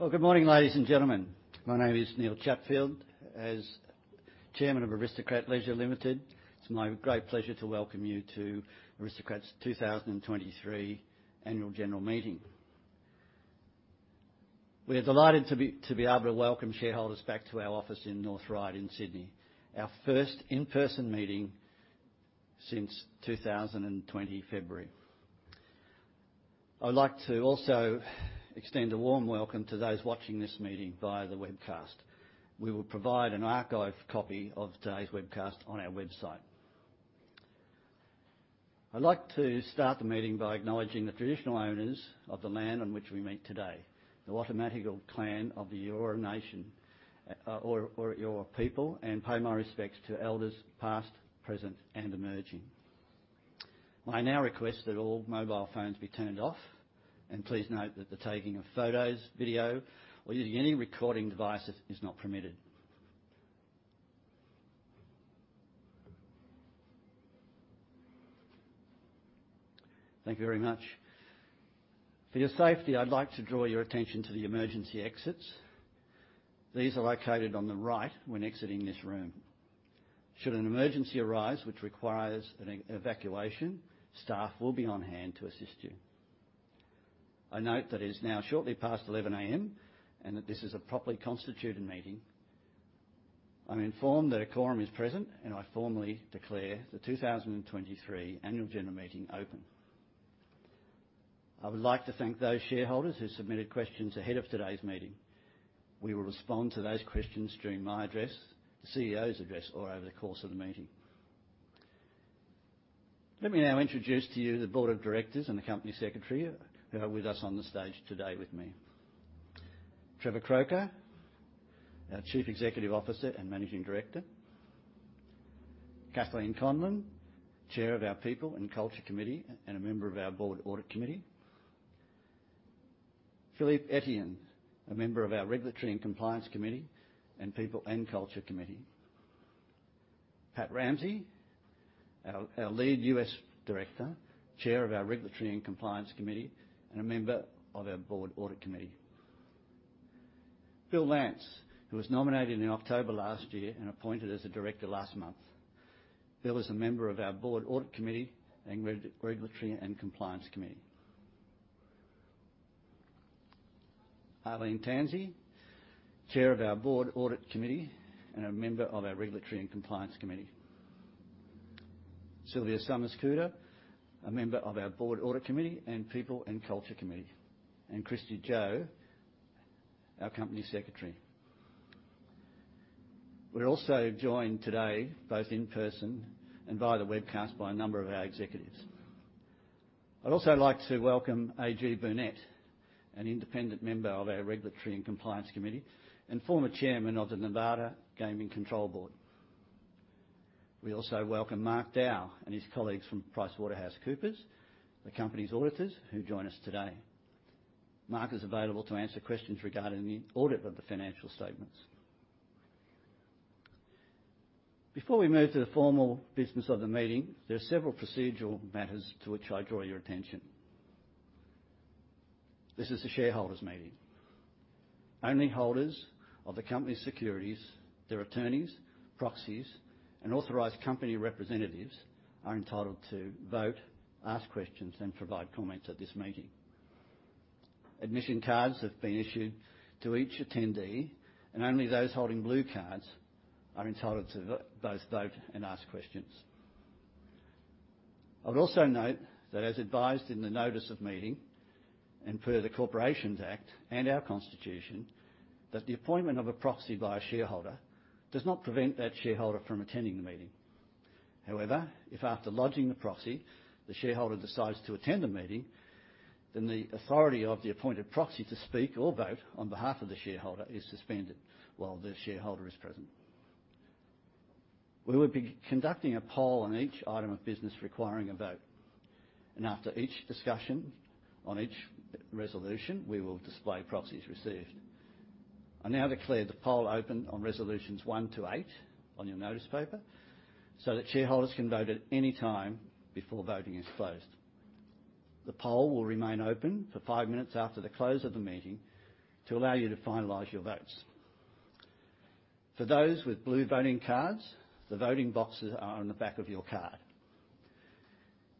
Good morning, ladies and gentlemen. My name is Neil Chatfield. As Chairman of Aristocrat Leisure Limited, it's my great pleasure to welcome you to Aristocrat's 2023 annual general meeting. We are delighted to be able to welcome shareholders back to our office in North Ryde in Sydney, our first in-person meeting since 2020 February. I'd like to also extend a warm welcome to those watching this meeting via the webcast. We will provide an archived copy of today's webcast on our website. I'd like to start the meeting by acknowledging the traditional owners of the land on which we meet today, the Wallumettagal clan of the Eora Nation, or Eora people, and pay my respects to elders past, present, and emerging. I now request that all mobile phones be turned off, and please note that the taking of photos, video, or using any recording devices is not permitted. Thank you very much. For your safety, I'd like to draw your attention to the emergency exits. These are located on the right when exiting this room. Should an emergency arise which requires an evacuation, staff will be on hand to assist you. I note that it is now shortly past 11:00 A.M. and that this is a properly constituted meeting. I'm informed that a quorum is present, and I formally declare the 2023 annual general meeting open. I would like to thank those shareholders who submitted questions ahead of today's meeting. We will respond to those questions during my address, the CEO's address, or over the course of the meeting. Let me now introduce to you the board of directors and the company secretary who are with us on the stage today with me. Trevor Croker, our Chief Executive Officer and Managing Director. Kathleen Conlon, Chair of our People and Culture Committee and a member of our Board Audit Committee. Philippe Etienne, a member of our Regulatory and Compliance Committee and People and Culture Committee. Pat Ramsey, our lead U.S. director, Chair of our Regulatory and Compliance Committee, and a member of our Board Audit Committee. Bill Lance, who was nominated in October last year and appointed as a director last month. Bill is a member of our Board Audit Committee and Regulatory and Compliance Committee. Arlene Tansey, Chair of our Board Audit Committee and a member of our Regulatory and Compliance Committee. Sylvia Summers Couder, a member of our Board Audit Committee and People and Culture Committee. Kristy Jo, our Company Secretary. We're also joined today, both in person and via the webcast, by a number of our executives. I'd also like to welcome A.G. Burnett, an independent member of our Regulatory and Compliance Committee and former chairman of the Nevada Gaming Control Board. We also welcome Mark Dow and his colleagues from PricewaterhouseCoopers, the company's auditors, who join us today. Mark is available to answer questions regarding the audit of the financial statements. Before we move to the formal business of the meeting, there are several procedural matters to which I draw your attention. This is a shareholders' meeting. Only holders of the company's securities, their attorneys, proxies, and authorized company representatives are entitled to vote, ask questions, and provide comments at this meeting. Admission cards have been issued to each attendee, and only those holding blue cards are entitled to both vote and ask questions. I would also note that as advised in the notice of meeting, per the Corporations Act and our constitution, that the appointment of a proxy by a shareholder does not prevent that shareholder from attending the meeting. If after lodging the proxy, the shareholder decides to attend the meeting, the authority of the appointed proxy to speak or vote on behalf of the shareholder is suspended while the shareholder is present. We will be conducting a poll on each item of business requiring a vote, after each discussion on each resolution, we will display proxies received. I now declare the poll open on resolutions one to eight on your notice paper, shareholders can vote at any time before voting is closed. The poll will remain open for five minutes after the close of the meeting to allow you to finalize your votes. For those with blue voting cards, the voting boxes are on the back of your card.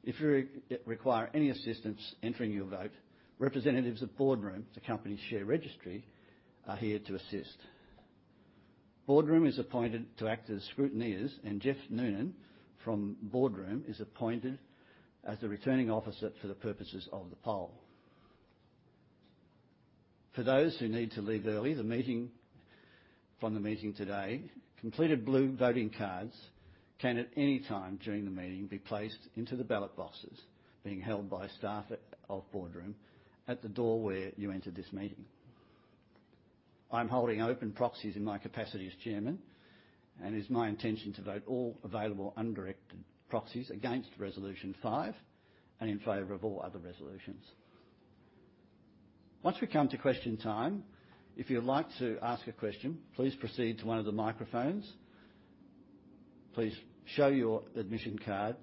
If you require any assistance entering your vote, representatives of BoardRoom, the company's share registry, are here to assist. BoardRoom is appointed to act as scrutineers, and Geoff Noonan from BoardRoom is appointed as the Returning Officer for the purposes of the poll. For those who need to leave early from the meeting today, completed blue voting cards can, at any time during the meeting, be placed into the ballot boxes being held by staff of BoardRoom at the door where you entered this meeting. I'm holding open proxies in my capacity as chairman, and it's my intention to vote all available undirected proxies against resolution five and in favor of all other resolutions. Once we come to question time, if you'd like to ask a question, please proceed to one of the microphones. Please show your admission card,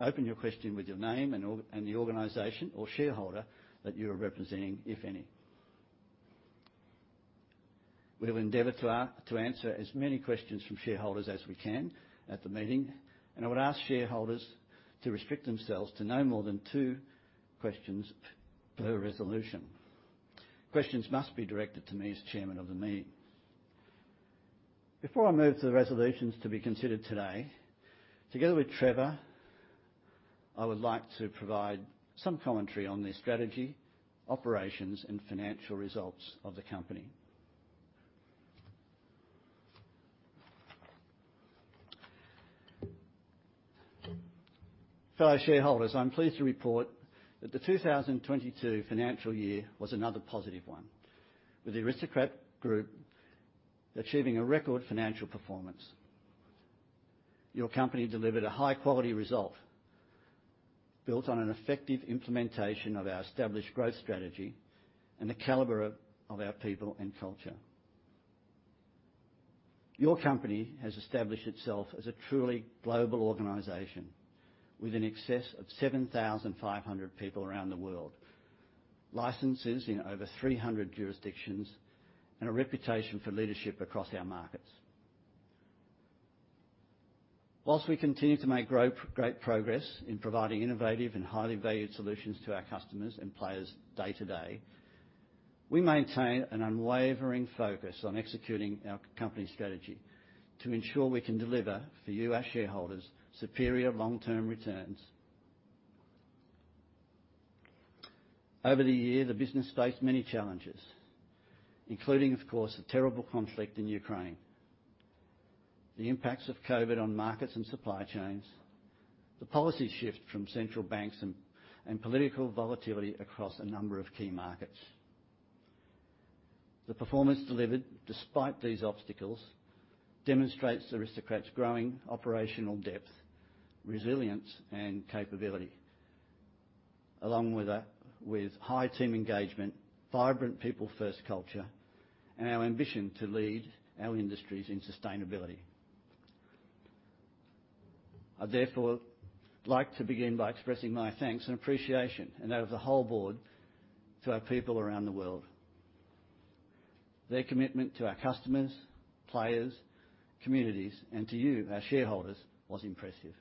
open your question with your name and the organization or shareholder that you are representing, if any. We will endeavor to answer as many questions from shareholders as we can at the meeting, and I would ask shareholders to restrict themselves to no more than two questions per resolution. Questions must be directed to me as chairman of the meeting. Before I move to the resolutions to be considered today, together with Trevor, I would like to provide some commentary on the strategy, operations, and financial results of the company. Fellow shareholders, I'm pleased to report that the 2022 financial year was another positive one, with Aristocrat Group achieving a record financial performance. Your company delivered a high-quality result built on an effective implementation of our established growth strategy and the caliber of our people and culture. Your company has established itself as a truly global organization with an excess of 7,500 people around the world, licenses in over 300 jurisdictions, and a reputation for leadership across our markets. While we continue to make great progress in providing innovative and highly valued solutions to our customers and players day to day, we maintain an unwavering focus on executing our company strategy to ensure we can deliver for you, our shareholders, superior long-term returns. Over the year, the business faced many challenges, including, of course, the terrible conflict in Ukraine, the impacts of COVID on markets and supply chains, the policy shift from central banks and political volatility across a number of key markets. The performance delivered despite these obstacles demonstrates Aristocrat's growing operational depth, resilience, and capability, along with high team engagement, vibrant people first culture, and our ambition to lead our industries in sustainability. I'd therefore like to begin by expressing my thanks and appreciation, and that of the whole board, to our people around the world. Their commitment to our customers, players, communities, and to you, our shareholders, was impressive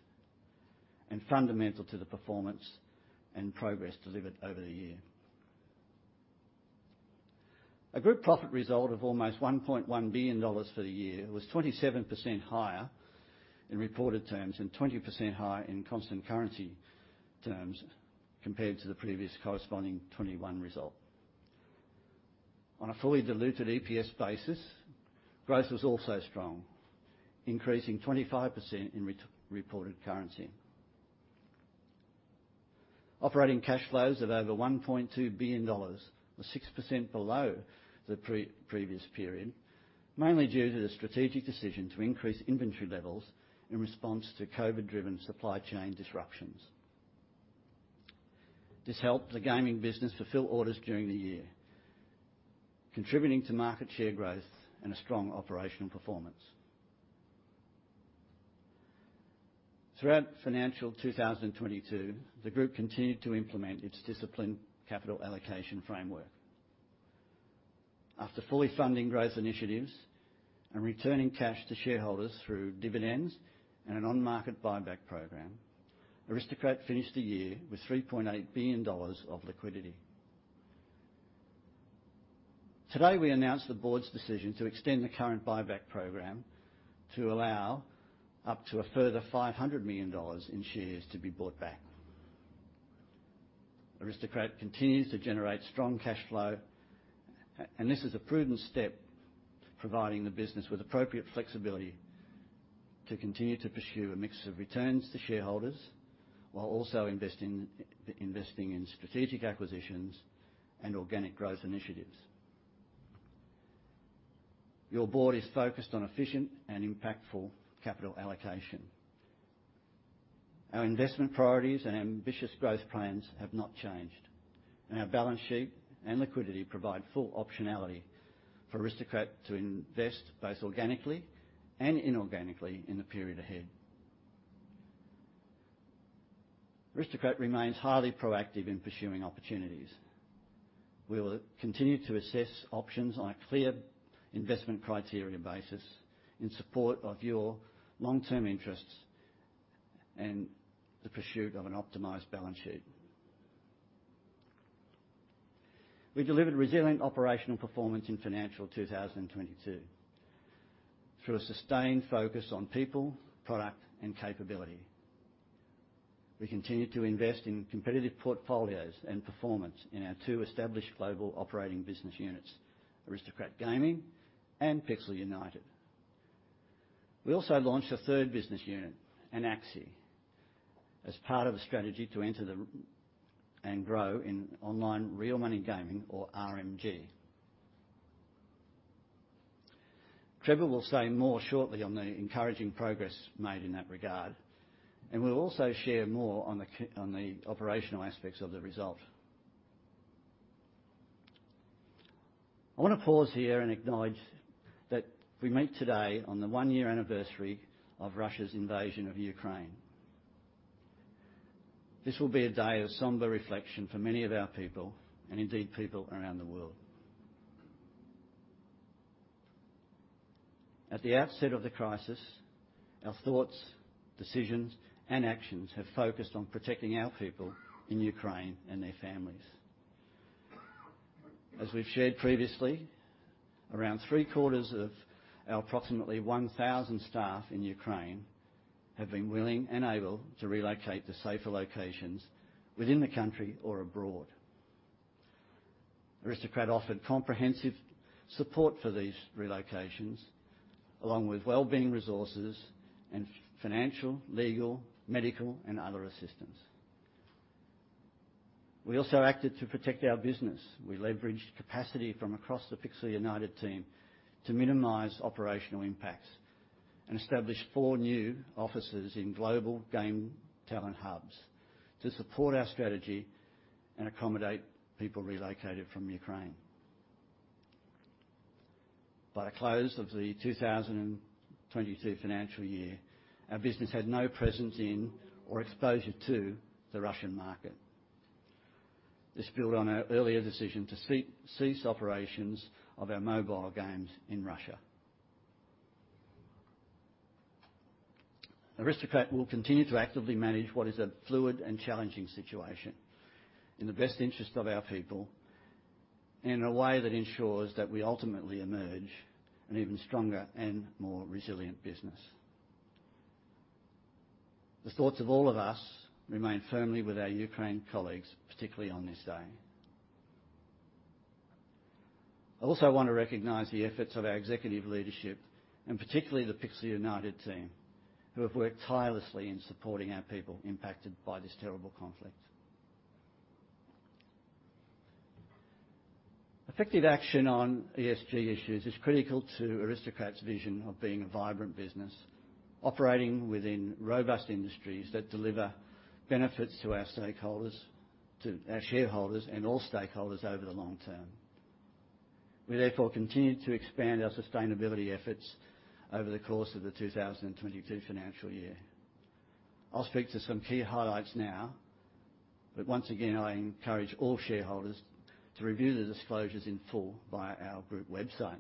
and fundamental to the performance and progress delivered over the year. A group profit result of almost 1.1 billion dollars for the year was 27% higher in reported terms and 20% higher in constant currency terms compared to the previous corresponding 2021 result. On a fully diluted EPS basis, growth was also strong, increasing 25% in reported currency. Operating cash flows of over 1.2 billion dollars was 6% below the prior corresponding period, mainly due to the strategic decision to increase inventory levels in response to COVID-driven supply chain disruptions. This helped the gaming business fulfill orders during the year, contributing to market share growth and a strong operational performance. Throughout financial 2022, the group continued to implement its disciplined capital allocation framework. After fully funding growth initiatives and returning cash to shareholders through dividends and an on-market buyback program, Aristocrat finished the year with 3.8 billion dollars of liquidity. Today, we announced the board's decision to extend the current buyback program to allow up to a further 500 million dollars in shares to be bought back. Aristocrat continues to generate strong cash flow, and this is a prudent step, providing the business with appropriate flexibility to continue to pursue a mix of returns to shareholders while also investing in strategic acquisitions and organic growth initiatives. Your board is focused on efficient and impactful capital allocation. Our investment priorities and ambitious growth plans have not changed. Our balance sheet and liquidity provide full optionality for Aristocrat to invest both organically and inorganically in the period ahead. Aristocrat remains highly proactive in pursuing opportunities. We will continue to assess options on a clear investment criteria basis in support of your long-term interests and the pursuit of an optimized balance sheet. We delivered resilient operational performance in financial 2022 through a sustained focus on people, product, and capability. We continued to invest in competitive portfolios and performance in our two established global operating business units, Aristocrat Gaming and Pixel United. We also launched a third business unit, Anaxi, as part of a strategy to enter and grow in online real money gaming or RMG. Trevor will say more shortly on the encouraging progress made in that regard, and we'll also share more on the operational aspects of the result. I wanna pause here and acknowledge that we meet today on the one-year anniversary of Russia's invasion of Ukraine. This will be a day of somber reflection for many of our people, and indeed people around the world. At the outset of the crisis, our thoughts, decisions, and actions have focused on protecting our people in Ukraine and their families. As we've shared previously, around 3/4 of our approximately 1,000 staff in Ukraine have been willing and able to relocate to safer locations within the country or abroad. Aristocrat offered comprehensive support for these relocations, along with wellbeing resources and financial, legal, medical, and other assistance. We also acted to protect our business. We leveraged capacity from across the Pixel United team to minimize operational impacts and established four new offices in global game talent hubs to support our strategy and accommodate people relocated from Ukraine. By the close of the 2022 financial year, our business had no presence in or exposure to the Russian market. This built on our earlier decision to cease operations of our mobile games in Russia. Aristocrat will continue to actively manage what is a fluid and challenging situation in the best interest of our people, and in a way that ensures that we ultimately emerge an even stronger and more resilient business. The thoughts of all of us remain firmly with our Ukraine colleagues, particularly on this day. I also want to recognize the efforts of our executive leadership, and particularly the Pixel United team, who have worked tirelessly in supporting our people impacted by this terrible conflict. Effective action on ESG issues is critical to Aristocrat's vision of being a vibrant business operating within robust industries that deliver benefits to our stakeholders, to our shareholders, and all stakeholders over the long term. We therefore continued to expand our sustainability efforts over the course of the 2022 financial year. Once again, I encourage all shareholders to review the disclosures in full via our group website.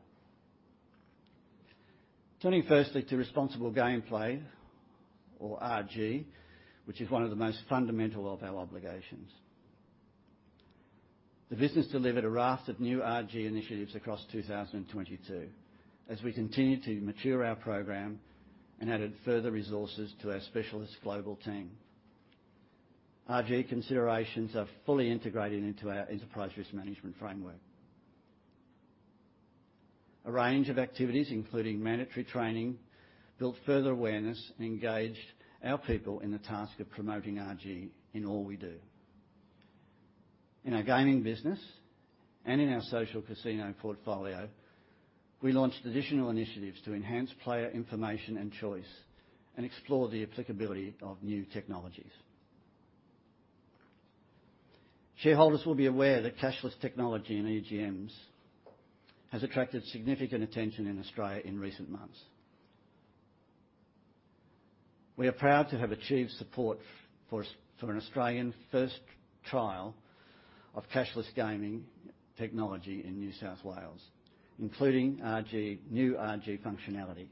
Turning firstly to responsible gameplay or RG, which is one of the most fundamental of our obligations. The business delivered a raft of new RG initiatives across 2022 as we continued to mature our program and added further resources to our specialist global team. RG considerations are fully integrated into our enterprise risk management framework. A range of activities, including mandatory training, built further awareness and engaged our people in the task of promoting RG in all we do. In our gaming business and in our social casino portfolio, we launched additional initiatives to enhance player information and choice and explore the applicability of new technologies. Shareholders will be aware that cashless technology in EGMs has attracted significant attention in Australia in recent months. We are proud to have achieved support for an Australian first trial of cashless gaming technology in New South Wales, including RG, new RG functionality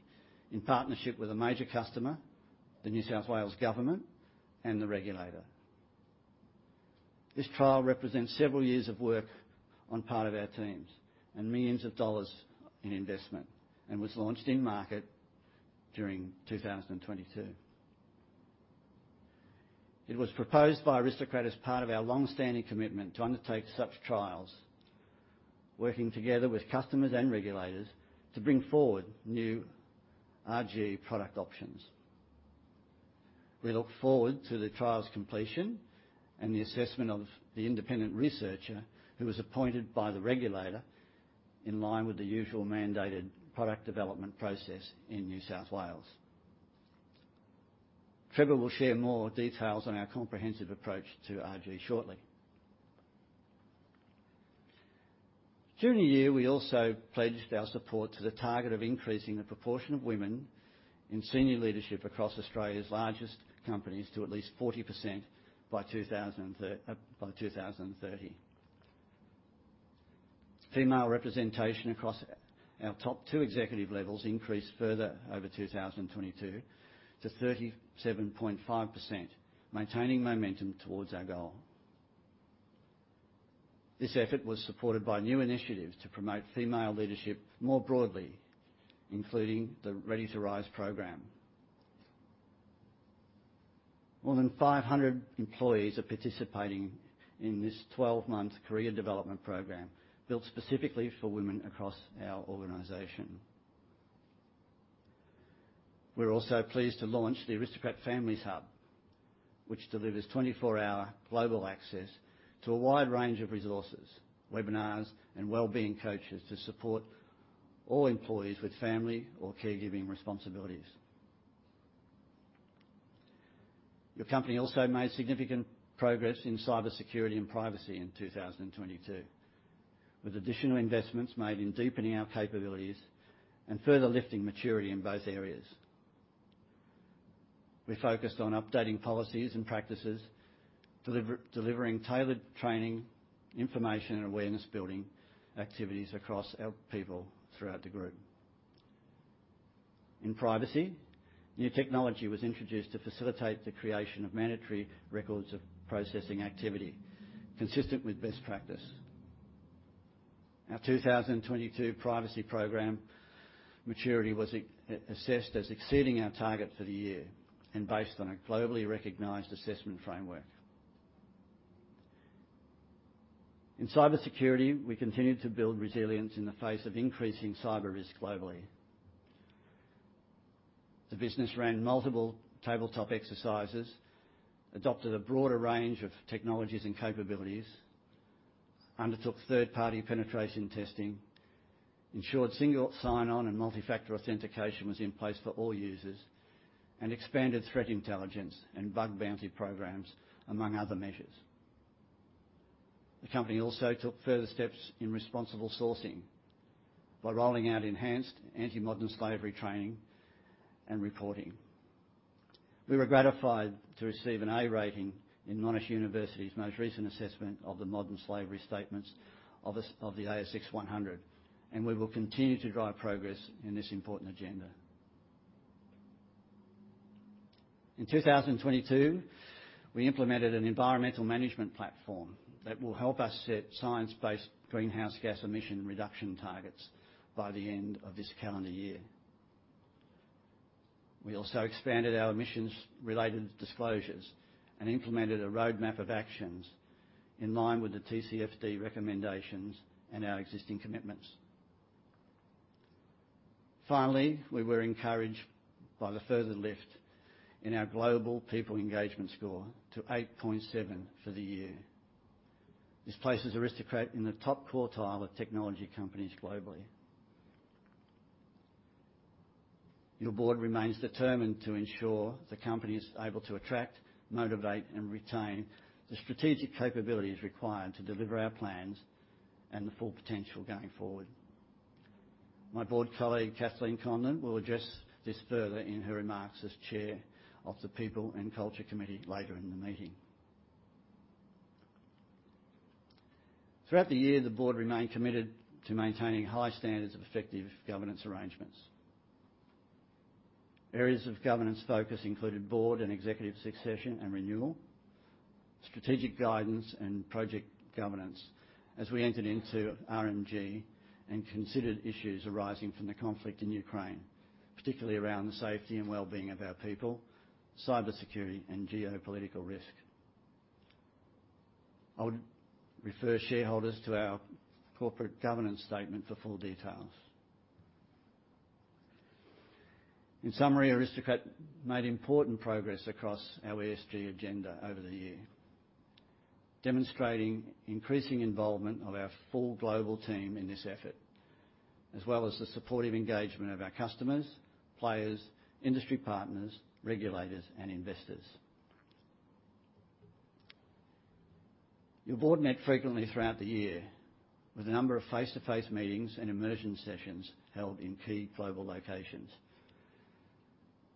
in partnership with a major customer, the New South Wales Government and the regulator. This trial represents several years of work on part of our teams and millions of Australian dollars in investment, and was launched in market during 2022. It was proposed by Aristocrat as part of our long-standing commitment to undertake such trials, working together with customers and regulators to bring forward new RG product options. We look forward to the trial's completion and the assessment of the independent researcher who was appointed by the regulator in line with the usual mandated product development process in New South Wales. Trevor will share more details on our comprehensive approach to RG shortly. During the year, we also pledged our support to the target of increasing the proportion of women in senior leadership across Australia's largest companies to at least 40% by 2030. Female representation across our top two executive levels increased further over 2022 to 37.5%, maintaining momentum towards our goal. This effort was supported by new initiatives to promote female leadership more broadly, including the Ready to Rise program. More than 500 employees are participating in this 12-month career development program built specifically for women across our organization. We're also pleased to launch the Aristocrat Families Hub, which delivers 24-hour global access to a wide range of resources, webinars, and wellbeing coaches to support all employees with family or caregiving responsibilities. The company also made significant progress in cybersecurity and privacy in 2022, with additional investments made in deepening our capabilities and further lifting maturity in both areas. We focused on updating policies and practices, delivering tailored training, information, and awareness-building activities across our people throughout the group. In privacy, new technology was introduced to facilitate the creation of mandatory records of processing activity consistent with best practice. Our 2022 privacy program maturity was assessed as exceeding our target for the year based on a globally-recognized assessment framework. In cybersecurity, we continued to build resilience in the face of increasing cyber risk globally. The business ran multiple tabletop exercises, adopted a broader range of technologies and capabilities, undertook third-party penetration testing, ensured single sign-on and multi-factor authentication was in place for all users, and expanded threat intelligence and bug bounty programs, among other measures. The company also took further steps in responsible sourcing by rolling out enhanced anti-modern slavery training and reporting. We were gratified to receive an A rating in Monash University's most recent assessment of the modern slavery statements of the ASX 100. We will continue to drive progress in this important agenda. In 2022, we implemented an environmental management platform that will help us set science-based greenhouse gas emission reduction targets by the end of this calendar year. We also expanded our emissions-related disclosures and implemented a roadmap of actions in line with the TCFD recommendations and our existing commitments. Finally, we were encouraged by the further lift in our global people engagement score to 8.7 for the year. This places Aristocrat in the top quartile of technology companies globally. Your board remains determined to ensure the company is able to attract, motivate, and retain the strategic capabilities required to deliver our plans and the full potential going forward. My board colleague, Kathleen Conlon, will address this further in her remarks as chair of the People and Culture Committee later in the meeting. Throughout the year, the board remained committed to maintaining high standards of effective governance arrangements. Areas of governance focus included board and executive succession and renewal, strategic guidance, and project governance as we entered into RMG and considered issues arising from the conflict in Ukraine, particularly around the safety and wellbeing of our people, cybersecurity, and geopolitical risk. I would refer shareholders to our corporate governance statement for full details. In summary, Aristocrat made important progress across our ESG agenda over the year, demonstrating increasing involvement of our full global team in this effort, as well as the supportive engagement of our customers, players, industry partners, regulators, and investors. Your board met frequently throughout the year with a number of face-to-face meetings and immersion sessions held in key global locations.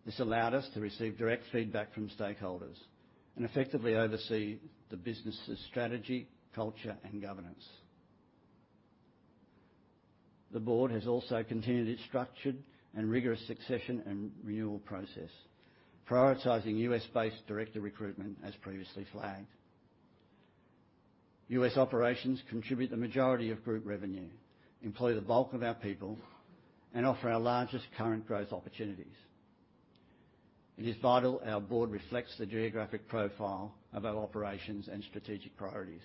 This allowed us to receive direct feedback from stakeholders and effectively oversee the business' strategy, culture, and governance. The board has also continued its structured and rigorous succession and renewal process, prioritizing U.S.-based director recruitment as previously flagged. U.S. operations contribute the majority of group revenue, employ the bulk of our people, and offer our largest current growth opportunities. It is vital our board reflects the geographic profile of our operations and strategic priorities.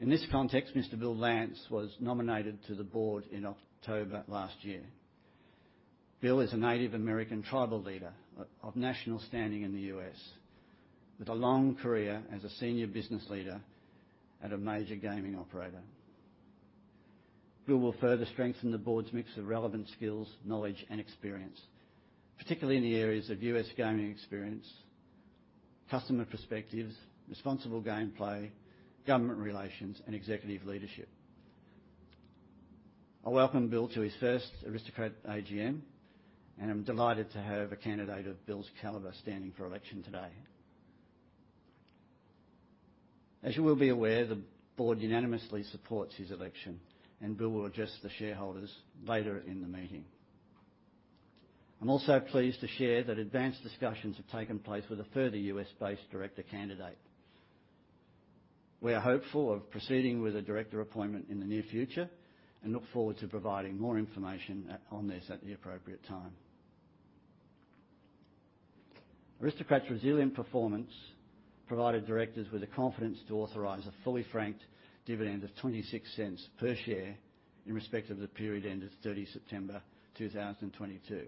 In this context, Mr. Bill Lance was nominated to the board in October last year. Bill is a Native American tribal leader of national standing in the U.S. with a long career as a senior business leader at a major gaming operator. Bill will further strengthen the board's mix of relevant skills, knowledge and experience, particularly in the areas of U.S. gaming experience, customer perspectives, responsible gameplay, government relations, and executive leadership. I welcome Bill to his first Aristocrat AGM, and I'm delighted to have a candidate of Bill's caliber standing for election today. As you will be aware, the board unanimously supports his election, and Bill will address the shareholders later in the meeting. I'm also pleased to share that advanced discussions have taken place with a further US-based director candidate. We are hopeful of proceeding with a director appointment in the near future and look forward to providing more information on this at the appropriate time. Aristocrat's resilient performance provided directors with the confidence to authorize a fully franked dividend of 0.26 per share in respect of the period ended 30 September 2022,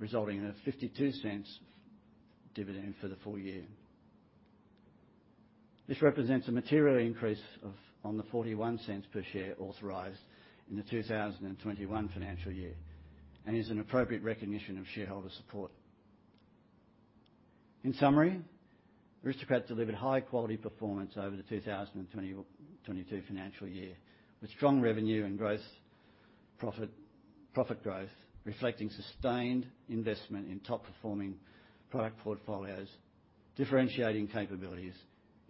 resulting in an 0.52 dividend for the full year. This represents a material increase on the 0.41 per share authorized in the 2021 financial year, and is an appropriate recognition of shareholder support. In summary, Aristocrat delivered high-quality performance over the 2022 financial year, with strong revenue and gross profit growth reflecting sustained investment in top-performing product portfolios, differentiating capabilities,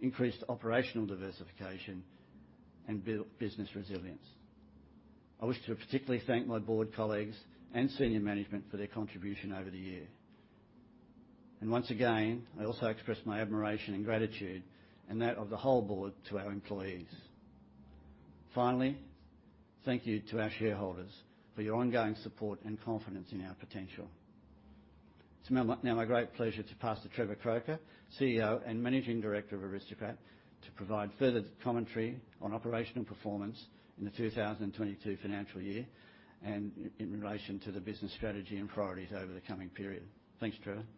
increased operational diversification, and business resilience. I wish to particularly thank my board colleagues and senior management for their contribution over the year. Once again, I also express my admiration and gratitude, and that of the whole board, to our employees. Finally, thank you to your shareholders for your ongoing support and confidence in our potential. It's now my great pleasure to pass to Trevor Croker, CEO and Managing Director of Aristocrat, to provide further commentary on operational performance in the 2022 financial year and in relation to the business strategy and priorities over the coming period. Thanks, Trevor. Thank you,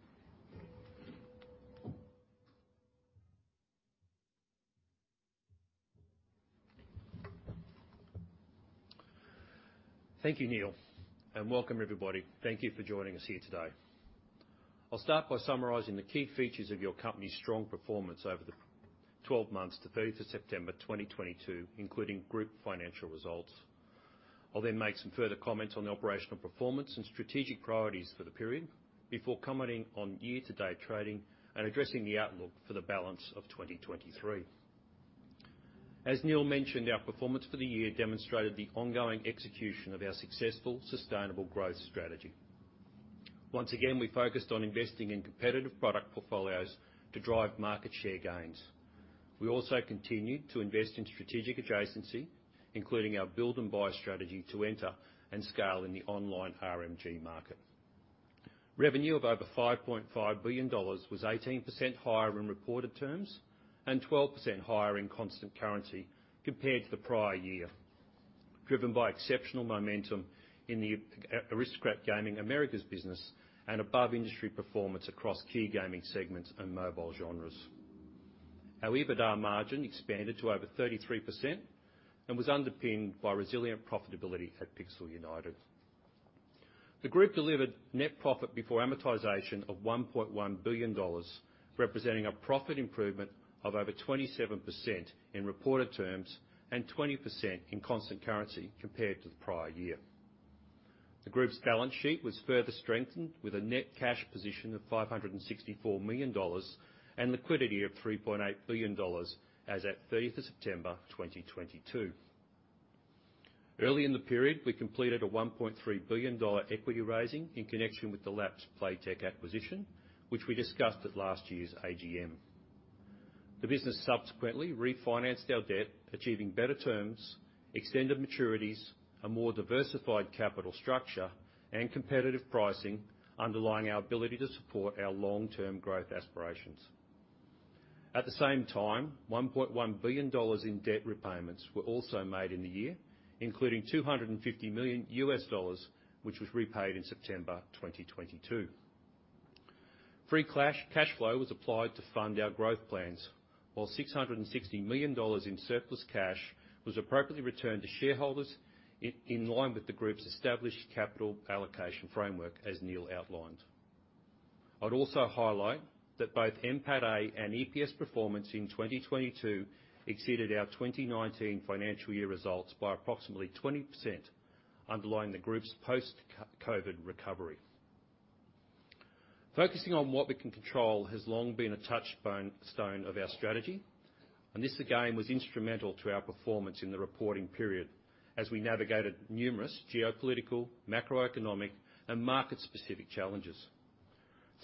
Neil, and welcome everybody. Thank you for joining us here today. I'll start by summarizing the key features of your company's strong performance over the 12 months to 30 September 2022, including group financial results. I'll make some further comments on the operational performance and strategic priorities for the period before commenting on year-to-date trading and addressing the outlook for the balance of 2023. As Neil mentioned, our performance for the year demonstrated the ongoing execution of our successful sustainable growth strategy. Once again, we focused on investing in competitive product portfolios to drive market share gains. We also continued to invest in strategic adjacency, including our build and buy strategy to enter and scale in the online RMG market. Revenue of over 5.5 billion dollars was 18% higher in reported terms, 12% higher in constant currency compared to the prior year, driven by exceptional momentum in the Aristocrat Gaming Americas business and above industry performance across key gaming segments and mobile genres. Our EBITDA margin expanded to over 33% and was underpinned by resilient profitability at Pixel United. The group delivered net profit before amortization of 1.1 billion dollars, representing a profit improvement of over 27% in reported terms and 20% in constant currency compared to the prior year. The group's balance sheet was further strengthened with a net cash position of 564 million dollars and liquidity of 3.8 billion dollars as at 30 September 2022. Early in the period, we completed a 1.3 billion dollar equity raising in connection with the Playtech acquisition, which we discussed at last year's AGM. The business subsequently refinanced our debt, achieving better terms, extended maturities, a more diversified capital structure, and competitive pricing underlying our ability to support our long-term growth aspirations. At the same time, $1.1 billion in debt repayments were also made in the year, including $250 million, which was repaid in September 2022. Free cash flow was applied to fund our growth plans, while 660 million dollars in surplus cash was appropriately returned to shareholders in line with the group's established capital allocation framework, as Neil outlined. I'd also highlight that both NPATA and EPS performance in 2022 exceeded our 2019 financial year results by approximately 20%, underlying the group's post COVID recovery. Focusing on what we can control has long been a touch stone of our strategy. This again was instrumental to our performance in the reporting period as we navigated numerous geopolitical, macroeconomic, and market-specific challenges.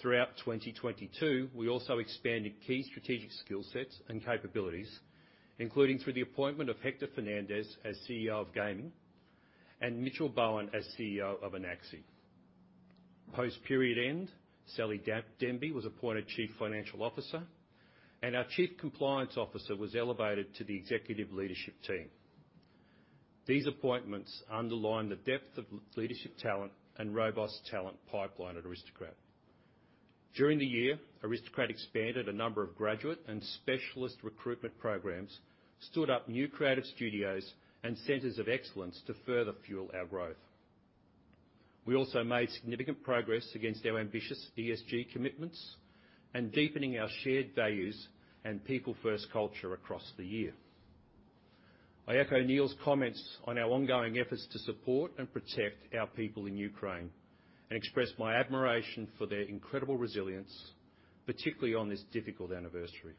Throughout 2022, we also expanded key strategic skill sets and capabilities, including through the appointment of Hector Fernandez as CEO of Gaming and Mitchell Bowen as CEO of Anaxi. Post-period end, Sally Denby was appointed chief financial officer, and our chief compliance officer was elevated to the executive leadership team. These appointments underline the depth of leadership talent and robust talent pipeline at Aristocrat. During the year, Aristocrat expanded a number of graduate and specialist recruitment programs, stood up new creative studios and centers of excellence to further fuel our growth. We also made significant progress against our ambitious ESG commitments and deepening our shared values and people-first culture across the year. I echo Neil's comments on our ongoing efforts to support and protect our people in Ukraine, and express my admiration for their incredible resilience, particularly on this difficult anniversary.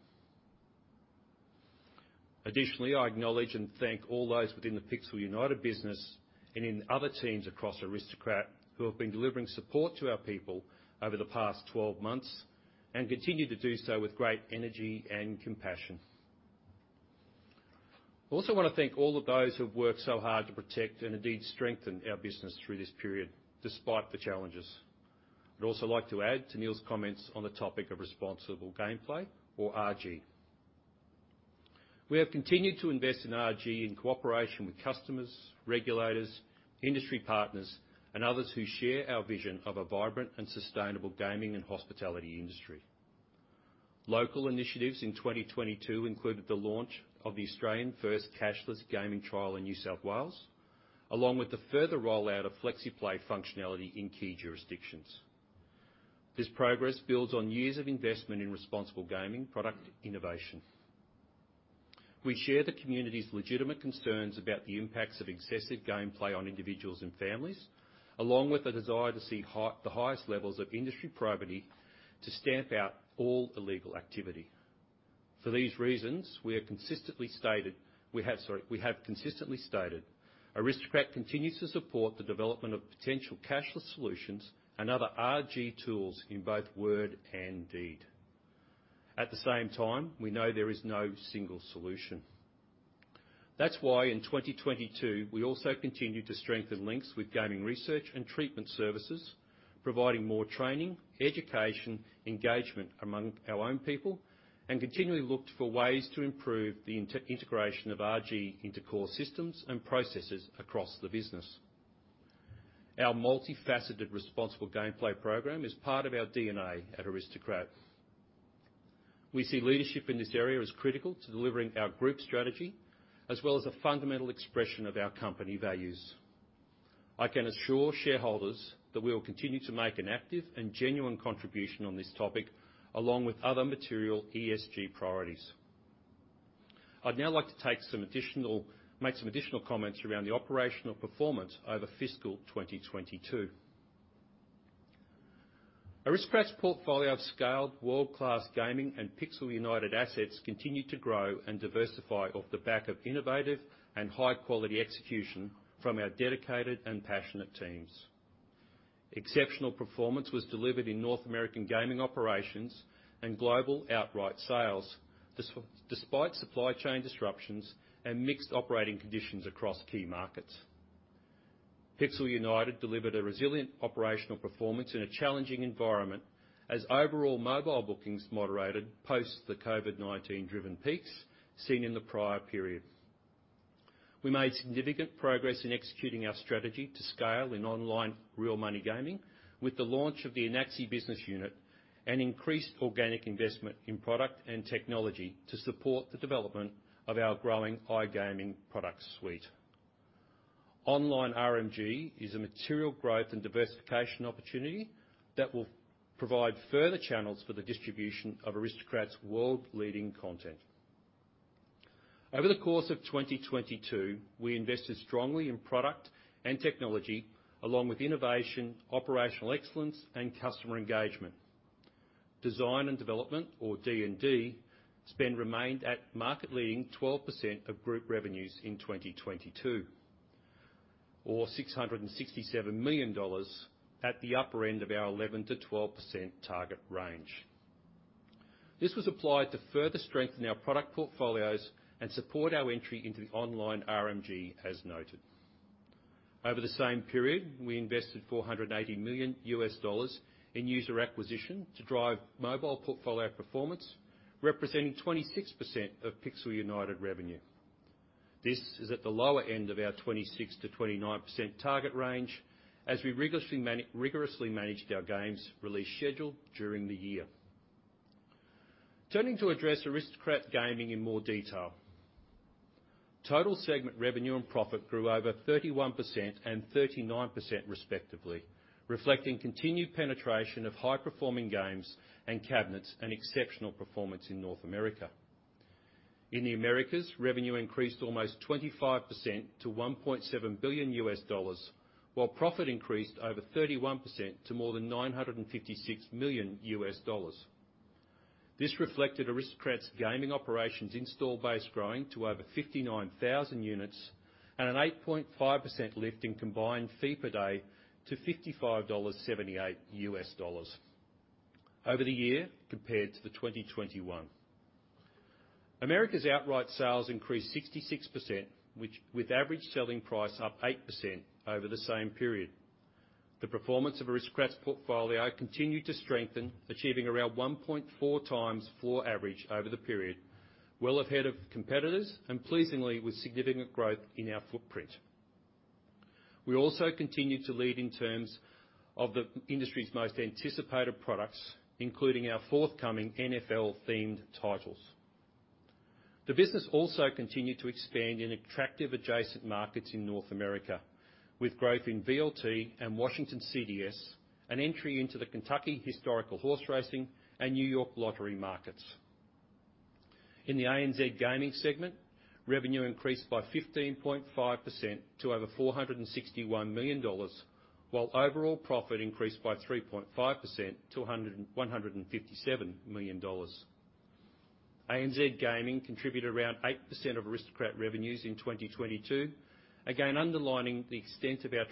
I acknowledge and thank all those within the Pixel United business and in other teams across Aristocrat who have been delivering support to our people over the past 12 months and continue to do so with great energy and compassion. I also wanna thank all of those who have worked so hard to protect and indeed strengthen our business through this period, despite the challenges. I'd also like to add to Neil's comments on the topic of responsible gameplay, or RG. We have continued to invest in RG in cooperation with customers, regulators, industry partners, and others who share our vision of a vibrant and sustainable gaming and hospitality industry. Local initiatives in 2022 included the launch of the Australian first cashless gaming trial in New South Wales, along with the further rollout of FlexiPlay functionality in key jurisdictions. This progress builds on years of investment in responsible gaming product innovation. We share the community's legitimate concerns about the impacts of excessive gameplay on individuals and families, along with a desire to see the highest levels of industry probity to stamp out all illegal activity. For these reasons, we have consistently stated Aristocrat continues to support the development of potential cashless solutions and other RG tools in both word and deed. At the same time, we know there is no single solution. That's why in 2022, we also continued to strengthen links with gaming research and treatment services, providing more training, education, engagement among our own people, and continually looked for ways to improve the integration of RG into core systems and processes across the business. Our multifaceted responsible gameplay program is part of our DNA at Aristocrat. We see leadership in this area as critical to delivering our group strategy, as well as a fundamental expression of our company values. I can assure shareholders that we will continue to make an active and genuine contribution on this topic, along with other material ESG priorities. I'd now like to make some additional comments around the operational performance over fiscal 2022. Aristocrat's portfolio of scaled world-class gaming and Pixel United assets continued to grow and diversify off the back of innovative and high-quality execution from our dedicated and passionate teams. Exceptional performance was delivered in North American gaming operations and global outright sales, despite supply chain disruptions and mixed operating conditions across key markets. Pixel United delivered a resilient operational performance in a challenging environment as overall mobile bookings moderated post the COVID-19 driven peaks seen in the prior period. We made significant progress in executing our strategy to scale in online real money gaming with the launch of the Anaxi business unit and increased organic investment in product and technology to support the development of our growing iGaming product suite. Online RMG is a material growth and diversification opportunity that will provide further channels for the distribution of Aristocrat's world-leading content. Over the course of 2022, we invested strongly in product and technology, along with innovation, operational excellence, and customer engagement. Design and development, or D&D, spend remained at market-leading 12% of group revenues in 2022, or 667 million dollars at the upper end of our 11%-12% target range. This was applied to further strengthen our product portfolios and support our entry into the online RMG as noted. Over the same period, we invested $480 million in user acquisition to drive mobile portfolio performance, representing 26% of Pixel United revenue. This is at the lower end of our 26%-29% target range, as we rigorously managed our games' release schedule during the year. Turning to address Aristocrat Gaming in more detail. Total segment revenue and profit grew over 31% and 39% respectively, reflecting continued penetration of high-performing games and cabinets and exceptional performance in North America. In the Americas, revenue increased almost 25% to $1.7 billion, while profit increased over 31% to more than $956 million. This reflected Aristocrat's gaming operations install base growing to over 59,000 units at an 8.5% lift in combined fee per day to $55.78 over the year compared to the 2021. America's outright sales increased 66%, which, with average selling price up 8% over the same period. The performance of Aristocrat's portfolio continued to strengthen, achieving around 1.4x floor average over the period, well ahead of competitors and pleasingly with significant growth in our footprint. We also continued to lead in terms of the industry's most anticipated products, including our forthcoming NFL-themed titles. The business also continued to expand in attractive adjacent markets in North America with growth in VLT and Washington CDS, and entry into the Kentucky Historical Horse Racing and New York Lottery markets. In the ANZ Gaming segment, revenue increased by 15.5% to over 461 million dollars, while overall profit increased by 3.5% to 157 million dollars. ANZ Gaming contributed around 8% of Aristocrat revenues in 2022, again underlining the extent of our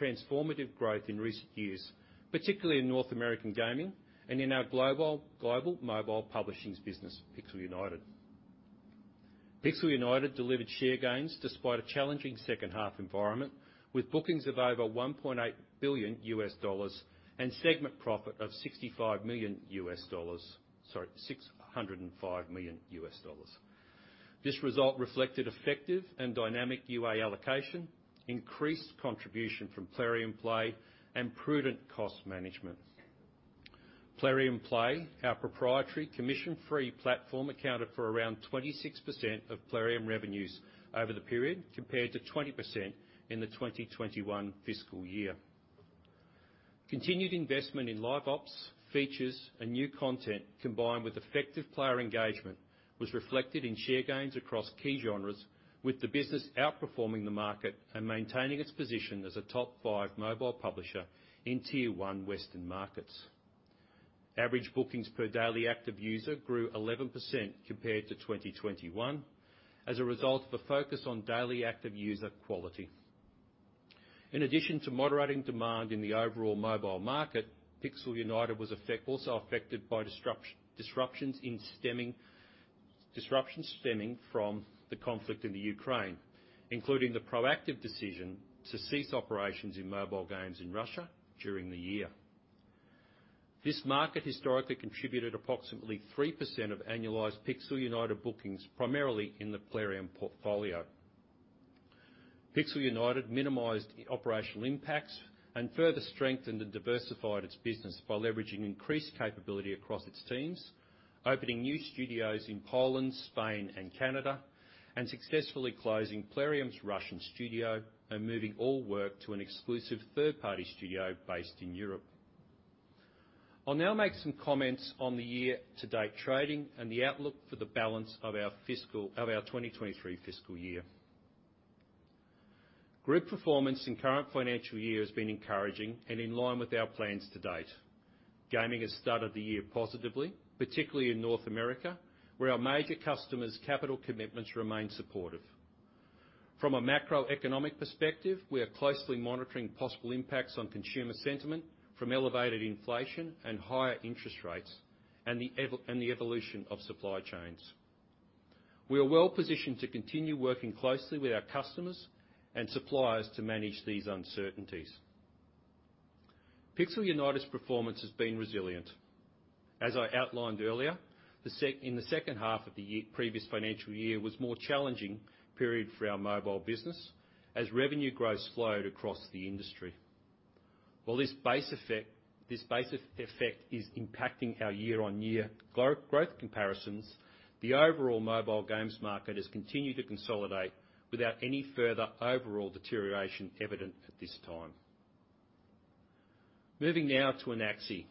transformative growth in recent years, particularly in North American gaming and in our global mobile publishing business, Pixel United. Pixel United delivered share gains despite a challenging second half environment, with bookings of over $1.8 billion and segment profit of $65 million. Sorry, $605 million. This result reflected effective and dynamic UA allocation, increased contribution from Plarium Play, and prudent cost management. Plarium Play, our proprietary commission-free platform, accounted for around 26% of Plarium revenues over the period, compared to 20% in the 2021 fiscal year. Continued investment in LiveOps, features, and new content, combined with effective player engagement, was reflected in share gains across key genres, with the business outperforming the market and maintaining its position as a top five mobile publisher in tier-one Western markets. Average bookings per daily active user grew 11% compared to 2021 as a result of a focus on daily active user quality. In addition to moderating demand in the overall mobile market, Pixel United was also affected by disruptions stemming from the conflict in the Ukraine, including the proactive decision to cease operations in mobile games in Russia during the year. This market historically contributed approximately 3% of annualized Pixel United bookings, primarily in the Plarium portfolio. Pixel United minimized operational impacts and further strengthened and diversified its business by leveraging increased capability across its teams, opening new studios in Poland, Spain, and Canada, and successfully closing Plarium's Russian studio and moving all work to an exclusive third-party studio based in Europe. I'll now make some comments on the year-to-date trading and the outlook for the balance of our 2023 fiscal year. Group performance in current financial year has been encouraging and in line with our plans to date. Gaming has started the year positively, particularly in North America, where our major customers' capital commitments remain supportive. From a macroeconomic perspective, we are closely monitoring possible impacts on consumer sentiment from elevated inflation and higher interest rates, and the evolution of supply chains. We are well-positioned to continue working closely with our customers and suppliers to manage these uncertainties. Pixel United's performance has been resilient. As I outlined earlier, in the second half of the previous financial year was more challenging period for our mobile business as revenue growth slowed across the industry. While this base effect is impacting our year-on-year growth comparisons, the overall mobile games market has continued to consolidate without any further overall deterioration evident at this time. Moving now to Anaxi.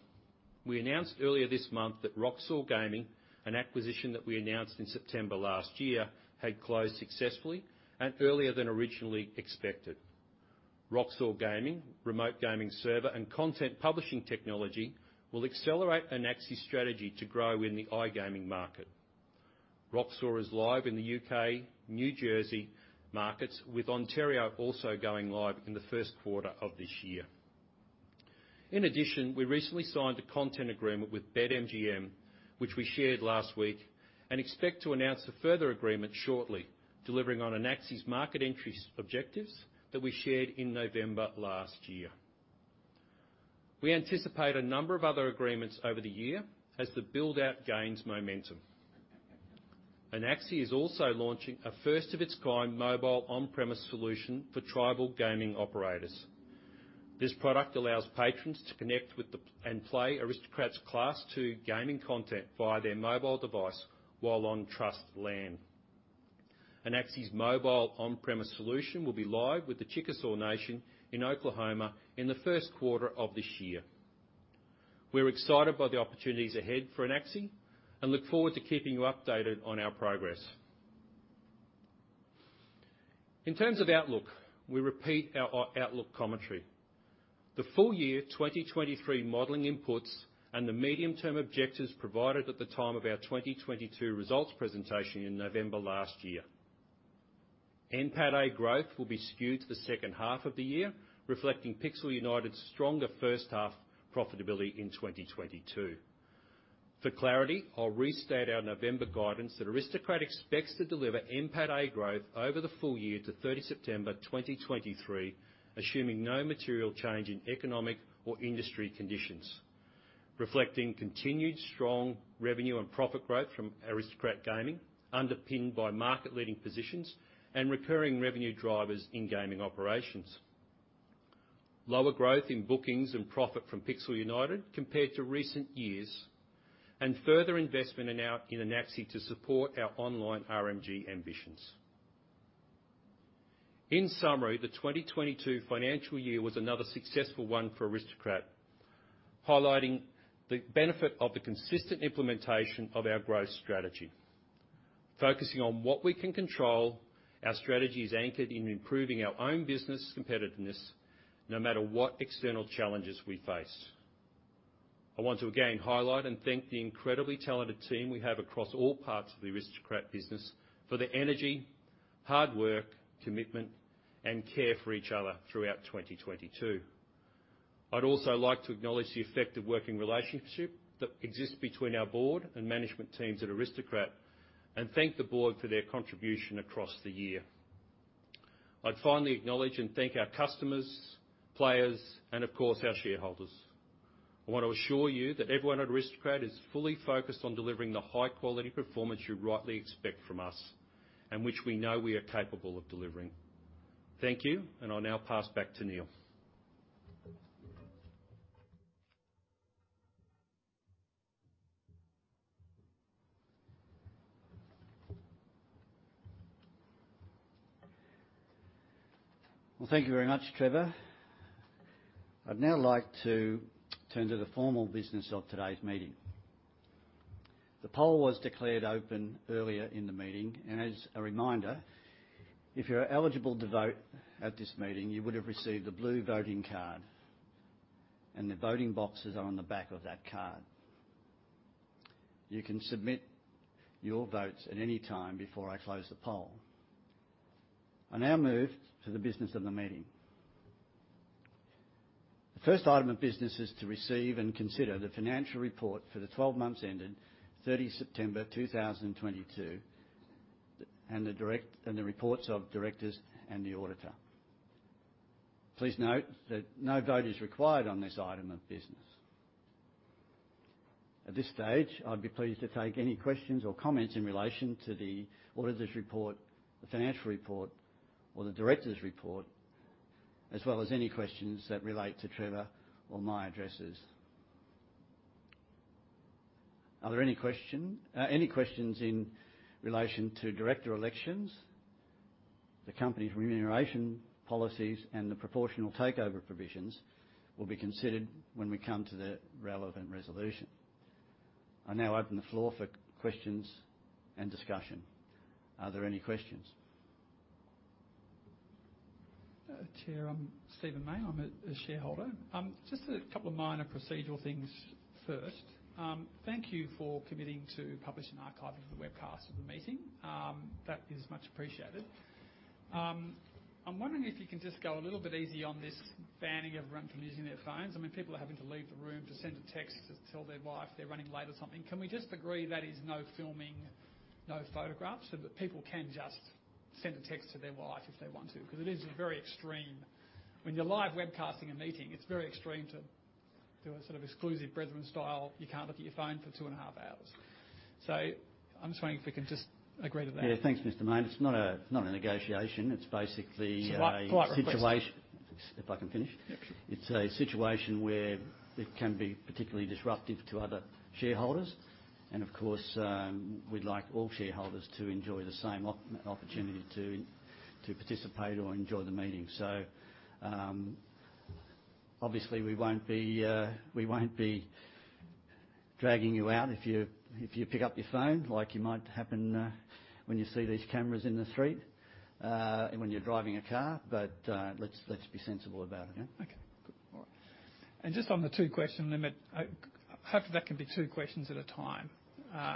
We announced earlier this month that Roxor Gaming, an acquisition that we announced in September last year, had closed successfully and earlier than originally expected. Roxor Gaming remote gaming server and content publishing technology will accelerate Anaxi's strategy to grow in the iGaming market. Roxor is live in the U.K., New Jersey markets, with Ontario also going live in the first quarter of this year. In addition, we recently signed a content agreement with BetMGM, which we shared last week, and expect to announce a further agreement shortly, delivering on Anaxi's market entry objectives that we shared in November last year. We anticipate a number of other agreements over the year as the build-out gains momentum. Anaxi is also launching a first-of-its-kind mobile on-premise solution for tribal gaming operators. This product allows patrons to connect with and play Aristocrat's Class II gaming content via their mobile device while on trust land. Anaxi's mobile on-premise solution will be live with the Chickasaw Nation in Oklahoma in the first quarter of this year. We're excited by the opportunities ahead for Anaxi and look forward to keeping you updated on our progress. In terms of outlook, we repeat our outlook commentary. The full year 2023 modeling inputs and the medium-term objectives provided at the time of our 2022 results presentation in November last year. NPATA growth will be skewed to the second half of the year, reflecting Pixel United's stronger first half profitability in 2022. For clarity, I'll restate our November guidance that Aristocrat expects to deliver NPATA growth over the full year to 30 September 2023, assuming no material change in economic or industry conditions, reflecting continued strong revenue and profit growth from Aristocrat Gaming, underpinned by market-leading positions and recurring revenue drivers in gaming operations. Lower growth in bookings and profit from Pixel United compared to recent years, and further investment in Anaxi to support our online RMG ambitions. In summary, the 2022 financial year was another successful one for Aristocrat, highlighting the benefit of the consistent implementation of our growth strategy. Focusing on what we can control, our strategy is anchored in improving our own business competitiveness, no matter what external challenges we face. I want to again highlight and thank the incredibly talented team we have across all parts of the Aristocrat business for their energy, hard work, commitment, and care for each other throughout 2022. I'd also like to acknowledge the effective working relationship that exists between our board and management teams at Aristocrat, and thank the board for their contribution across the year. I'd finally acknowledge and thank our customers, players, and of course, our shareholders. I wanna assure you that everyone at Aristocrat is fully focused on delivering the high-quality performance you rightly expect from us, and which we know we are capable of delivering. Thank you, and I'll now pass back to Neil. Well, thank you very much, Trevor. I'd now like to turn to the formal business of today's meeting. The poll was declared open earlier in the meeting, and as a reminder, if you're eligible to vote at this meeting, you would have received a blue voting card, and the voting boxes are on the back of that card. You can submit your votes at any time before I close the poll. I now move to the business of the meeting. The first item of business is to receive and consider the financial report for the 12 months ended 30 September 2022, and the reports of directors and the auditor. Please note that no vote is required on this item of business. At this stage, I'd be pleased to take any questions or comments in relation to the auditor's report, the financial report, or the director's report, as well as any questions that relate to Trevor or my addresses. Are there any questions in relation to director elections? The company's remuneration policies and the proportional takeover provisions will be considered when we come to the relevant resolution. I now open the floor for questions and discussion. Are there any questions? Chair, I'm Stephen Mayne. I'm a shareholder. Just a couple of minor procedural things first. Thank you for committing to publish and archive into the webcast of the meeting. That is much appreciated. I'm wondering if you can just go a little bit easy on this banning everyone from using their phones. I mean, people are having to leave the room to send a text to tell their wife they're running late or something. Can we just agree that is no filming, no photographs, so that people can just send a text to their wife if they want to? 'Cause it is a very extreme. When you're live webcasting a meeting, it's very extreme to a sort of exclusive brethren style, you can't look at your phone for two and a half hours. I'm just wondering if we can just agree to that. Yeah. Thanks, Mr. Mayne. It's not a negotiation. It's a polite request. situation. If I can finish. Yeah, sure. It's a situation where it can be particularly disruptive to other shareholders, and of course, we'd like all shareholders to enjoy the same opportunity to participate or enjoy the meeting. Obviously we won't be, we won't be dragging you out if you, if you pick up your phone, like you might happen, when you see these cameras in the street, when you're driving a car. Let's be sensible about it, yeah? Okay. Good. All right. Just on the two-question limit, I hope that can be two questions at a time,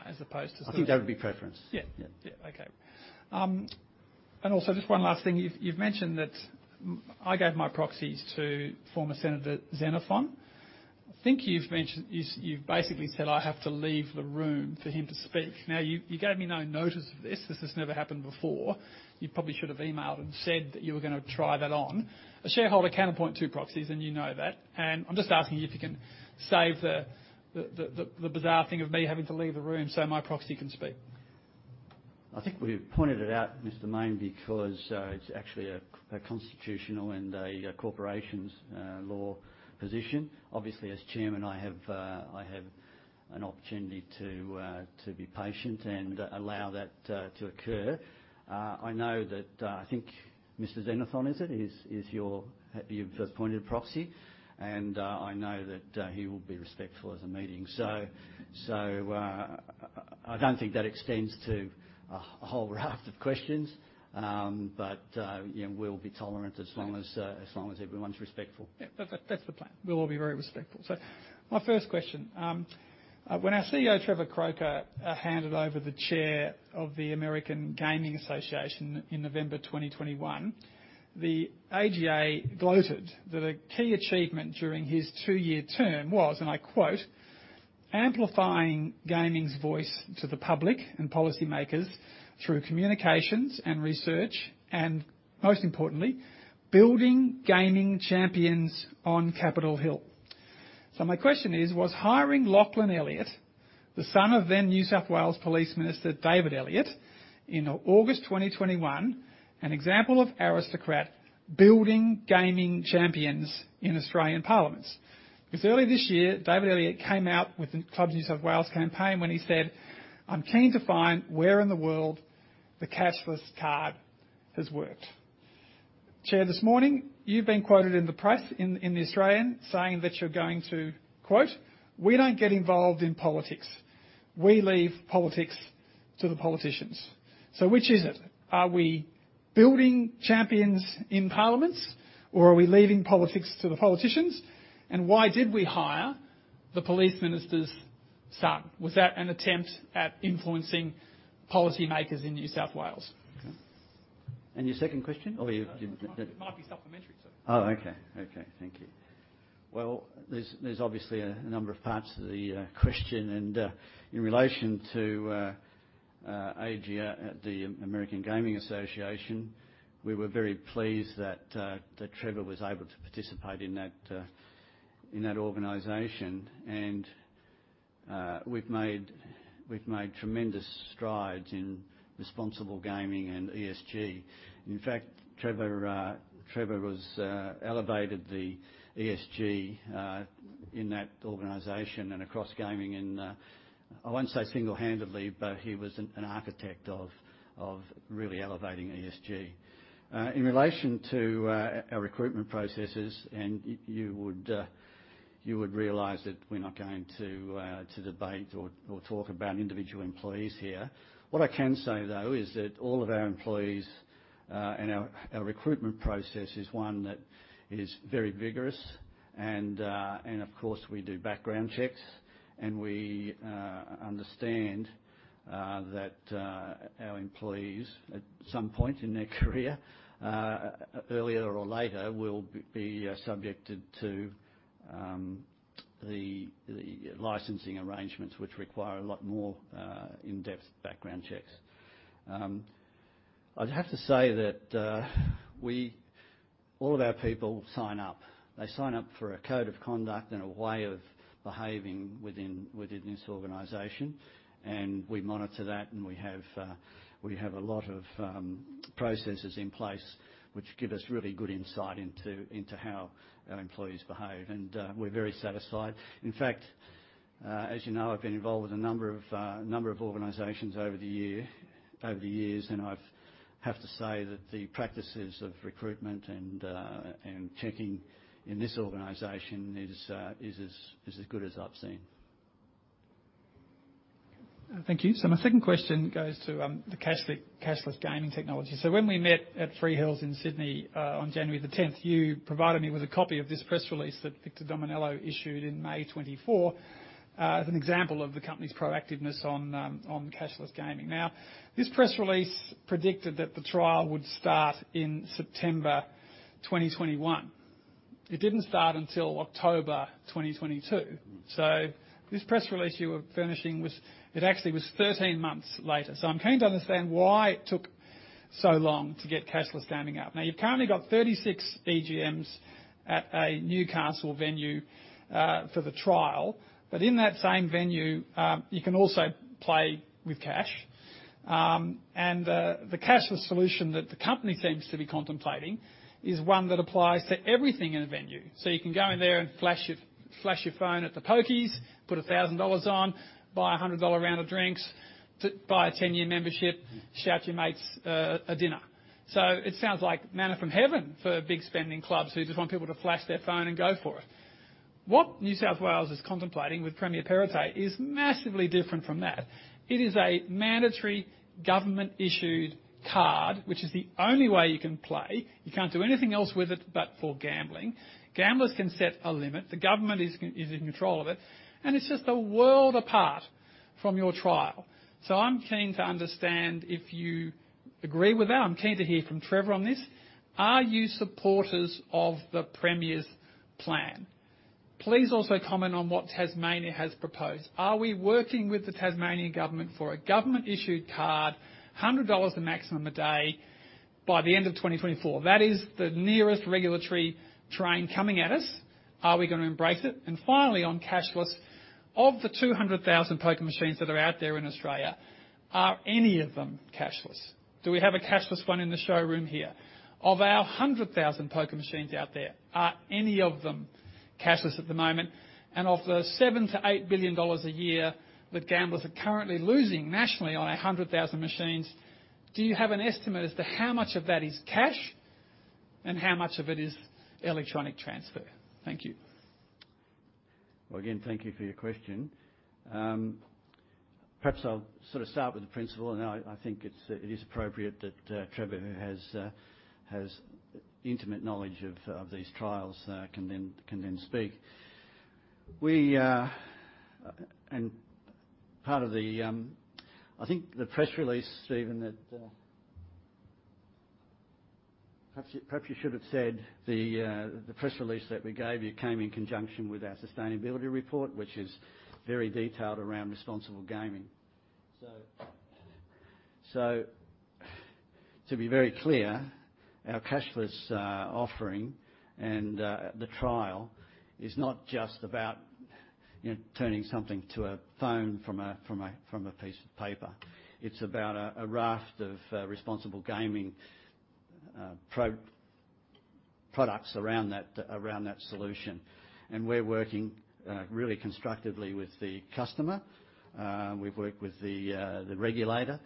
as opposed to sort of... I think that would be preference. Yeah. Yeah. Yeah. Okay. Also just one last thing. You've mentioned that I gave my proxies to former Senator Xenophon. I think you've mentioned, you've basically said I have to leave the room for him to speak. You gave me no notice of this. This has never happened before. You probably should have emailed and said that you were gonna try that on. A shareholder can appoint two proxies, and you know that, and I'm just asking you if you can save the bizarre thing of me having to leave the room so my proxy can speak. I think we've pointed it out, Mr. Mayne, because it's actually a constitutional and a corporations law position. Obviously, as chairman, I have an opportunity to be patient and allow that to occur. I know that, I think Mr. Xenophon is it? Is your first appointed proxy, and I know that he will be respectful as a meeting. I don't think that extends to a whole raft of questions. You know, we'll be tolerant as long as everyone's respectful. Yeah. That's the plan. We'll all be very respectful. My first question, when our CEO, Trevor Croker, handed over the Chair of the American Gaming Association in November 2021, the AGA gloated that a key achievement during his two-year term was, and I quote, "Amplifying gaming's voice to the public and policymakers through communications and research, and most importantly, building gaming champions on Capitol Hill." My question is: Was hiring Lachlan Elliott, the son of then New South Wales Police Minister David Elliott, in August 2021, an example of Aristocrat building gaming champions in Australian parliaments? Earlier this year, David Elliott came out with the ClubsNSW campaign when he said, "I'm keen to find where in the world the cashless card has worked." Chair, this morning, you've been quoted in the press in The Australian saying that you're going to, quote, "We don't get involved in politics. We leave politics to the politicians." Which is it? Are we building champions in parliaments, or are we leaving politics to the politicians? Why did we hire the police minister's son? Was that an attempt at influencing policymakers in New South Wales? Your second question? Or you. It might be supplementary, sir. Okay. Okay. Thank you. There's obviously a number of parts to the question. In relation to AGA, the American Gaming Association, we were very pleased that Trevor was able to participate in that organization. We've made tremendous strides in responsible gaming and ESG. In fact, Trevor was elevated the ESG in that organization and across gaming, I won't say single-handedly, but he was an architect of really elevating ESG. In relation to our recruitment processes, you would realize that we're not going to debate or talk about individual employees here. What I can say, though, is that all of our employees, and our recruitment process is one that is very vigorous and, of course we do background checks, and we understand that our employees at some point in their career, earlier or later, will be subjected to the licensing arrangements, which require a lot more in-depth background checks. I'd have to say that. All of our people sign up. They sign up for a code of conduct and a way of behaving within this organization, and we monitor that, and we have a lot of processes in place which give us really good insight into how our employees behave, and we're very satisfied. In fact, as you know, I've been involved with a number of organizations over the years, and I've to say that the practices of recruitment and checking in this organization is as good as I've seen. Thank you. My second question goes to the cashless gaming technology. When we met at Surry Hills in Sydney, on January 10th, you provided me with a copy of this press release that Victor Dominello issued in May 2024, as an example of the company's proactiveness on cashless gaming. This press release predicted that the trial would start in September 2021. It didn't start until October 2022. This press release you were furnishing. It actually was 13 months later. I'm keen to understand why it took so long to get cashless gaming up. You've currently got 36 EGMs at a Newcastle venue, for the trial. In that same venue, you can also play with cash. The cashless solution that the company seems to be contemplating is one that applies to everything in a venue. You can go in there and flash your phone at the pokies, put 1,000 dollars on, buy a 100 dollar round of drinks, buy a 10-year membership. Mm. shout your mates a dinner. It sounds like manna from heaven for big spending clubs who just want people to flash their phone and go for it. What New South Wales is contemplating with Premier Perrottet is massively different from that. It is a mandatory government-issued card, which is the only way you can play. You can't do anything else with it but for gambling. Gamblers can set a limit. The government is in control of it. It's just a world apart from your trial. I'm keen to understand if you agree with that. I'm keen to hear from Trevor on this. Are you supporters of the Premier's plan? Please also comment on what Tasmania has proposed. Are we working with the Tasmanian government for a government-issued card, 100 dollars the maximum a day, by the end of 2024? That is the nearest regulatory train coming at us. Are we gonna embrace it? Finally, on cashless, of the 200,000 poker machines that are out there in Australia, are any of them cashless? Do we have a cashless one in the showroom here? Of our 100,000 poker machines out there, are any of them cashless at the moment? Of the 7 billion-8 billion dollars a year that gamblers are currently losing nationally on 100,000 machines, do you have an estimate as to how much of that is cash and how much of it is electronic transfer? Thank you. Well, again, thank you for your question. Perhaps I'll sort of start with the principle, and I think it's, it is appropriate that Trevor, who has intimate knowledge of these trials, can then speak. Part of the, I think the press release, Stephen, that perhaps you should have said the press release that we gave you came in conjunction with our sustainability report, which is very detailed around responsible gaming. To be very clear, our cashless offering and the trial is not just about, you know, turning something to a phone from a piece of paper. It's about a raft of responsible gaming pro-products around that, around that solution. We're working really constructively with the customer. We've worked with the regulator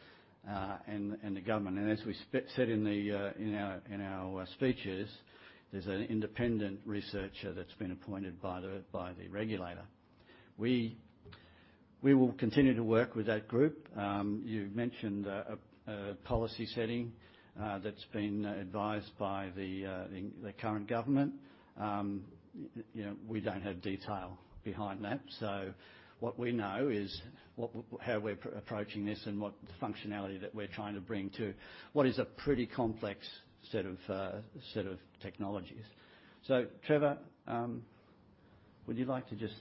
and the government. As we said in our speeches, there's an independent researcher that's been appointed by the regulator. We will continue to work with that group. You mentioned policy setting that's been advised by the current government. You know, we don't have detail behind that. What we know is how we're approaching this and what functionality that we're trying to bring to what is a pretty complex set of technologies. Trevor, would you like to just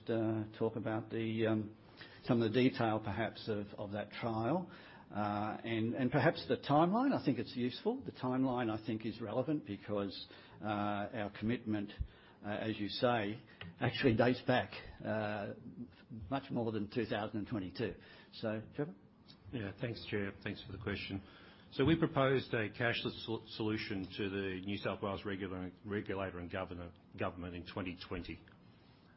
talk about some of the detail perhaps of that trial and perhaps the timeline? I think it's useful. The timeline I think is relevant because our commitment, as you say, actually dates back much more than 2022. Trevor. Yeah. Thanks, Chair. Thanks for the question. We proposed a cashless solution to the New South Wales regulator and government in 2020.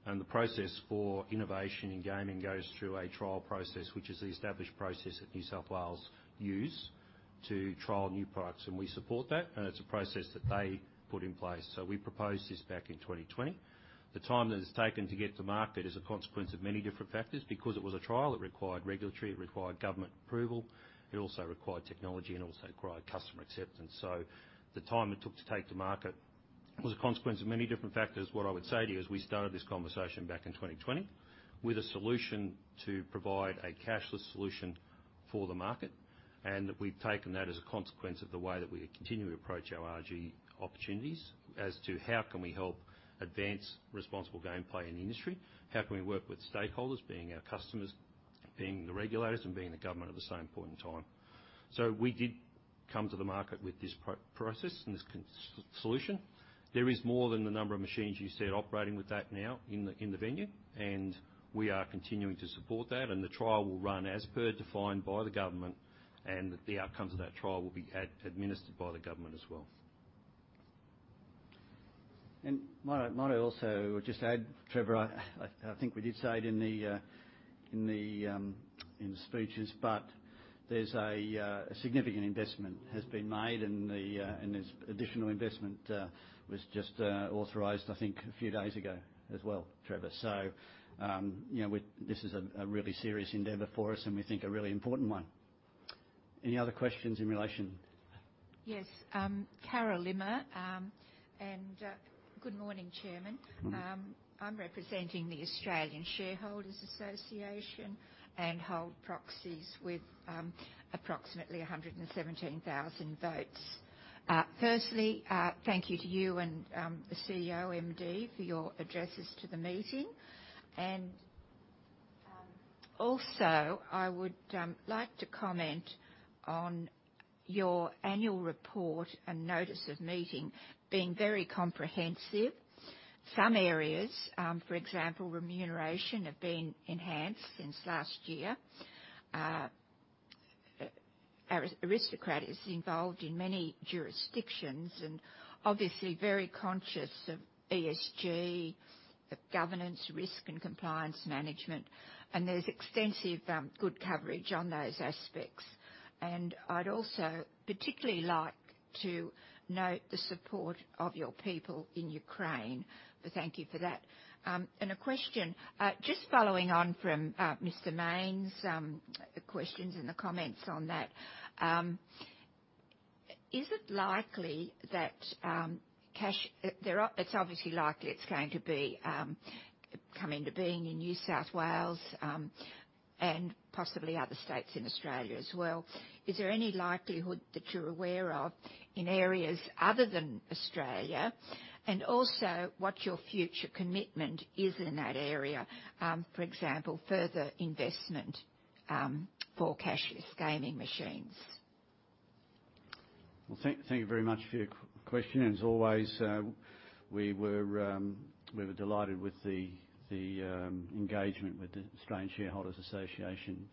The process for innovation in gaming goes through a trial process, which is the established process that New South Wales use to trial new products, and we support that, and it's a process that they put in place. We proposed this back in 2020. The time that it's taken to get to market is a consequence of many different factors. Because it was a trial, it required regulatory, it required government approval, it also required technology, and it also required customer acceptance. The time it took to take to market was a consequence of many different factors. What I would say to you is we started this conversation back in 2020 with a solution to provide a cashless solution for the market, that we've taken that as a consequence of the way that we continue to approach our RG opportunities as to how can we help advance responsible gameplay in the industry. How can we work with stakeholders, being our customers, being the regulators, and being the government at the same point in time? We did come to the market with this pro-process and this solution. There is more than the number of machines you see operating with that now in the venue, and we are continuing to support that. The trial will run as per defined by the government, and the outcomes of that trial will be administered by the government as well. Might I also just add, Trevor, I think we did say it in the speeches, but there's a significant investment has been made, and there's additional investment was just authorized, I think, a few days ago as well, Trevor. You know, this is a really serious endeavor for us, and we think a really important one. Any other questions in relation? Yes. Carol Limmer. Good morning, Chairman. Mm. I'm representing the Australian Shareholders' Association and hold proxies with approximately 117,000 votes. Firstly, thank you to you and the CEO, MD, for your addresses to the meeting. Also, I would like to comment on your annual report and notice of meeting being very comprehensive. Some areas, for example, remuneration, have been enhanced since last year. Aristocrat is involved in many jurisdictions and obviously very conscious of ESG, of governance, risk and compliance management, and there's extensive good coverage on those aspects. I'd also particularly like to note the support of your people in Ukraine, so thank you for that. A question. Just following on from Mr. Mayne's questions and the comments on that, is it likely that cash... It's obviously likely it's going to be come into being in New South Wales, and possibly other states in Australia as well. Is there any likelihood that you're aware of in areas other than Australia, and also what your future commitment is in that area, for example, further investment, for cashless gaming machines? Well, thank you very much for your question. As always, we were delighted with the engagement with the Australian Shareholders' Association,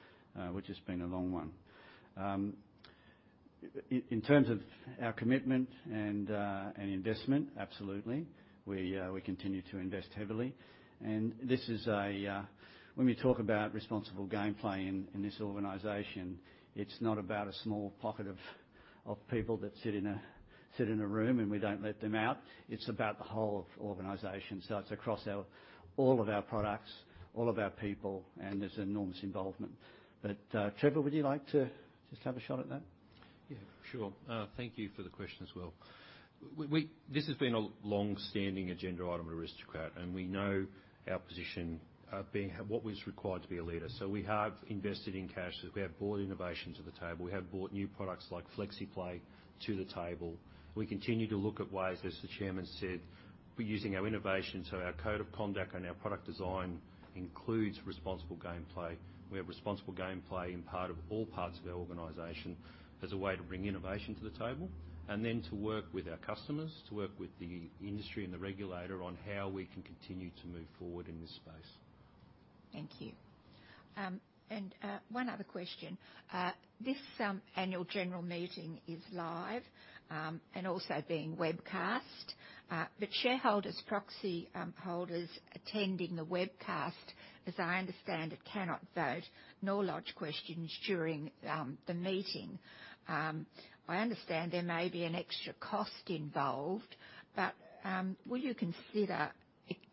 which has been a long one. In terms of our commitment and investment, absolutely. We continue to invest heavily. This is a... When we talk about responsible gameplay in this organization, it's not about a small pocket of people that sit in a room and we don't let them out. It's about the whole organization. It's across all of our products, all of our people, and there's enormous involvement. Trevor, would you like to just have a shot at that? Yeah. Sure. Thank you for the question as well. This has been a long-standing agenda item at Aristocrat, we know our position, what was required to be a leader. We have invested in cashless, we have brought innovation to the table, we have brought new products like FlexiPlay to the table. We continue to look at ways, as the chairman said, we're using our innovation, our code of conduct and our product design includes responsible gameplay. We have responsible gameplay in part of all parts of our organization as a way to bring innovation to the table, to work with our customers, to work with the industry and the regulator on how we can continue to move forward in this space. Thank you. One other question. This annual general meeting is live and also being webcast. Shareholders, proxy holders attending the webcast, as I understand it, cannot vote, nor lodge questions during the meeting. I understand there may be an extra cost involved, will you consider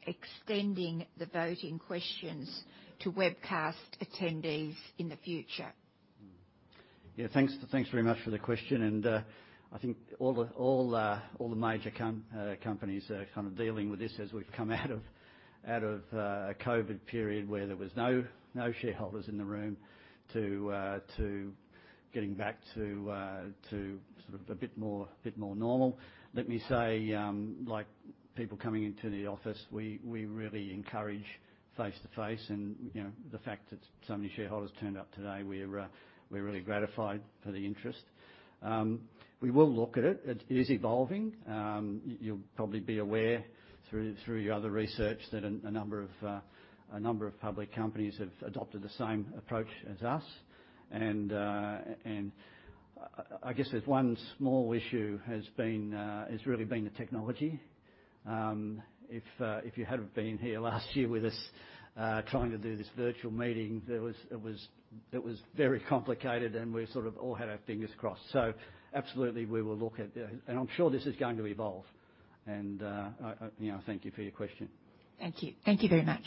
extending the voting questions to webcast attendees in the future? Yeah, thanks very much for the question. I think all the major companies are kind of dealing with this as we've come out of, out of COVID period, where there was no shareholders in the room, to getting back to sort of a bit more normal. Let me say, like people coming into the office, we really encourage face-to-face and, you know, the fact that so many shareholders turned up today, we're really gratified for the interest. We will look at it. It is evolving. You'll probably be aware through your other research that a number of public companies have adopted the same approach as us. I guess there's one small issue has been, has really been the technology. If you had have been here last year with us, trying to do this virtual meeting, it was very complicated, and we sort of all had our fingers crossed. Absolutely, we will look at the. I'm sure this is going to evolve. I, you know, thank you for your question. Thank you. Thank you very much.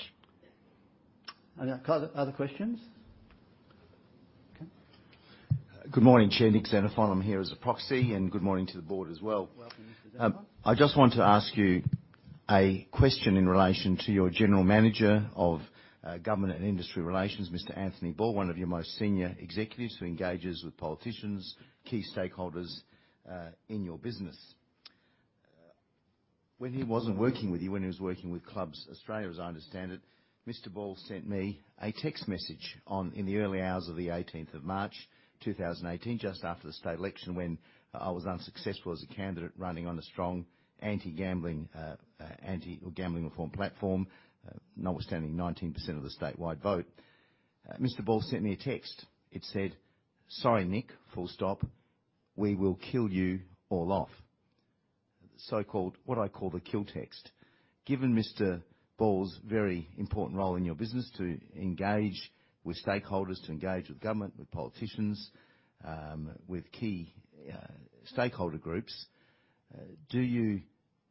Other questions? Okay. Good morning, Chair. Nick Xenophon here as a proxy, and good morning to the board as well. Welcome, Mr. Xenophon. I just want to ask you a question in relation to your General Manager of government and industry relations, Mr. Anthony Ball, one of your most senior executives who engages with politicians, key stakeholders in your business. When he wasn't working with you, when he was working with Clubs Australia, as I understand it, Mr. Ball sent me a text message in the early hours of the 18th of March, 2018, just after the state election when I was unsuccessful as a candidate running on a strong anti-gambling, anti or gambling reform platform, notwithstanding 19% of the statewide vote. Mr. Ball sent me a text. It said, "Sorry, Nick. We will kill you all off." What I call the kill text. Given Mr. Ball's very important role in your business to engage with stakeholders, to engage with government, with politicians, with key stakeholder groups, do you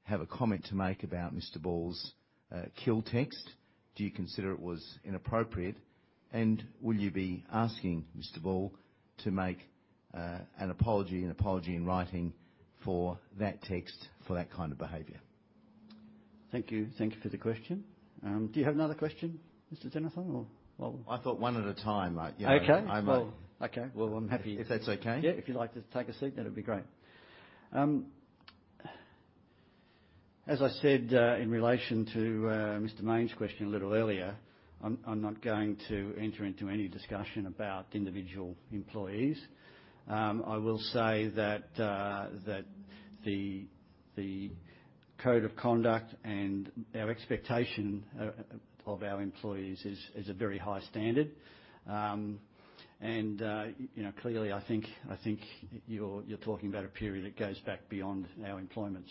have a comment to make about Mr. Ball's kill text? Do you consider it was inappropriate? Will you be asking Mr. Ball to make an apology in writing for that text, for that kind of behavior? Thank you. Thank you for the question. Do you have another question, Mr. Xenophon, or. I thought one at a time, you know. Okay. I'm. Okay. Well, I'm. If that's okay. If you'd like to take a seat, that'd be great. As I said, in relation to Mr. Mayne's question a little earlier, I'm not going to enter into any discussion about individual employees. I will say that the code of conduct and our expectation of our employees is a very high standard. And, you know, clearly, I think you're talking about a period that goes back beyond our employment,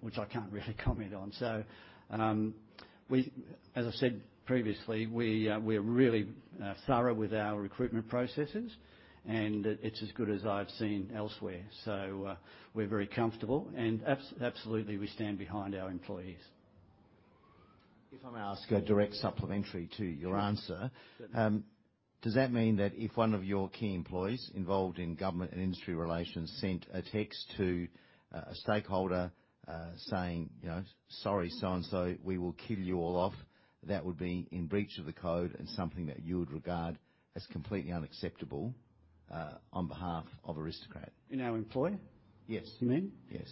which I can't really comment on. As I said previously, we're really thorough with our recruitment processes, and it's as good as I've seen elsewhere. We're very comfortable and absolutely we stand behind our employees. If I may ask a direct supplementary to your answer. Sure. Does that mean that if one of your key employees involved in government and industry relations sent a text to a stakeholder, saying, you know, "Sorry, so and so, we will kill you all off," that would be in breach of the code and something that you would regard as completely unacceptable on behalf of Aristocrat? In our employee- Yes... you mean? Yes.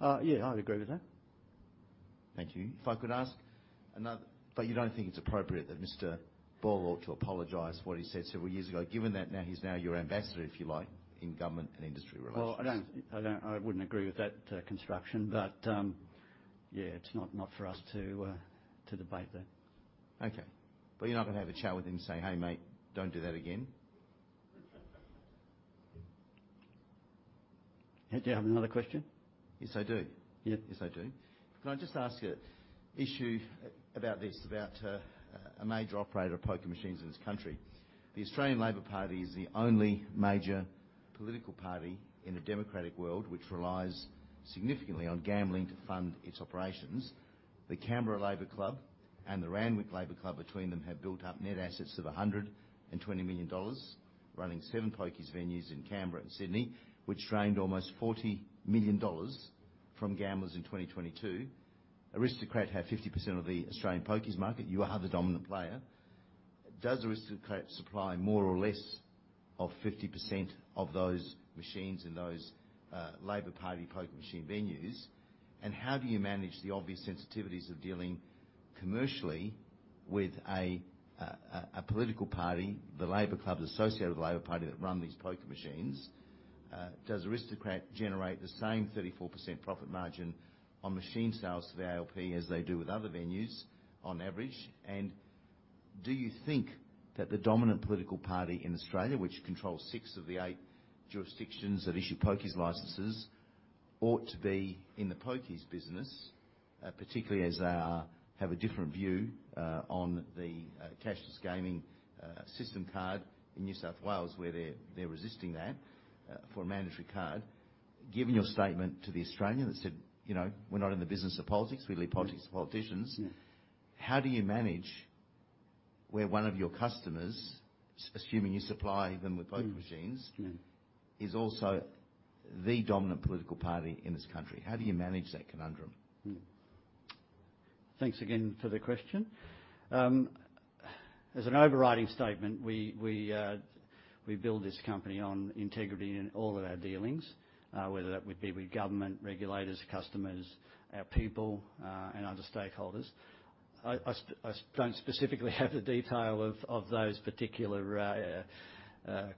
Yeah, I would agree with that. Thank you. You don't think it's appropriate that Mr. Ball ought to apologize for what he said several years ago, given that now he's your ambassador, if you like, in government and industry relations? I wouldn't agree with that construction. It's not for us to debate that. Okay. You're not gonna have a chat with him and say, "Hey, mate, don't do that again"? Do you have another question? Yes, I do. Yeah. Yes, I do. Could I just ask a issue about this, about a major operator of poker machines in this country? The Australian Labor Party is the only major political party in the democratic world which relies significantly on gambling to fund its operations. The Canberra Labor Club and the Randwick Labor Club between them have built up net assets of 120 million dollars, running seven pokies venues in Canberra and Sydney, which drained almost 40 million dollars from gamblers in 2022. Aristocrat have 50% of the Australian pokies market. You are the dominant player. Does Aristocrat supply more or less of 50% of those machines in those Labor Party poker machine venues? How do you manage the obvious sensitivities of dealing commercially with a political party, the Labor Club associated with the Labor Party that run these poker machines? Does Aristocrat generate the same 34% profit margin on machine sales to the ALP as they do with other venues on average? Do you think that the dominant political party in Australia, which controls six of the eight jurisdictions that issue pokies licenses ought to be in the pokies business, particularly as they have a different view on the cashless gaming system card in New South Wales, where they're resisting that for a mandatory card. Given your statement to The Australian that said, you know, "We're not in the business of politics. We leave politics to politicians. Yeah. How do you manage where one of your customers, assuming you supply them with poker machines? Yeah. ...is also the dominant political party in this country? How do you manage that conundrum? Thanks again for the question. As an overriding statement, we build this company on integrity in all of our dealings, whether that would be with government, regulators, customers, our people, and other stakeholders. I don't specifically have the detail of those particular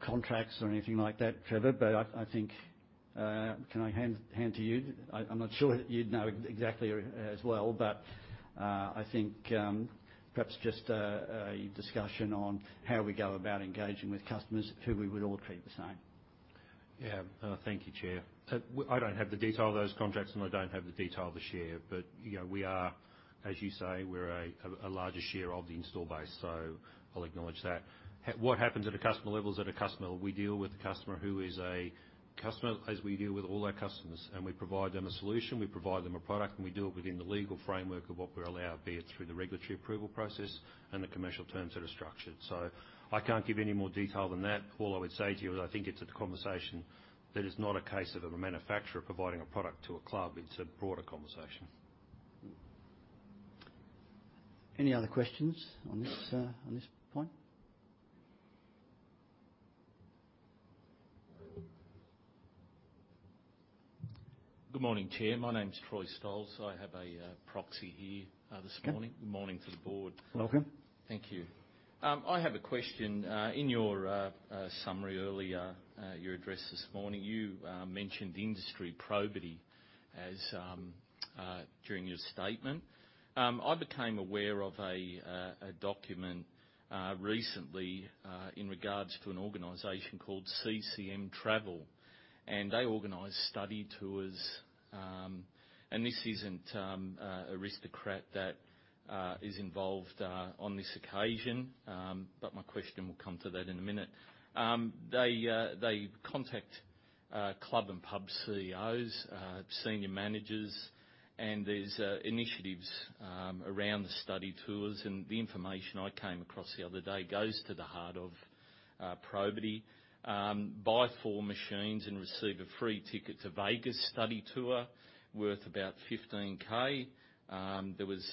contracts or anything like that, Trevor, but I think, can I hand to you? I'm not sure you'd know exactly or as well, but I think perhaps just a discussion on how we go about engaging with customers who we would all treat the same. Yeah. Thank you, Chair. I don't have the detail of those contracts, and I don't have the detail of the share, but, you know, we are, as you say, we're a larger share of the install base, so I'll acknowledge that. What happens at a customer level is at a customer, we deal with the customer who is a customer as we deal with all our customers, and we provide them a solution, we provide them a product, and we do it within the legal framework of what we're allowed, be it through the regulatory approval process and the commercial terms that are structured. I can't give any more detail than that. All I would say to you is I think it's a conversation that is not a case of a manufacturer providing a product to a club. It's a broader conversation. Any other questions on this, on this point? Good morning, Chair. My name is Troy Stolz. I have a proxy here this morning. Okay. Good morning to the board. Welcome. Thank you. I have a question. In your summary earlier, your address this morning, you mentioned industry probity as during your statement. I became aware of a document recently in regards to an organization called CCM Travel. They organize study tours. This isn't Aristocrat that is involved on this occasion. My question will come to that in a minute. They contact club and pub CEOs, senior managers. There's initiatives around the study tours. The information I came across the other day goes to the heart of probity. Buy four machines and receive a free ticket to Vegas study tour worth about 15,000. There was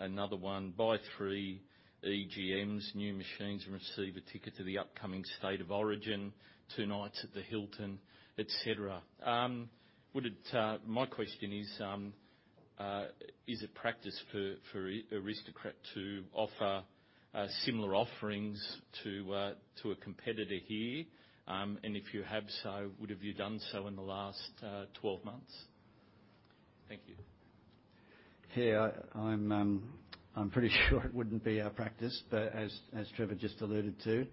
another one, buy three EGMs, new machines, and receive a ticket to the upcoming State of Origin, two nights at the Hilton, et cetera. My question is it practice for Aristocrat to offer similar offerings to a competitor here? If you have so, would have you done so in the last 12 months? Thank you. I'm pretty sure it wouldn't be our practice, but as Trevor just alluded to.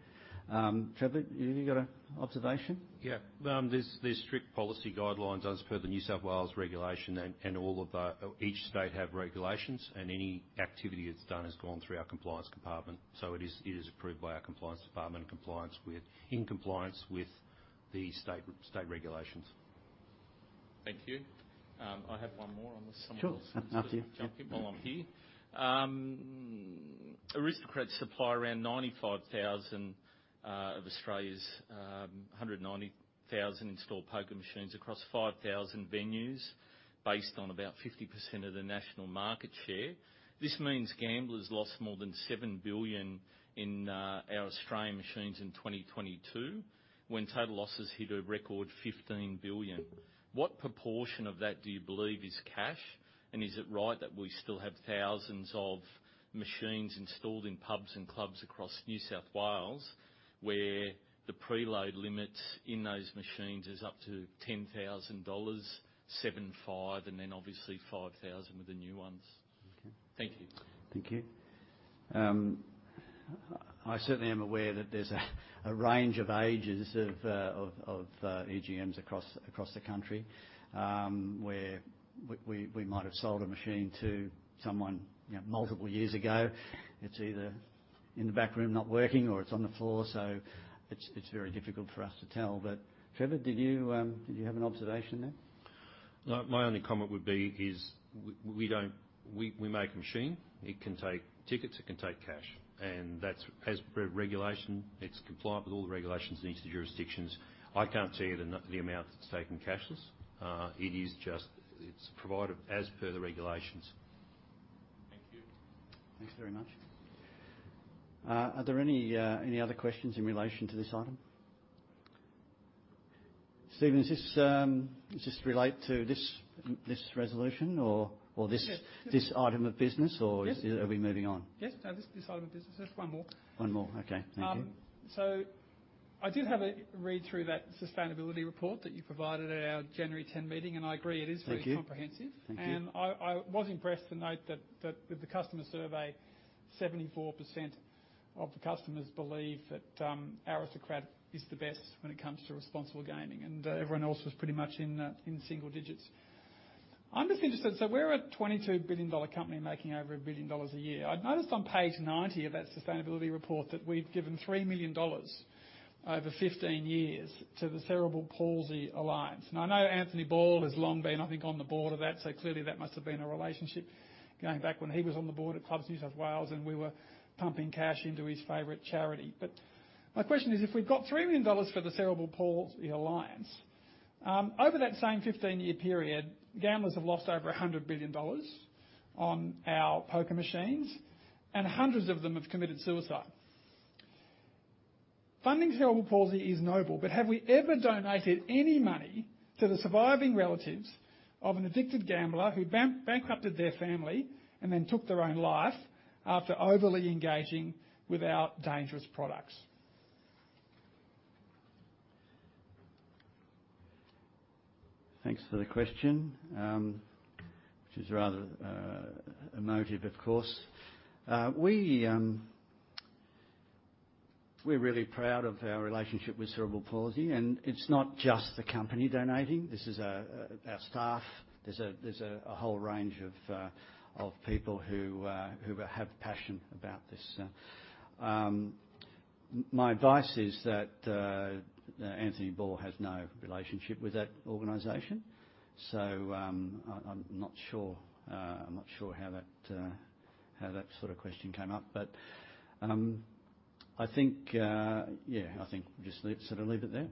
Trevor, have you got a observation? Yeah. there's strict policy guidelines as per the New South Wales regulation, and all of the... each state have regulations, and any activity that's done has gone through our compliance department. it is approved by our compliance department in compliance with the state regulations. Thank you. I have one more on this. Sure. After you. Just jump in while I'm here. Aristocrat supply around 95,000 of Australia's 190,000 installed poker machines across 5,000 venues based on about 50% of the national market share. This means gamblers lost more than 7 billion in our Australian machines in 2022, when total losses hit a record 15 billion. What proportion of that do you believe is cash? Is it right that we still have thousands of machines installed in pubs and clubs across New South Wales, where the preload limits in those machines is up to 10,000 dollars, 7,500, and then obviously 5,000 with the new ones? Okay. Thank you. Thank you. I certainly am aware that there's a range of ages of EGMs across the country, where we might have sold a machine to someone, you know, multiple years ago. It's either in the back room not working, or it's on the floor. It's very difficult for us to tell. Trevor, did you have an observation there? My only comment would be is we make a machine, it can take tickets, it can take cash. That's as per regulation, it's compliant with all the regulations in each of the jurisdictions. I can't tell you the amount that's taken cashless. It is just. It's provided as per the regulations. Thank you. Thanks very much. Are there any other questions in relation to this item? Steven, does this relate to this resolution or this? Yes. Yes ...this item of business? Yes Are we moving on? Yes. No, this item of business. There's one more. One more. Okay. Thank you. I did have a read through that sustainability report that you provided at our January 10 meeting, and I agree it is. Thank you. ...comprehensive. Thank you. I was impressed to note that with the customer survey. 74% of the customers believe that Aristocrat is the best when it comes to responsible gaming. Everyone else was pretty much in single digits. I'm just interested, we're an 22 billion dollar company making over 1 billion dollars a year. I noticed on page 90 of that sustainability report that we've given 3 million dollars over 15 years to the Cerebral Palsy Alliance. I know Anthony Ball has long been, I think, on the board of that, so clearly that must have been a relationship going back when he was on the board at ClubsNSW. We were pumping cash into his favorite charity. My question is, if we've got 3 million dollars for the Cerebral Palsy Alliance, over that same 15-year period, gamblers have lost over 100 billion dollars on our poker machines, and hundreds of them have committed suicide. Funding Cerebral Palsy is noble, but have we ever donated any money to the surviving relatives of an addicted gambler who bankrupted their family and then took their own life after overly engaging with our dangerous products? Thanks for the question, which is rather emotive, of course. We're really proud of our relationship with Cerebral Palsy, and it's not just the company donating, this is our staff. There's a whole range of people who have passion about this. My advice is that Anthony Ball has no relationship with that organization, so I'm not sure how that sort of question came up, but I think yeah, I think just let's sort of leave it there.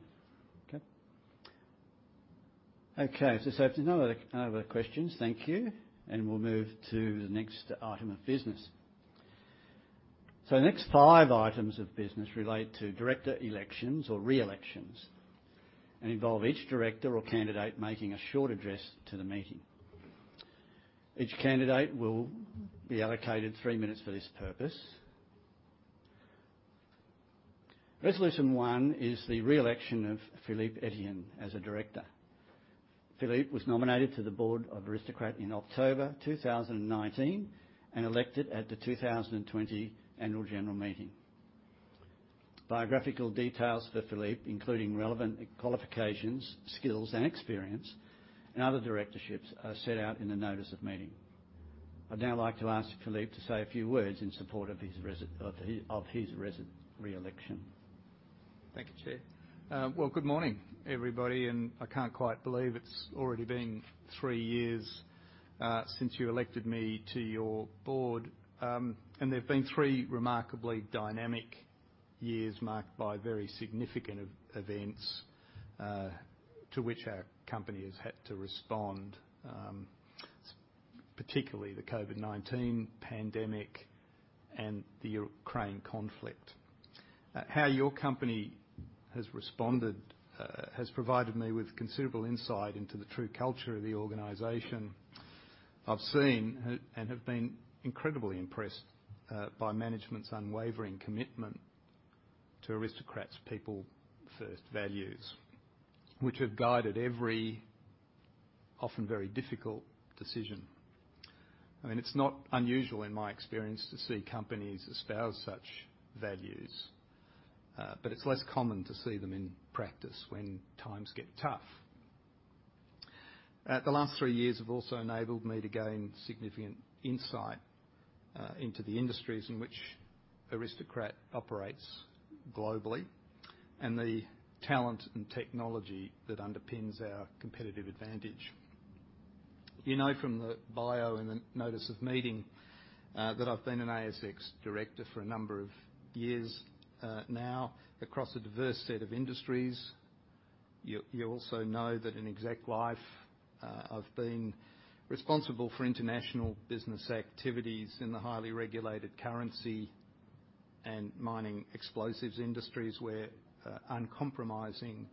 Okay. If there are no other questions, thank you, and we'll move to the next item of business. The next five items of business relate to director elections or reelections, and involve each director or candidate making a short address to the meeting. Each candidate will be allocated three minutes for this purpose. Resolution one is the reelection of Philippe Etienne as a director. Philippe was nominated to the board of Aristocrat in October 2019 and elected at the 2020 annual general meeting. Biographical details for Philippe, including relevant qualifications, skills, and experience, and other directorships, are set out in the notice of meeting. I'd now like to ask Philippe to say a few words in support of his reelection. Thank you, Chair. Well, good morning, everybody, I can't quite believe it's already been three years since you elected me to your board. They've been three remarkably dynamic years marked by very significant events to which our company has had to respond, particularly the COVID-19 pandemic and the Ukraine conflict. How your company has responded has provided me with considerable insight into the true culture of the organization. I've seen and have been incredibly impressed by management's unwavering commitment to Aristocrat's people-first values, which have guided every, often very difficult decision. I mean, it's not unusual in my experience to see companies espouse such values, but it's less common to see them in practice when times get tough. The last three years have also enabled me to gain significant insight into the industries in which Aristocrat operates globally and the talent and technology that underpins our competitive advantage. You know, from the bio and the notice of meeting, that I've been an ASX director for a number of years, now across a diverse set of industries. You also know that in exec life, I've been responsible for international business activities in the highly regulated currency and mining explosives industries where uncompromising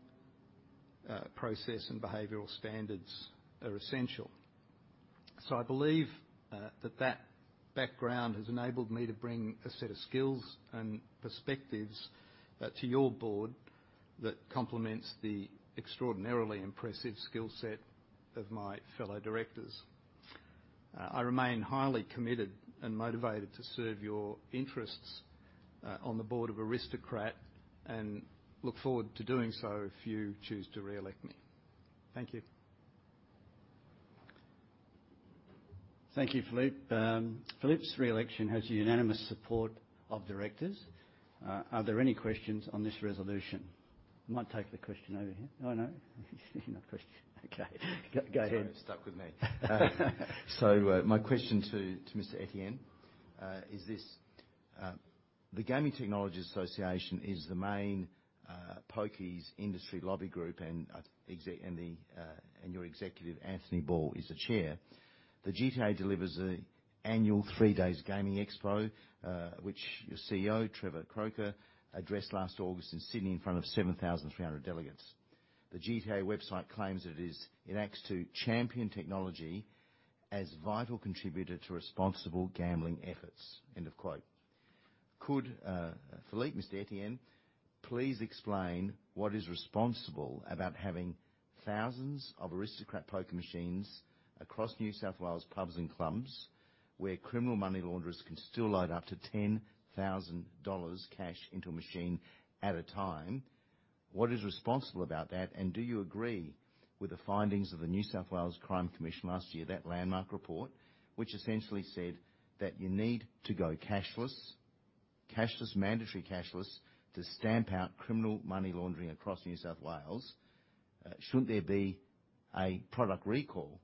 process and behavioral standards are essential. I believe that that background has enabled me to bring a set of skills and perspectives to your board that complements the extraordinarily impressive skill set of my fellow directors. I remain highly committed and motivated to serve your interests, on the board of Aristocrat, and look forward to doing so if you choose to reelect me. Thank you. Thank you, Philippe. Philippe's reelection has the unanimous support of directors. Are there any questions on this resolution? I might take the question over here. Oh, no. Not a question. Okay. Go ahead. Sorry, it stuck with me. My question to Mr. Etienne is this. The Gaming Technologies Association is the main pokies industry lobby group and your executive, Anthony Ball, is the chair. The GTA delivers a annual three-days gaming expo, which your CEO, Trevor Croker, addressed last August in Sydney in front of 7,300 delegates. The GTA website claims that it is, "It acts to champion technology as vital contributor to responsible gambling efforts. Could Philippe Etienne, please explain what is responsible about having thousands of Aristocrat poker machines across New South Wales pubs and clubs where criminal money launderers can still load up to 10,000 dollars cash into a machine at a time? What is responsible about that? Do you agree with the findings of the New South Wales Crime Commission last year, that landmark report, which essentially said that you need to go cashless, mandatory cashless to stamp out criminal money laundering across New South Wales? Shouldn't there be a product recall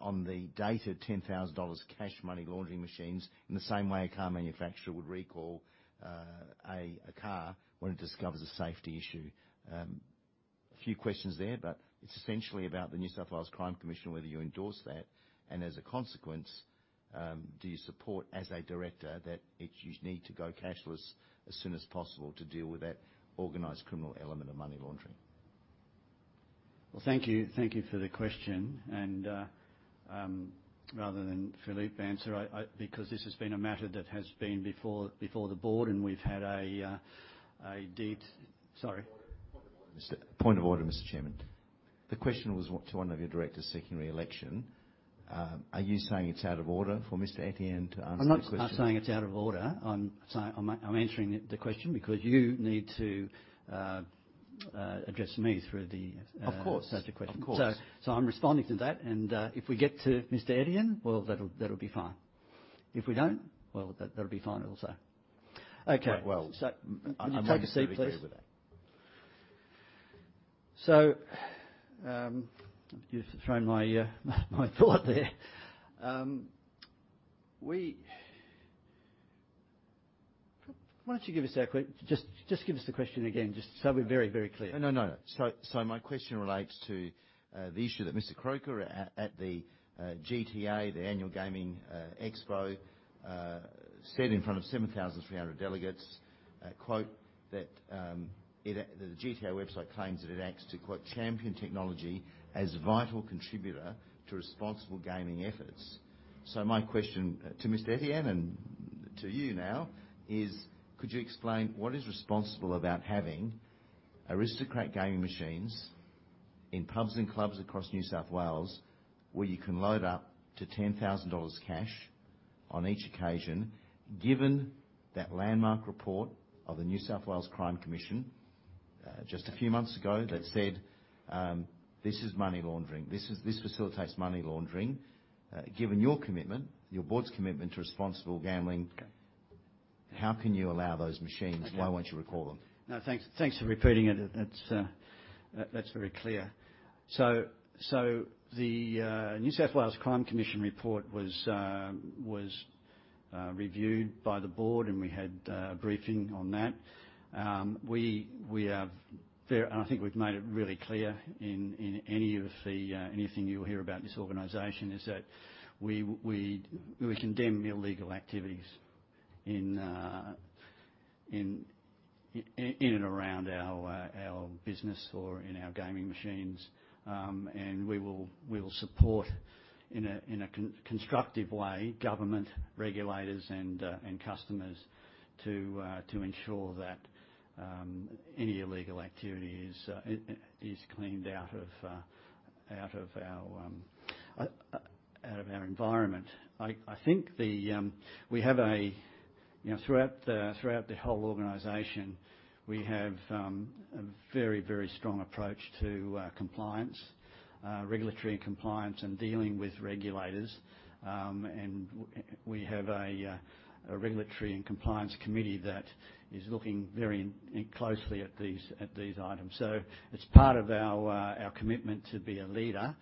on the dated 10,000 dollars cash money laundering machines in the same way a car manufacturer would recall a car when it discovers a safety issue? A few questions there. It's essentially about the New South Wales Crime Commission, whether you endorse that. As a consequence, do you support, as a director, that you need to go cashless as soon as possible to deal with that organized criminal element of money laundering? Well, thank you. Thank you for the question. Rather than Philippe answer, I... because this has been a matter that has been before the board, and we've had a deep... Sorry. Point of order, Mr. Chairman. The question was what to one of your directors seeking reelection. Are you saying it's out of order for Mr. Etienne to answer the question? I'm not saying it's out of order. I'm answering the question because you need to address me through the. Of course. subject question. Of course. I'm responding to that. If we get to Mr. Etienne, well, that'll be fine. If we don't, well, that'll be fine also. Okay. Right. Well, I'm happy to agree with that. Take a seat, please. You've thrown my thought there. Just give us the question again, just so we're very clear? No, no. My question relates to the issue that Mr. Croker at the GTA, the annual gaming expo, said in front of 7,300 delegates, quote, that it the GTA website claims that it acts to, quote, "champion technology as a vital contributor to responsible gaming efforts." My question to Mr. Etienne and to you now is, could you explain what is responsible about having Aristocrat gaming machines in pubs and clubs across New South Wales where you can load up to 10,000 dollars cash on each occasion, given that landmark report of the New South Wales Crime Commission just a few months ago that said, this is money laundering, this facilitates money laundering. Given your commitment, your board's commitment to responsible gambling- Okay. How can you allow those machines? Okay. Why won't you recall them? No, thanks for repeating it. That's very clear. The New South Wales Crime Commission report was reviewed by the board, and we had briefing on that. I think we've made it really clear in any of the anything you'll hear about this organization is that we condemn illegal activities in and around our business or in our gaming machines. We will support in a constructive way, government regulators and customers to ensure that any illegal activity is cleaned out of our environment. I think the, you know, throughout the whole organization, we have a very, very strong approach to compliance, regulatory and compliance and dealing with regulators. We have a Regulatory and Compliance Committee that is looking very closely at these items. It's part of our commitment to be a leader.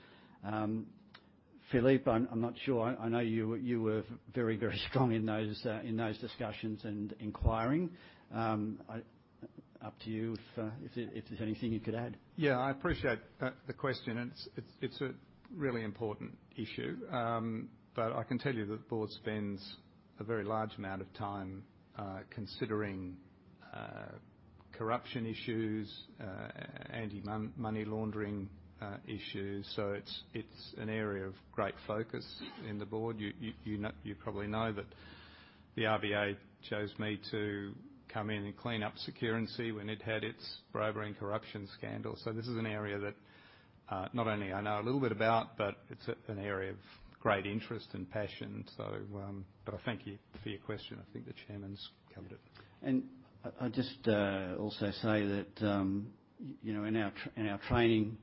Philippe, I'm not sure. I know you were very, very strong in those discussions and inquiring. Up to you if there's anything you could add. Yeah, I appreciate the question, and it's a really important issue. I can tell you that the board spends a very large amount of time considering corruption issues, anti-money laundering issues. It's an area of great focus in the board. You probably know that the RBA chose me to come in and clean up Securency when it had its bribery and corruption scandal. This is an area that not only I know a little bit about, but it's an area of great interest and passion. I thank you for your question. I think the chairman's covered it. I'll just also say that, you know, in our training,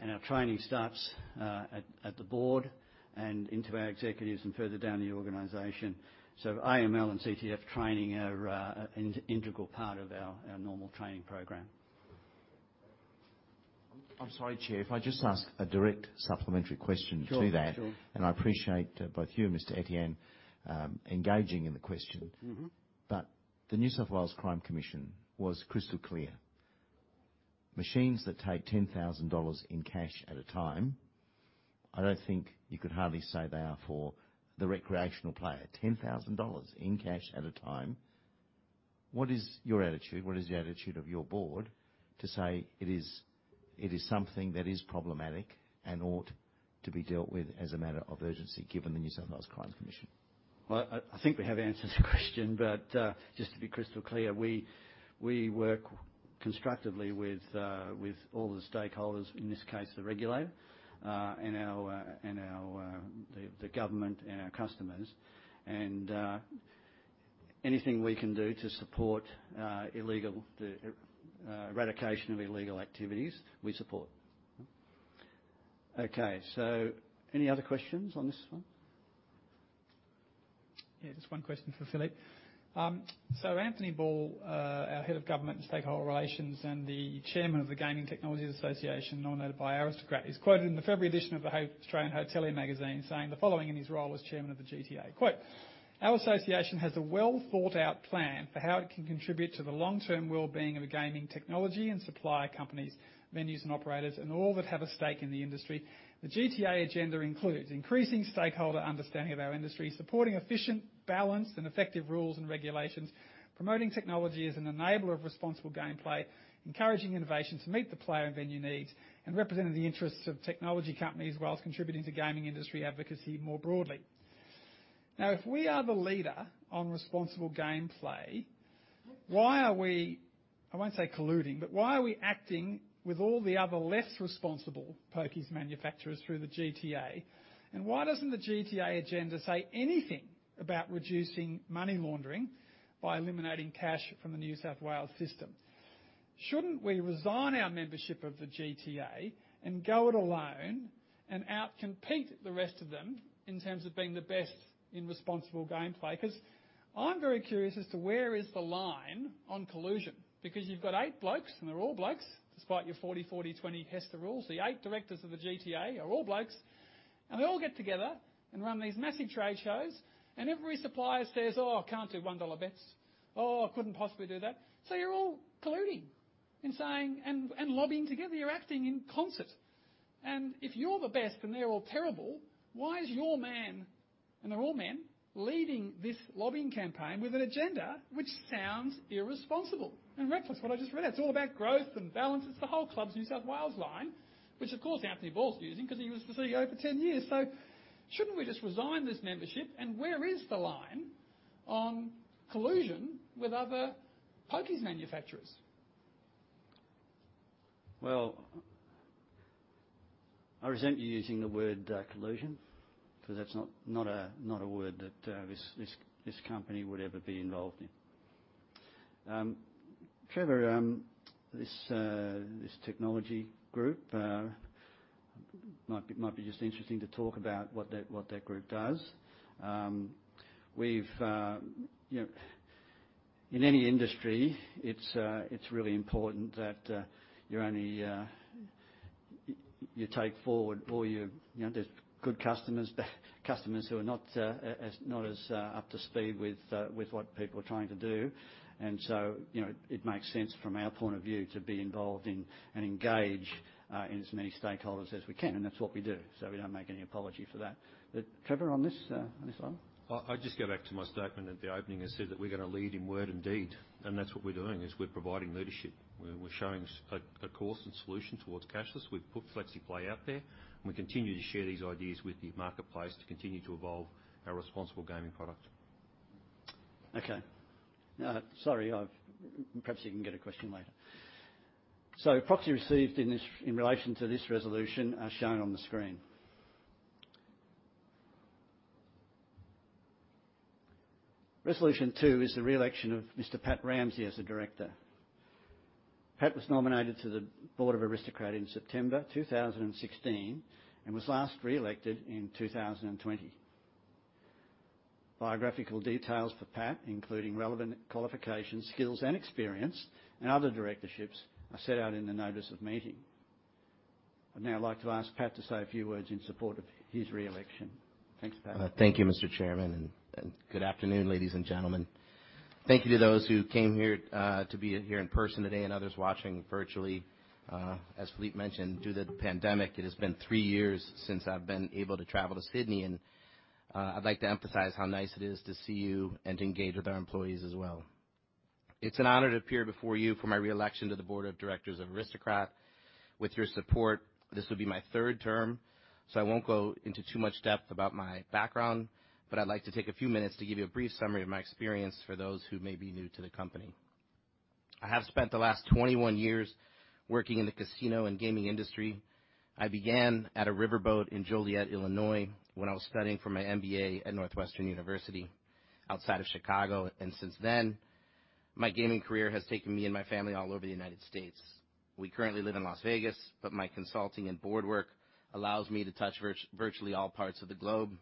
and our training starts at the board and into our executives and further down in the organization. AML and CTF training are an integral part of our normal training program. I'm sorry, Chair. If I just ask a direct supplementary question to that. Sure, sure. I appreciate both you and Mr. Etienne, engaging in the question. Mm-hmm. The New South Wales Crime Commission was crystal clear. Machines that take 10,000 dollars in cash at a time, I don't think you could hardly say they are for the recreational player. 10,000 dollars in cash at a time. What is your attitude? What is the attitude of your board to say it is, it is something that is problematic and ought to be dealt with as a matter of urgency, given the New South Wales Crime Commission? I think we have answered the question. Just to be crystal clear, we work constructively with all the stakeholders, in this case, the regulator, and our government and our customers. Anything we can do to support the eradication of illegal activities, we support. Okay. Any other questions on this one? Just one question for Philippe. Anthony Ball, our head of government and stakeholder relations and the chairman of the Gaming Technologies Association, nominated by Aristocrat, is quoted in the February edition of the Australian Hotelier Magazine saying the following in his role as chairman of the GTA. Quote, "Our association has a well-thought-out plan for how it can contribute to the long-term well-being of a gaming technology and supplier companies, venues and operators, and all that have a stake in the industry. The GTA agenda includes increasing stakeholder understanding of our industry, supporting efficient, balanced and effective rules and regulations, promoting technology as an enabler of responsible gameplay, encouraging innovation to meet the player and venue needs, and representing the interests of technology companies, while contributing to gaming industry advocacy more broadly. If we are the leader on responsible gameplay, why are we, I won't say colluding, but why are we acting with all the other less responsible pokies manufacturers through the GTA? Why doesn't the GTA agenda say anything about reducing money laundering by eliminating cash from the New South Wales system? Shouldn't we resign our membership of the GTA and go it alone and out-compete the rest of them in terms of being the best in responsible gameplay? 'Cause I'm very curious as to where is the line on collusion. You've got eight blokes, and they're all blokes, despite your 40/40/20 HESTA rules. The eight directors of the GTA are all blokes, and they all get together and run these massive trade shows, and every supplier says, "Oh, I can't do 1 dollar bets. Oh, I couldn't possibly do that." You're all colluding and lobbying together. You're acting in concert. If you're the best and they're all terrible, why is your man, and they're all men, leading this lobbying campaign with an agenda which sounds irresponsible and reckless, what I just read? It's all about growth and balance. It's the whole ClubsNSW line, which of course Anthony Ball's using because he was the CEO for 10 years. Shouldn't we just resign this membership? Where is the line on collusion with other pokies manufacturers? Well, I resent you using the word, collusion, 'cause that's not a word that this company would ever be involved in. Trevor, this technology group might be just interesting to talk about what that group does. We've, you know. In any industry, it's really important that you only take forward all your, you know, just good customers who are not as up to speed with what people are trying to do. You know, it makes sense from our point of view to be involved in and engage in as many stakeholders as we can, and that's what we do. We don't make any apology for that. Trevor, on this, on this one? I'll just go back to my statement at the opening that said that we're gonna lead in word and deed, and that's what we're doing, is we're providing leadership. We're showing a course and solution towards cashless. We've put FlexiPlay out there, and we continue to share these ideas with the marketplace to continue to evolve our responsible gaming product. Okay. Perhaps you can get a question later. Proxy received in this, in relation to this resolution are shown on the screen. Resolution two is the re-election of Mr. Pat Ramsey as a director. Pat was nominated to the board of Aristocrat in September 2016 and was last re-elected in 2020. Biographical details for Pat, including relevant qualifications, skills and experience, and other directorships, are set out in the notice of meeting. I'd now like to ask Pat to say a few words in support of his re-election. Thanks, Pat. Thank you, Mr. Chairman, and good afternoon, ladies and gentlemen. Thank you to those who came here to be here in person today and others watching virtually. As Philippe mentioned, due to the pandemic, it has been three years since I've been able to travel to Sydney, and I'd like to emphasize how nice it is to see you and to engage with our employees as well. It's an honor to appear before you for my re-election to the board of directors of Aristocrat. With your support, this will be my third term, so I won't go into too much depth about my background, but I'd like to take a few minutes to give you a brief summary of my experience for those who may be new to the company. I have spent the last 21 years working in the casino and gaming industry. I began at a riverboat in Joliet, Illinois, when I was studying for my MBA at Northwestern University outside of Chicago. Since then, my gaming career has taken me and my family all over the United States. We currently live in Las Vegas. My consulting and board work allows me to touch virtually all parts of the globe.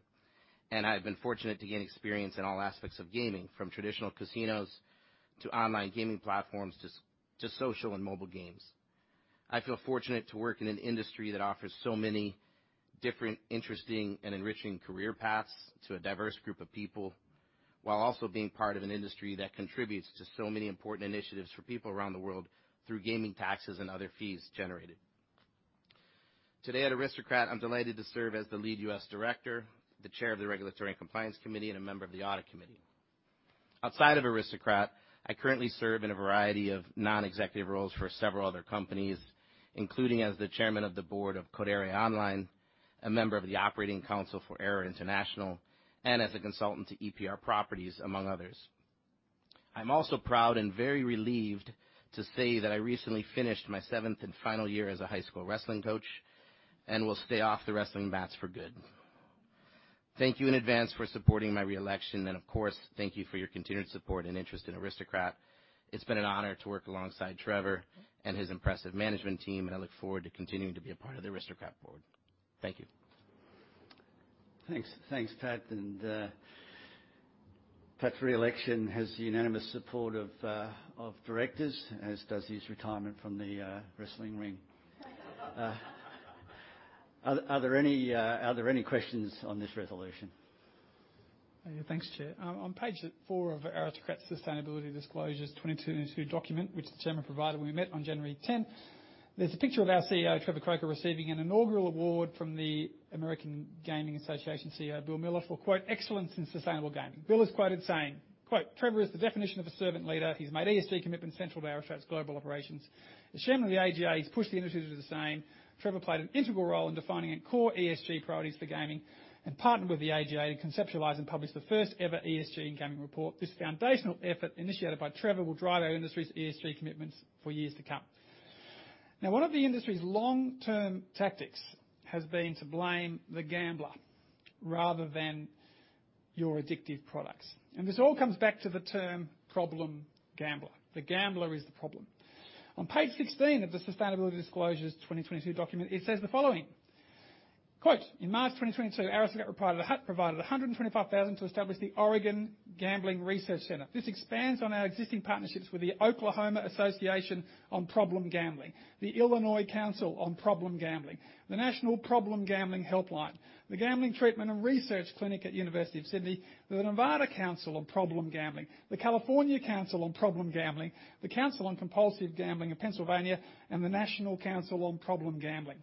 I've been fortunate to gain experience in all aspects of gaming, from traditional casinos to online gaming platforms, to social and mobile games. I feel fortunate to work in an industry that offers so many different, interesting and enriching career paths to a diverse group of people, while also being part of an industry that contributes to so many important initiatives for people around the world through gaming taxes and other fees generated. Today at Aristocrat, I'm delighted to serve as the lead U.S. director, the chair of the Regulatory and Compliance Committee, and a member of the Audit Committee. Outside of Aristocrat, I currently serve in a variety of non-executive roles for several other companies, including as the chairman of the board of Codere Online, a member of the Operating Council for Arrow International, and as a consultant to EPR Properties, among others. I'm also proud and very relieved to say that I recently finished my seventh and final year as a high school wrestling coach and will stay off the wrestling mats for good. Thank you in advance for supporting my re-election, and of course, thank you for your continued support and interest in Aristocrat. It's been an honor to work alongside Trevor and his impressive management team, and I look forward to continuing to be a part of the Aristocrat board. Thank you. Thanks. Thanks, Pat. Pat's re-election has the unanimous support of directors, as does his retirement from the wrestling ring. Are there any questions on this resolution? Thanks, Chair. On page 4 of Aristocrat's Sustainability Disclosures 22 initiative document, which the Chairman provided when we met on January 10th, there's a picture of our CEO Trevor Croker receiving an inaugural award from the American Gaming Association CEO Bill Miller, for quote, "excellence in sustainable gaming." Bill is quoted saying, quote, "Trevor is the definition of a servant leader. He's made ESG commitments central to Aristocrat's global operations. As Chairman of the AGA, he's pushed the industry to do the same. Trevor played an integral role in defining a core ESG priorities for gaming and partnered with the AGA to conceptualize and publish the first ever ESG in gaming report. This foundational effort, initiated by Trevor, will drive our industry's ESG commitments for years to come. One of the industry's long-term tactics has been to blame the gambler rather than your addictive products, and this all comes back to the term problem gambler. The gambler is the problem. On page 16 of the Sustainability Disclosures 2022 document, it says the following, quote, "In March 2022, Aristocrat provided $125,000 to establish the Oregon Gambling Research Center. This expands on our existing partnerships with the Oklahoma Association on Problem Gambling, the Illinois Council on Problem Gambling, the National Problem Gambling Helpline, the Gambling Treatment and Research Clinic at University of Sydney, the Nevada Council on Problem Gambling, the California Council on Problem Gambling, the Council on Compulsive Gambling in Pennsylvania, and the National Council on Problem Gambling.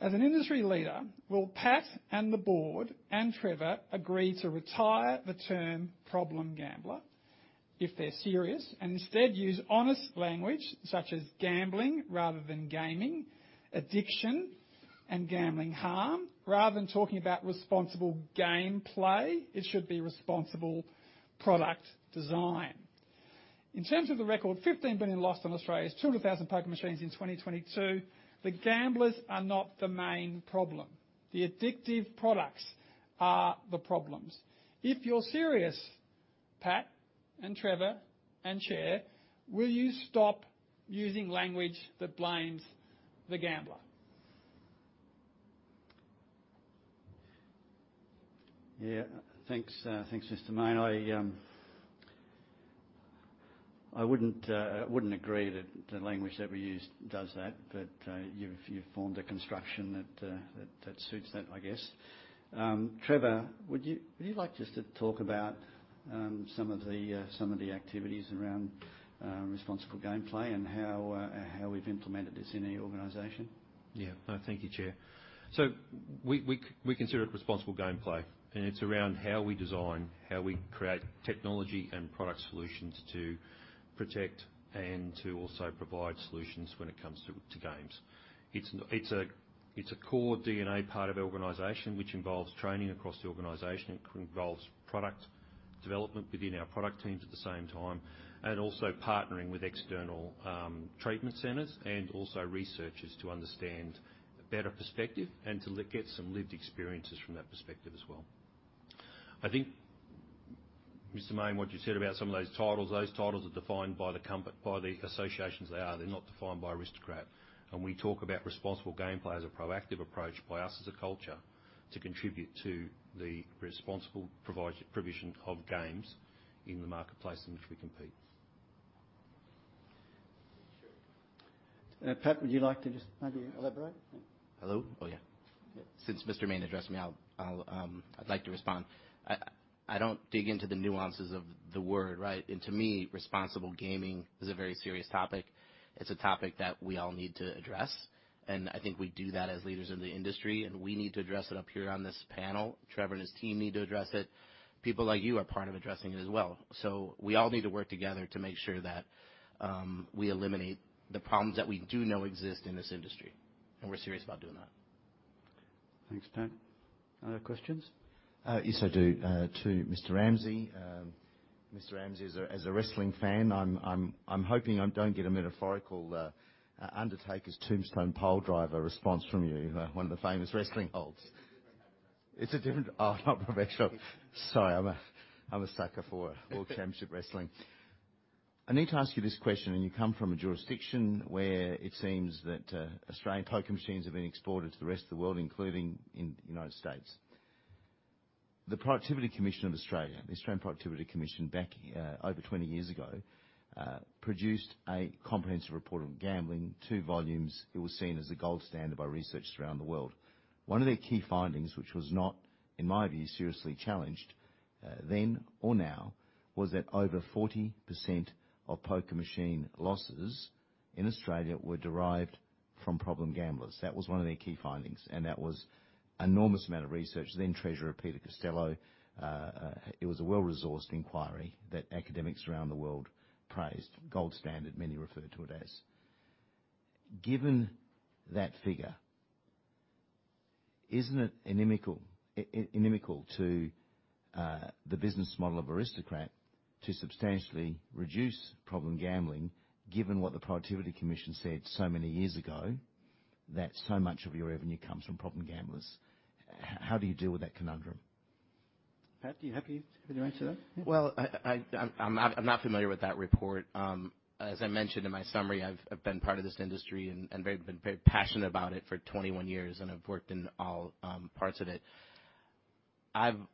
As an industry leader, will Pat and the board and Trevor agree to retire the term problem gambler if they're serious, and instead use honest language such as gambling rather than gaming, addiction and gambling harm? Rather than talking about responsible gameplay, it should be responsible product design. In terms of the record, 15 billion lost on Australia's 200,000 poker machines in 2022, the gamblers are not the main problem. The addictive products are the problems. If you're serious, Pat and Trevor and Chair, will you stop using language that blames the gambler? Yeah. Thanks, Mr. Mayne. I wouldn't agree that the language that we use does that. You've formed a construction that suits that, I guess. Trevor, would you like just to talk about some of the activities around responsible gameplay and how we've implemented this in our organization? Thank you, Chair. We consider it responsible gameplay, and it's around how we design, how we create technology and product solutions to protect and to also provide solutions when it comes to games. It's a core DNA part of our organization which involves training across the organization. It involves product development within our product teams at the same time, also partnering with external treatment centers and also researchers to understand a better perspective and to get some lived experiences from that perspective as well. I think, Mr. Mayne, what you said about some of those titles, those titles are defined by the associations they are. They're not defined by Aristocrat, we talk about responsible gameplay as a proactive approach by us as a culture to contribute to the responsible provision of games in the marketplace in which we compete. Pat, would you like to just maybe elaborate? Hello? Oh, yeah. Since Mr. Mayne addressed me, I'd like to respond. I don't dig into the nuances of the word, right? To me, Responsible Gaming is a very serious topic. It's a topic that we all need to address. I think we do that as leaders of the industry. We need to address it up here on this panel. Trevor and his team need to address it. People like you are part of addressing it as well. We all need to work together to make sure that we eliminate the problems that we do know exist in this industry. We're serious about doing that. Thanks, Pat. Other questions? Yes, I do. To Mr. Ramsey. Mr. Ramsey, as a wrestling fan, I'm hoping I don't get a metaphorical, Undertaker's Tombstone Piledriver response from you, one of the famous wrestling holds. It's a different kind of wrestling. It's a different... Oh, not professional. Sorry, I'm a sucker for World Championship Wrestling. I need to ask you this question. You come from a jurisdiction where it seems that Australian poker machines have been exported to the rest of the world, including in the United States. The Productivity Commission of Australia, the Australian Productivity Commission, back over 20 years ago, produced a comprehensive report on gambling, two volumes. It was seen as the gold standard by researchers around the world. One of their key findings, which was not, in my view, seriously challenged Then or now was that over 40% of poker machine losses in Australia were derived from problem gamblers. That was one of their key findings, and that was enormous amount of research. Then Treasurer Peter Costello, it was a well-resourced inquiry that academics around the world praised, gold standard, many referred to it as. Given that figure, isn't it inimical to the business model of Aristocrat to substantially reduce problem gambling given what the Productivity Commission said so many years ago, that so much of your revenue comes from problem gamblers? How do you deal with that conundrum? Pat, are you happy to answer that? Well, I'm not familiar with that report. As I mentioned in my summary, I've been part of this industry and been very passionate about it for 21 years, and I've worked in all parts of it. I'm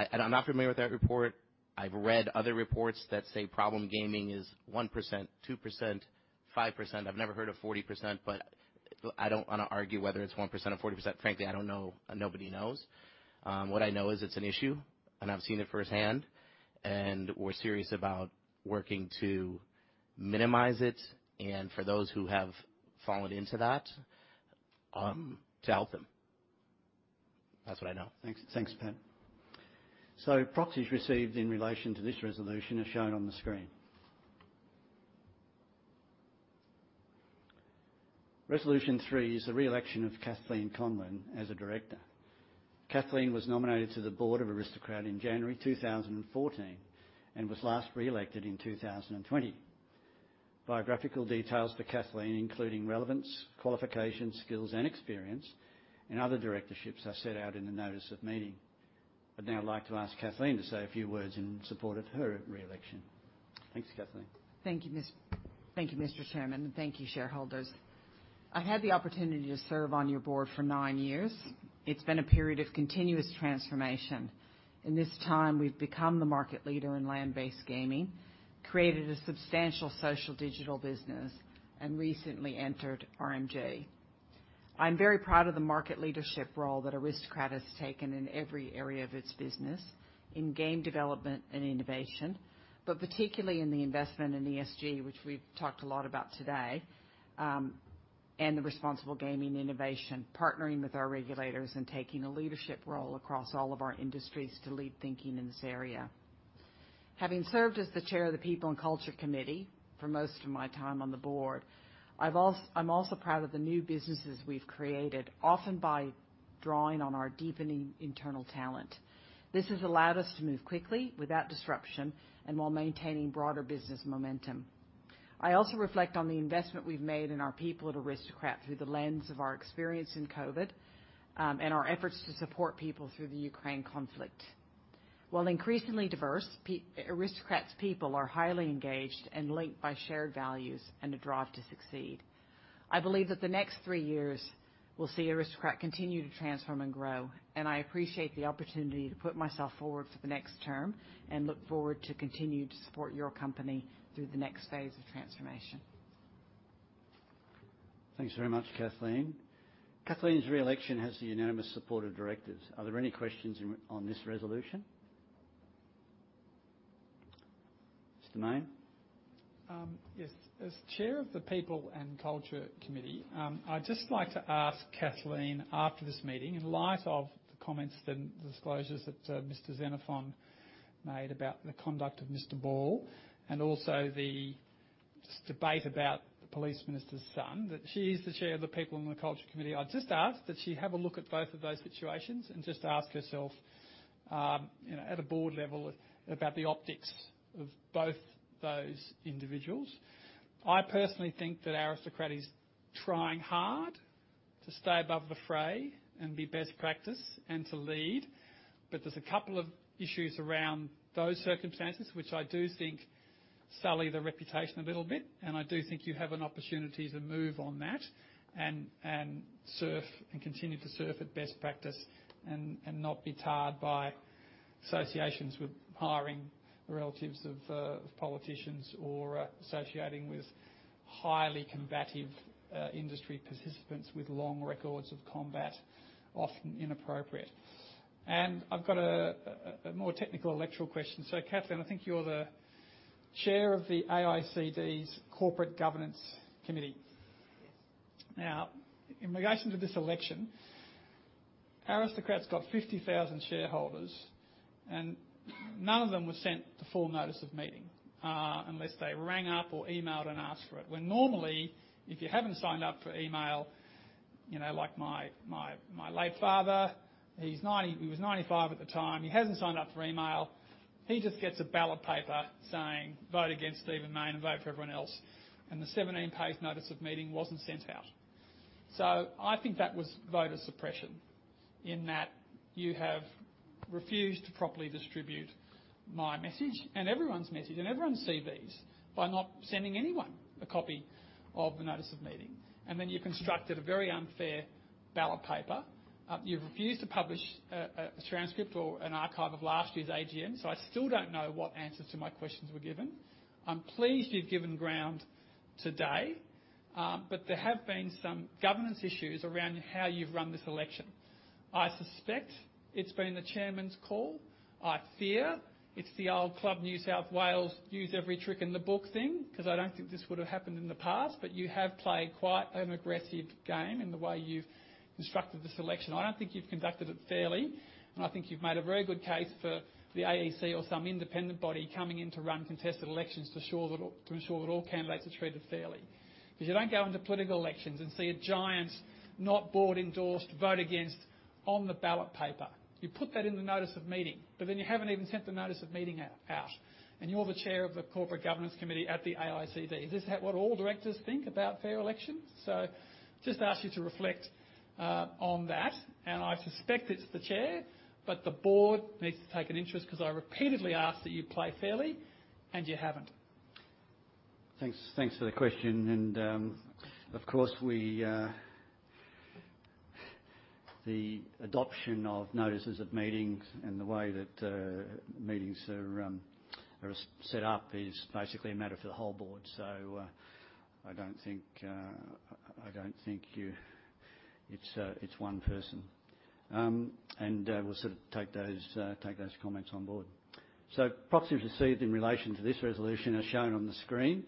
not familiar with that report. I've read other reports that say problem gaming is 1%, 2%, 5%. I've never heard of 40%, but I don't wanna argue whether it's 1% or 40%. Frankly, I don't know, and nobody knows. What I know is it's an issue, and I've seen it firsthand, and we're serious about working to minimize it and for those who have fallen into that, to help them. That's what I know. Thanks, Pat. Proxies received in relation to this resolution are shown on the screen. Resolution three is the reelection of Kathleen Conlon as a director. Kathleen was nominated to the board of Aristocrat in January 2014 and was last reelected in 2020. Biographical details for Kathleen, including relevance, qualifications, skills, and experience and other directorships, are set out in the notice of meeting. I'd now like to ask Kathleen to say a few words in support of her reelection. Thanks, Kathleen. Thank you, Mr. Chairman. Thank you, shareholders. I had the opportunity to serve on your board for nine years. It's been a period of continuous transformation. In this time, we've become the market leader in land-based gaming, created a substantial social digital business, and recently entered RMG. I'm very proud of the market leadership role that Aristocrat has taken in every area of its business, in game development and innovation, but particularly in the investment in ESG, which we've talked a lot about today, and the responsible gaming innovation, partnering with our regulators and taking a leadership role across all of our industries to lead thinking in this area. Having served as the chair of the People and Culture Committee for most of my time on the board, I'm also proud of the new businesses we've created, often by drawing on our deepening internal talent. This has allowed us to move quickly without disruption and while maintaining broader business momentum. I also reflect on the investment we've made in our people at Aristocrat through the lens of our experience in COVID, and our efforts to support people through the Ukraine conflict. While increasingly diverse, Aristocrat's people are highly engaged and linked by shared values and a drive to succeed. I believe that the next three years will see Aristocrat continue to transform and grow, and I appreciate the opportunity to put myself forward for the next term and look forward to continue to support your company through the next phase of transformation. Thanks very much, Kathleen. Kathleen's reelection has the unanimous support of directors. Are there any questions on this resolution? Mr. Mayne? Yes. As chair of the People and Culture Committee, I'd just like to ask Kathleen after this meeting, in light of the comments and disclosures that Mr. Xenophon made about the conduct of Mr. Ball and also the debate about the police minister's son, that she is the chair of the People and the Culture Committee. I'd just ask that she have a look at both of those situations and just ask herself, you know, at a board level, about the optics of both those individuals. I personally think that Aristocrat is trying hard to stay above the fray and be best practice and to lead. There's a couple of issues around those circumstances which I do think sully the reputation a little bit. I do think you have an opportunity to move on that and surf and continue to surf at best practice and not be tarred by associations with hiring the relatives of politicians or associating with highly combative industry participants with long records of combat, often inappropriate. I've got a more technical electoral question. Kathleen, I think you're the chair of the AICD's Corporate Governance Committee. Yes. In regards to this election, Aristocrat's got 50,000 shareholders, none of them were sent the full notice of meeting, unless they rang up or emailed and asked for it. Normally, if you haven't signed up for email, you know, like my late father, he was 95 at the time. He hasn't signed up for email. He just gets a ballot paper saying, "Vote against Stephen Mayne and vote for everyone else." The 17-page notice of meeting wasn't sent out. I think that was voter suppression in that you have refused to properly distribute my message and everyone's message, and everyone see these, by not sending anyone a copy of the notice of meeting. You constructed a very unfair ballot paper. You've refused to publish a transcript or an archive of last year's AGM, so I still don't know what answers to my questions were given. I'm pleased you've given ground today. There have been some governance issues around how you've run this election. I suspect it's been the chairman's call. I fear it's the old ClubsNSW use every trick in the book thing, 'cause I don't think this would've happened in the past. You have played quite an aggressive game in the way you've constructed this election. I don't think you've conducted it fairly, and I think you've made a very good case for the AEC or some independent body coming in to run contested elections to ensure that all candidates are treated fairly. You don't go into political elections and see a giant not board endorsed vote against on the ballot paper. You put that in the notice of meeting, but then you haven't even sent the notice of meeting out, and you're the chair of the Corporate Governance Committee at the AICD. Is this what all directors think about fair elections? Just ask you to reflect on that, and I suspect it's the chair, but the board needs to take an interest 'cause I repeatedly asked that you play fairly, and you haven't. Thanks, thanks for the question. Of course, we the adoption of notices at meetings and the way that meetings are set up is basically a matter for the whole board. I don't think I don't think it's one person. We'll sort of take those take those comments on board. Proxies received in relation to this resolution as shown on the screen.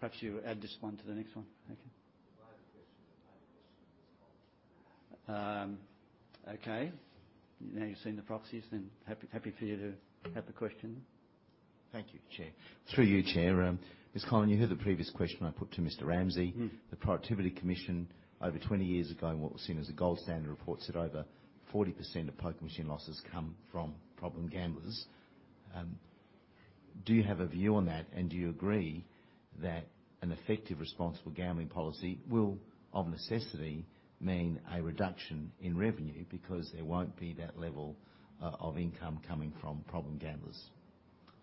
Perhaps you add this one to the next one. Thank you. If I have a question, I have a question, Mr. Chairman. Okay. Now you've seen the proxies, then happy for you to have the question. Thank you, Chair. Through you, Chair. Ms. Conlon, you heard the previous question I put to Mr. Ramsey. Mm. The Productivity Commission over 20 years ago, and what was seen as a gold standard report, said over 40% of poker machine losses come from problem gamblers. Do you have a view on that, and do you agree that an effective responsible gambling policy will, of necessity, mean a reduction in revenue because there won't be that level of income coming from problem gamblers?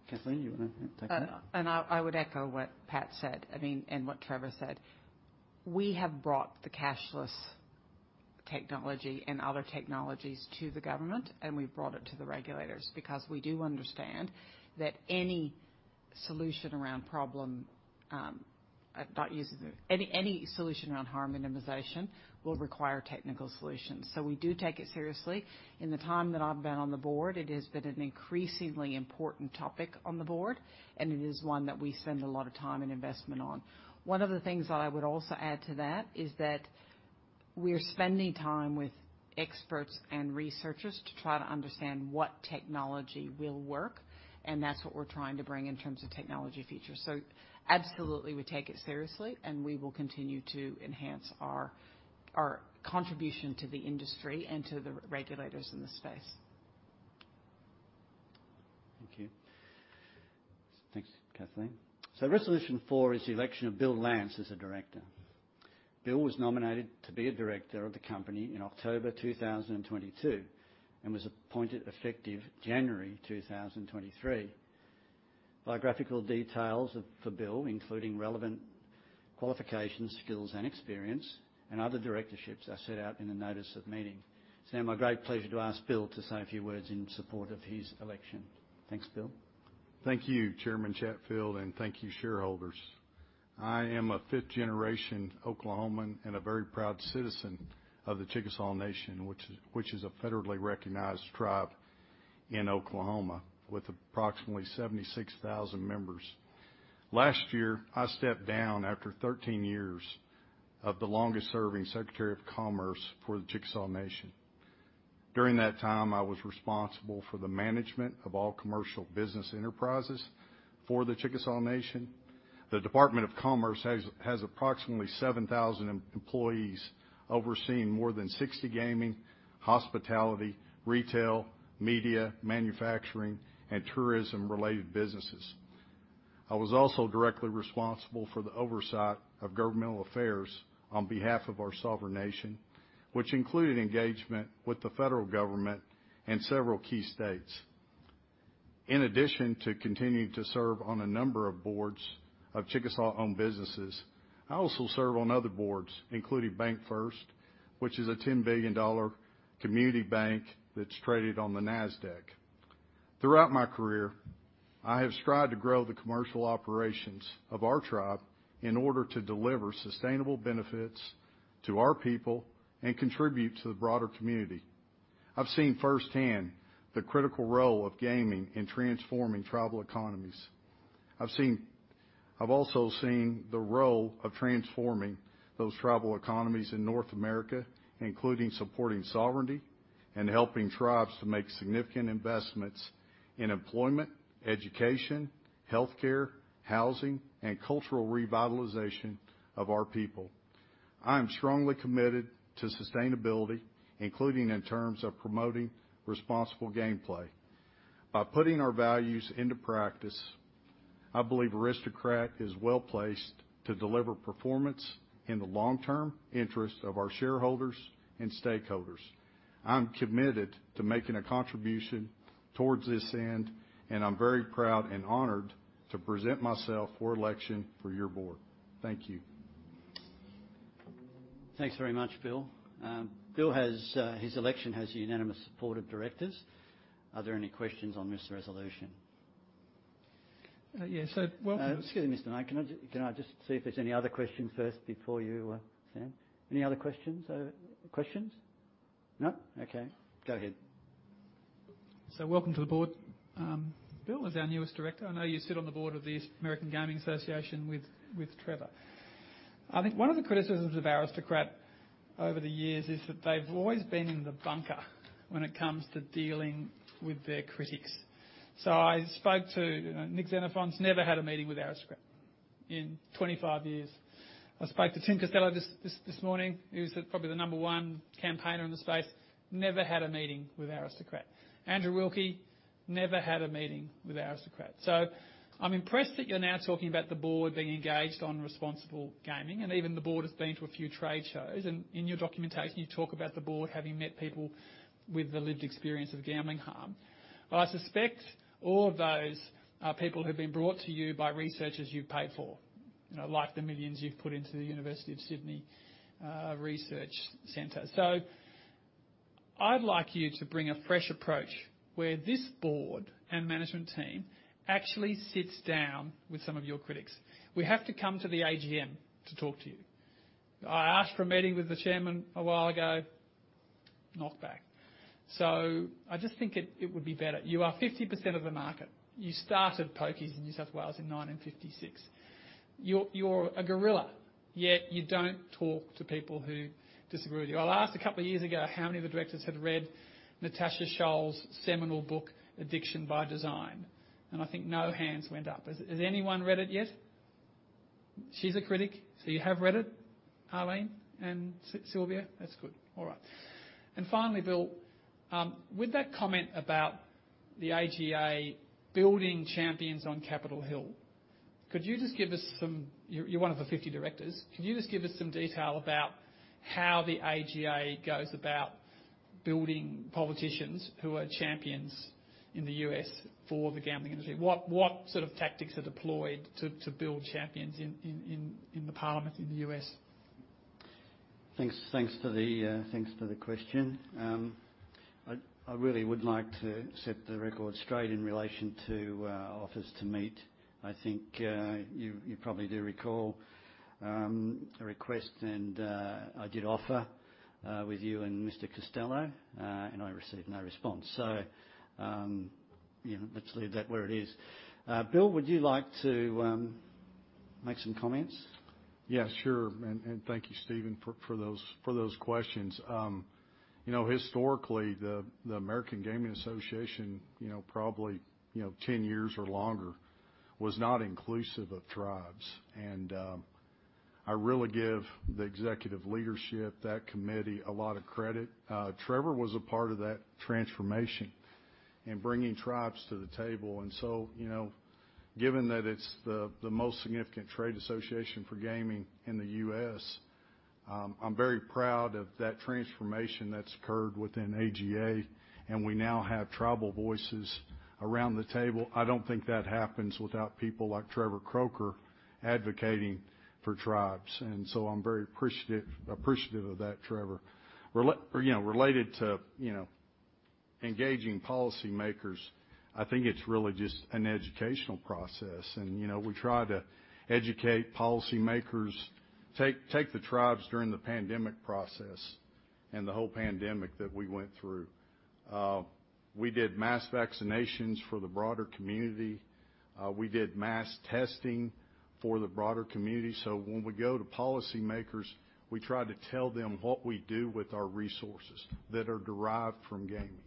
Kathleen, you wanna take that? I would echo what Pat said, I mean, what Trevor said. We have brought the cashless technology and other technologies to the government, and we've brought it to the regulators because we do understand that any solution around problem. Any solution around harm minimization will require technical solutions. We do take it seriously. In the time that I've been on the board, it has been an increasingly important topic on the board, and it is one that we spend a lot of time and investment on. One of the things that I would also add to that is that we're spending time with experts and researchers to try to understand what technology will work, that's what we're trying to bring in terms of technology features. Absolutely we take it seriously, and we will continue to enhance our contribution to the industry and to the regulators in this space. Thank you. Thanks, Kathleen. Resolution Four is the election of Bill Lance as a director. Bill was nominated to be a director of the company in October 2022 and was appointed effective January 2023. Biographical details for Bill, including relevant qualifications, skills and experience, and other directorships, are set out in the notice of meeting. It's now my great pleasure to ask Bill to say a few words in support of his election. Thanks, Bill. Thank you, Chairman Chatfield, and thank you, shareholders. I am a fifth generation Oklahoman and a very proud citizen of the Chickasaw Nation, which is a federally recognized tribe in Oklahoma with approximately 76,000 members. Last year, I stepped down after 13 years of the longest-serving Secretary of Commerce for the Chickasaw Nation. During that time, I was responsible for the management of all commercial business enterprises for the Chickasaw Nation. The Department of Commerce has approximately 7,000 employees overseeing more than 60 gaming, hospitality, retail, media, manufacturing, and tourism-related businesses. I was also directly responsible for the oversight of governmental affairs on behalf of our sovereign nation, which included engagement with the federal government and several key states. In addition to continuing to serve on a number of boards of Chickasaw-owned businesses, I also serve on other boards, including BancFirst, which is a $10 billion community bank that's traded on the Nasdaq. Throughout my career, I have strived to grow the commercial operations of our tribe in order to deliver sustainable benefits to our people and contribute to the broader community. I've seen firsthand the critical role of gaming in transforming tribal economies. I've seen. I've also seen the role of transforming those tribal economies in North America, including supporting sovereignty and helping tribes to make significant investments in employment, education, healthcare, housing, and cultural revitalization of our people. I am strongly committed to sustainability, including in terms of promoting responsible gameplay. By putting our values into practice, I believe Aristocrat is well-placed to deliver performance in the long-term interest of our shareholders and stakeholders. I'm committed to making a contribution towards this end, and I'm very proud and honored to present myself for election for your board. Thank you. Thanks very much, Bill. Bill has his election has the unanimous support of directors. Are there any questions on this resolution? yeah. welcome- Excuse me, Mr. Mayne. Can I just see if there's any other questions first before you, Sam? Any other questions? Questions? No. Okay, go ahead. Welcome to the board, Bill, as our newest director. I know you sit on the board of the American Gaming Association with Trevor. I think one of the criticisms of Aristocrat over the years is that they've always been in the bunker when it comes to dealing with their critics. Nick Xenophon's never had a meeting with Aristocrat in 25 years. I spoke to Tim Costello this morning, who's probably the number one campaigner in the space. Never had a meeting with Aristocrat. Andrew Wilkie never had a meeting with Aristocrat. I'm impressed that you're now talking about the board being engaged on responsible gaming, and even the board has been to a few trade shows. In your documentation, you talk about the board having met people with the lived experience of gambling harm. I suspect all of those people have been brought to you by researchers you've paid for, you know, like the millions you've put into the University of Sydney research center. I'd like you to bring a fresh approach where this board and management team actually sits down with some of your critics. We have to come to the AGM to talk to you. I asked for a meeting with the chairman a while ago, knocked back. I just think it would be better. You are 50% of the market. You started pokies in New South Wales in 1956. You're a gorilla, yet you don't talk to people who disagree with you. I'll ask a couple of years ago how many of the directors had read Natasha Dow Schüll's seminal book, *Addiction by Design*, and I think no hands went up. Has anyone read it yet? She's a critic. You have read it, Arlene and Sylvia? That's good. All right. Finally, Bill, with that comment about the AGA building champions on Capitol Hill, You're one of the 50 directors, could you just give us some detail about how the AGA goes about building politicians who are champions in the U.S. for the gambling industry? What sort of tactics are deployed to build champions in the parliament in the U.S.? Thanks for the question. I really would like to set the record straight in relation to offers to meet. I think, you probably do recall a request and I did offer with you and Mr. Costello, and I received no response. You know, let's leave that where it is. Bill, would you like to make some comments? Yeah, sure. Thank you, Stephen Mayne, for those questions. You know, historically, the American Gaming Association, you know, probably, you know, 10 years or longer, was not inclusive of tribes. I really give the executive leadership, that committee, a lot of credit. Trevor Croker was a part of that transformation in bringing tribes to the table. You know, given that it's the most significant trade association for gaming in the U.S., I'm very proud of that transformation that's occurred within AGA, and we now have tribal voices around the table. I don't think that happens without people like Trevor Croker advocating for tribes. I'm very appreciative of that, Trevor Croker. You know, related to, you know, engaging policymakers, I think it's really just an educational process. You know, we try to educate policymakers. Take the tribes during the pandemic process and the whole pandemic that we went through. We did mass vaccinations for the broader community. We did mass testing for the broader community. When we go to policymakers, we try to tell them what we do with our resources that are derived from gaming.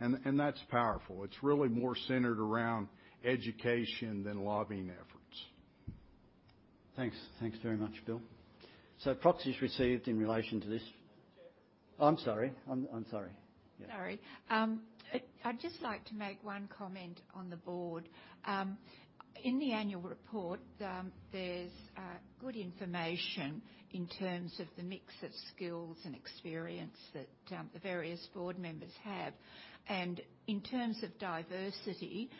That's powerful. It's really more centered around education than lobbying efforts. Thanks. Thanks very much, Bill. Proxies received in relation to. Mr. Chair. I'm sorry. I'm sorry. Yeah. Sorry. I'd just like to make 1 comment on the board. In the annual report, there's good information in terms of the mix of skills and experience that the various board members have. In terms of diversity,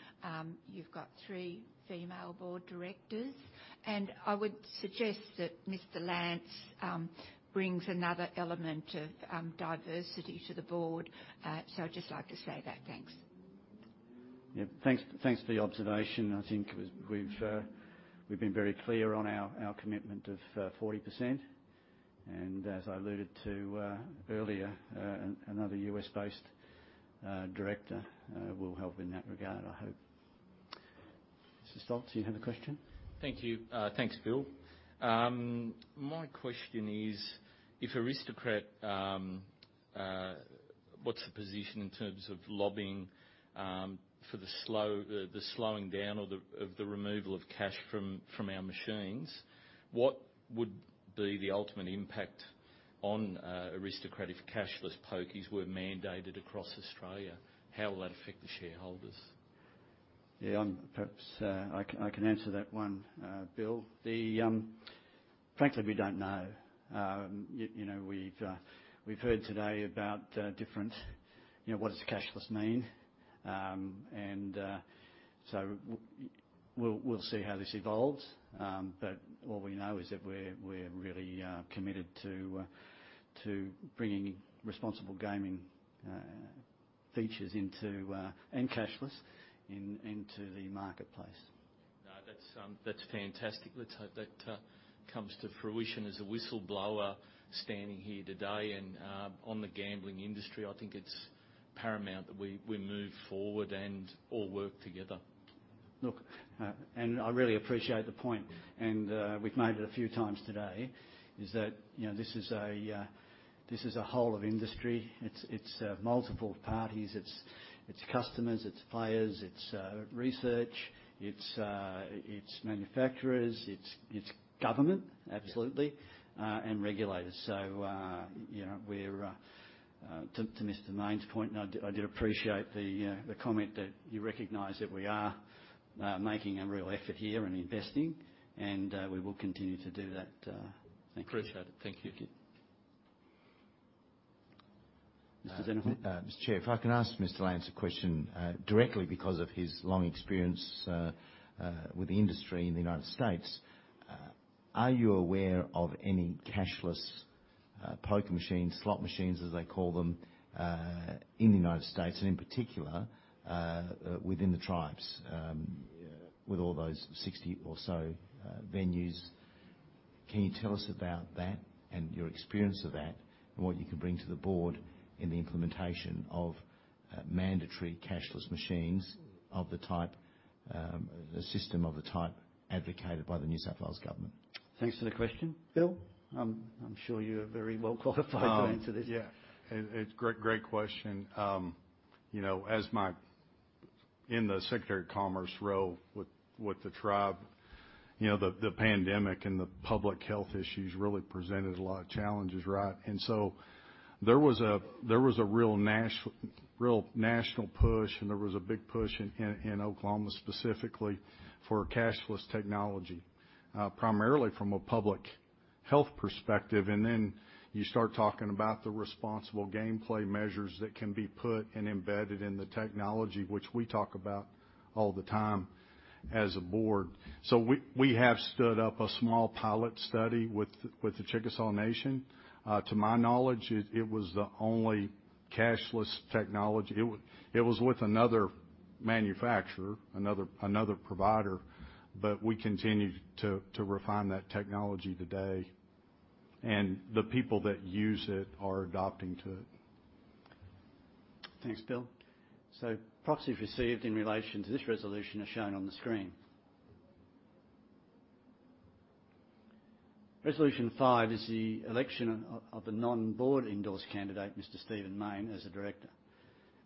you've got 3 female board directors. I would suggest that Mr. Lance brings another element of diversity to the board. I'd just like to say that. Thanks. Yeah. Thanks for the observation. I think we've been very clear on our commitment of 40%. As I alluded to earlier, another U.S.-based director will help in that regard, I hope. Mr. Stolz, you had a question? Thank you. Thanks, Bill. My question is, if Aristocrat, what's the position in terms of lobbying for the slowing down or the removal of cash from our machines? What would be the ultimate impact on Aristocrat if cashless pokies were mandated across Australia? How will that affect the shareholders? Yeah, perhaps, I can answer that one, Bill. Frankly, we don't know. You know, we've heard today about, different, you know, what does cashless mean? We'll see how this evolves. All we know is that we're really committed to bringing responsible gaming features into and cashless into the marketplace. No, that's fantastic. Let's hope that comes to fruition as a whistleblower standing here today and on the gambling industry, I think it's paramount that we move forward and all work together. Look, I really appreciate the point, and we've made it a few times today, is that, you know, this is a, this is a whole of industry. It's, it's multiple parties. It's, it's customers, it's players, it's research. It's, it's manufacturers, it's government... Yeah. Absolutely. Regulators. You know, we're to Mr. Mayne's point, and I did appreciate the comment that you recognize that we are making a real effort here and investing, and we will continue to do that. Thank you. Appreciate it. Thank you. Thank you. Mr. Xenophon? Mr. Chair, if I can ask Mr. Lance a question, directly because of his long experience, with the industry in the United States. Are you aware of any cashless, poker machines, slot machines, as they call them, in the United States and in particular, within the tribes, with all those 60 or so, venues? Can you tell us about that and your experience of that, and what you can bring to the board in the implementation of, mandatory cashless machines of the type, the system of the type advocated by the New South Wales government? Thanks for the question. Bill, I'm sure you're very well qualified to answer this. Yeah. It's a great question. You know, as in the Secretary of Commerce role with the tribe, you know, the pandemic and the public health issues really presented a lot of challenges, right? There was a real national push, and there was a big push in Oklahoma, specifically for cashless technology, primarily from a public health perspective. Then you start talking about the responsible gameplay measures that can be put and embedded in the technology, which we talk about all the time as a board. We have stood up a small pilot study with the Chickasaw Nation. To my knowledge, it was the only cashless technology. It was with another manufacturer, another provider, but we continue to refine that technology today, and the people that use it are adopting to it. Thanks, Bill. Proxies received in relation to this resolution are shown on the screen. Resolution five is the election of the non-board endorsed candidate, Mr. Stephen Mayne, as a director.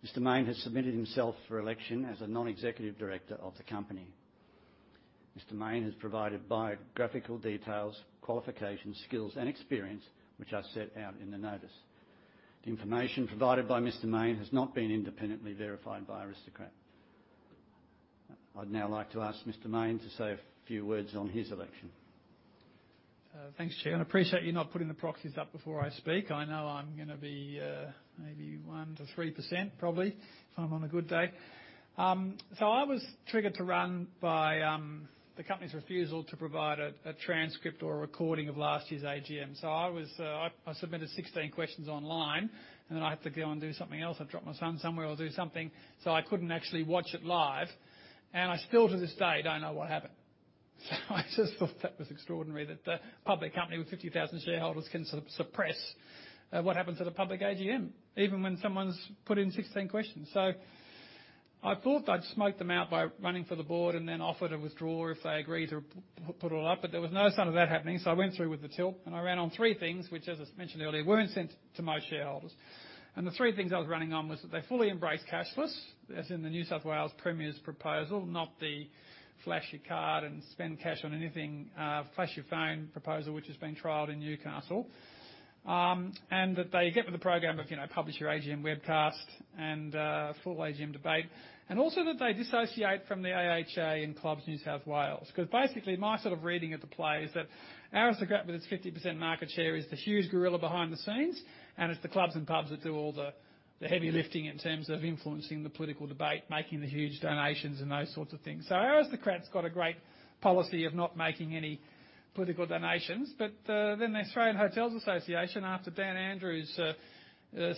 Mr. Mayne has submitted himself for election as a non-executive director of the company. Mr. Mayne has provided biographical details, qualifications, skills, and experience, which are set out in the notice. The information provided by Mr. Mayne has not been independently verified by Aristocrat. I'd now like to ask Mr. Mayne to say a few words on his election. Thanks, Chair, I appreciate you not putting the proxies up before I speak. I know I'm gonna be, maybe 1%-3% probably, if I'm on a good day. I was triggered to run by the company's refusal to provide a transcript or a recording of last year's AGM. I submitted 16 questions online, and then I had to go and do something else. I've dropped my son somewhere or do something, so I couldn't actually watch it live. I still to this day don't know what happened. I just thought that was extraordinary that a public company with 50,000 shareholders can suppress what happened to the public AGM, even when someone's put in 16 questions. I thought I'd smoke them out by running for the board and then offered a withdrawal if they agreed to put it all up, but there was no sign of that happening. I went through with the tilt, and I ran on three things, which as I mentioned earlier, weren't sent to most shareholders. The three things I was running on was that they fully embrace cashless, as in the New South Wales Premier's proposal, not the flashy card and spend cash on anything, flash your phone proposal, which is being trialed in Newcastle. That they get with the program of, you know, publish your AGM webcast and full AGM debate. Also that they dissociate from the AHA and ClubsNSW, because basically my sort of reading of the play is that Aristocrat with its 50% market share is the huge gorilla behind the scenes, and it's the clubs and pubs that do all the heavy lifting in terms of influencing the political debate, making the huge donations and those sorts of things. Aristocrat's got a great policy of not making any political donations. The Australian Hotels Association, after Daniel Andrews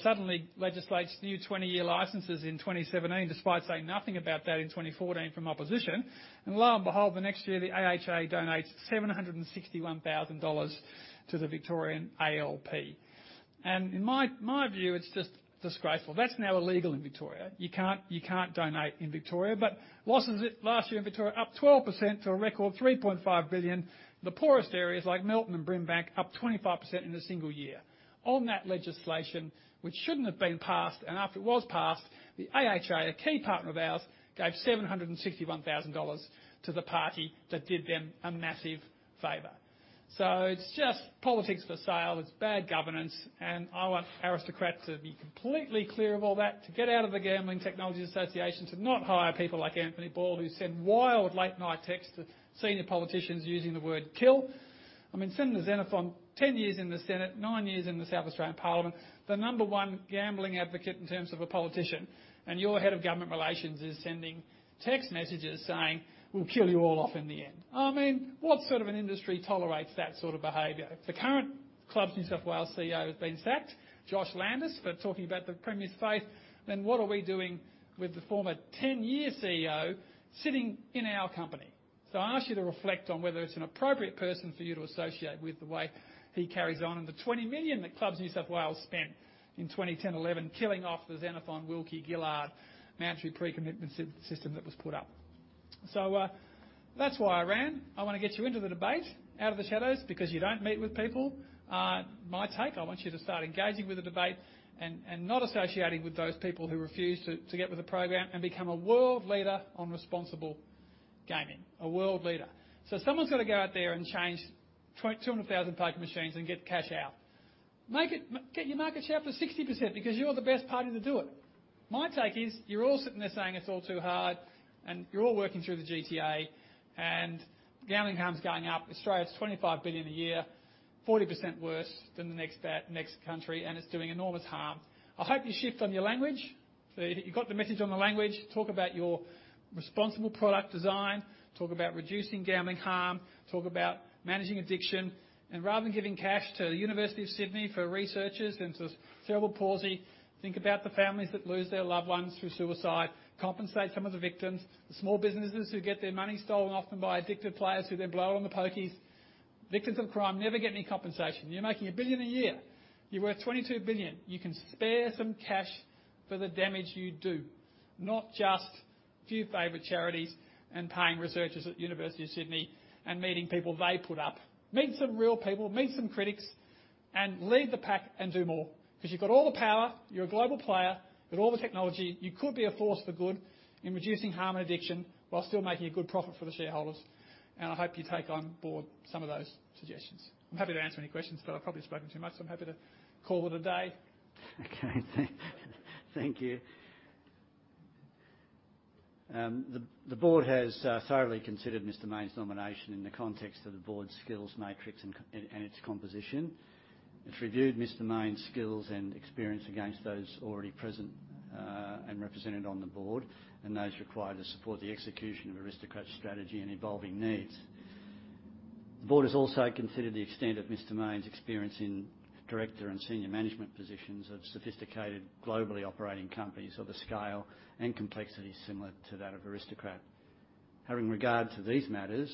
suddenly legislates new 20-year licenses in 2017, despite saying nothing about that in 2014 from opposition. Lo and behold, the next year, the AHA donates 761,000 dollars to the Victorian ALP. In my view, it's just disgraceful. That's now illegal in Victoria. You can't donate in Victoria. Losses last year in Victoria up 12% to a record 3.5 billion. The poorest areas like Melton and Brimbank up 25% in a single year on that legislation, which shouldn't have been passed. After it was passed, the AHA, a key partner of ours, gave 761,000 dollars to the party that did them a massive favor. It's just politics for sale. It's bad governance. I want Aristocrat to be completely clear of all that, to get out of the Gaming Technologies Association, to not hire people like Anthony Ball, who sent wild late-night texts to senior politicians using the word kill. I mean, Senator Xenophon, 10 years in the Senate, nine years in the South Australian Parliament, the number one gambling advocate in terms of a politician, and your head of government relations is sending text messages saying, "We'll kill you all off in the end." I mean, what sort of an industry tolerates that sort of behavior? The current ClubsNSW CEO has been sacked, Josh Landis, for talking about the Premier's faith. What are we doing with the former 10-year CEO sitting in our company? I ask you to reflect on whether it's an appropriate person for you to associate with the way he carries on. The 20 million that ClubsNSW spent in 2010-2011 killing off the Xenophon-Wilkie-Gillard mandatory pre-commitment system that was put up. That's why I ran. I wanna get you into the debate, out of the shadows, because you don't meet with people. My take, I want you to start engaging with the debate and not associating with those people who refuse to get with the program and become a world leader on responsible gaming. A world leader. Someone's gotta go out there and change 200,000 poker machines and get the cash out. Get your market share up to 60% because you're the best party to do it. My take is you're all sitting there saying it's all too hard, and you're all working through the GTA, and gambling harm's going up. Australia's 25 billion a year, 40% worse than the next bet, next country, and it's doing enormous harm. I hope you shift on your language. You, you got the message on the language. Talk about your responsible product design, talk about reducing gambling harm, talk about managing addiction. Rather than giving cash to the University of Sydney for researchers into cerebral palsy, think about the families that lose their loved ones through suicide. Compensate some of the victims. The small businesses who get their money stolen, often by addicted players who then blow it on the pokies. Victims of crime never get any compensation. You're making 1 billion a year. You're worth 22 billion. You can spare some cash for the damage you do, not just a few favorite charities and paying researchers at University of Sydney and meeting people they put up. Meet some real people, meet some critics, and lead the pack and do more. ’Cause you've got all the power, you're a global player, you've got all the technology. You could be a force for good in reducing harm and addiction while still making a good profit for the shareholders. I hope you take on board some of those suggestions. I'm happy to answer any questions, but I've probably spoken too much, so I'm happy to call it a day. Okay. Thank you. The board has thoroughly considered Mr. Mayne's nomination in the context of the board's skills matrix and its composition. It's reviewed Mr. Mayne's skills and experience against those already present and represented on the board, and those required to support the execution of Aristocrat's strategy and evolving needs. The board has also considered the extent of Mr. Mayne's experience in director and senior management positions of sophisticated, globally operating companies of a scale and complexity similar to that of Aristocrat. Having regard to these matters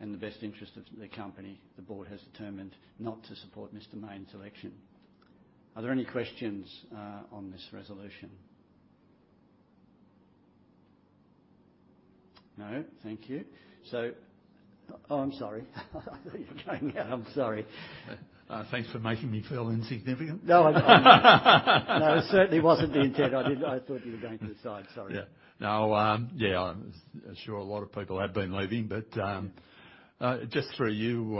and the best interest of the company, the board has determined not to support Mr. Mayne's election. Are there any questions on this resolution? No? Thank you. Oh, I'm sorry. I thought you were going out. I'm sorry. Thanks for making me feel insignificant. No, it certainly wasn't the intent. I thought you were going to the side, sorry. Yeah. No, yeah, I'm sure a lot of people have been leaving. Just through you,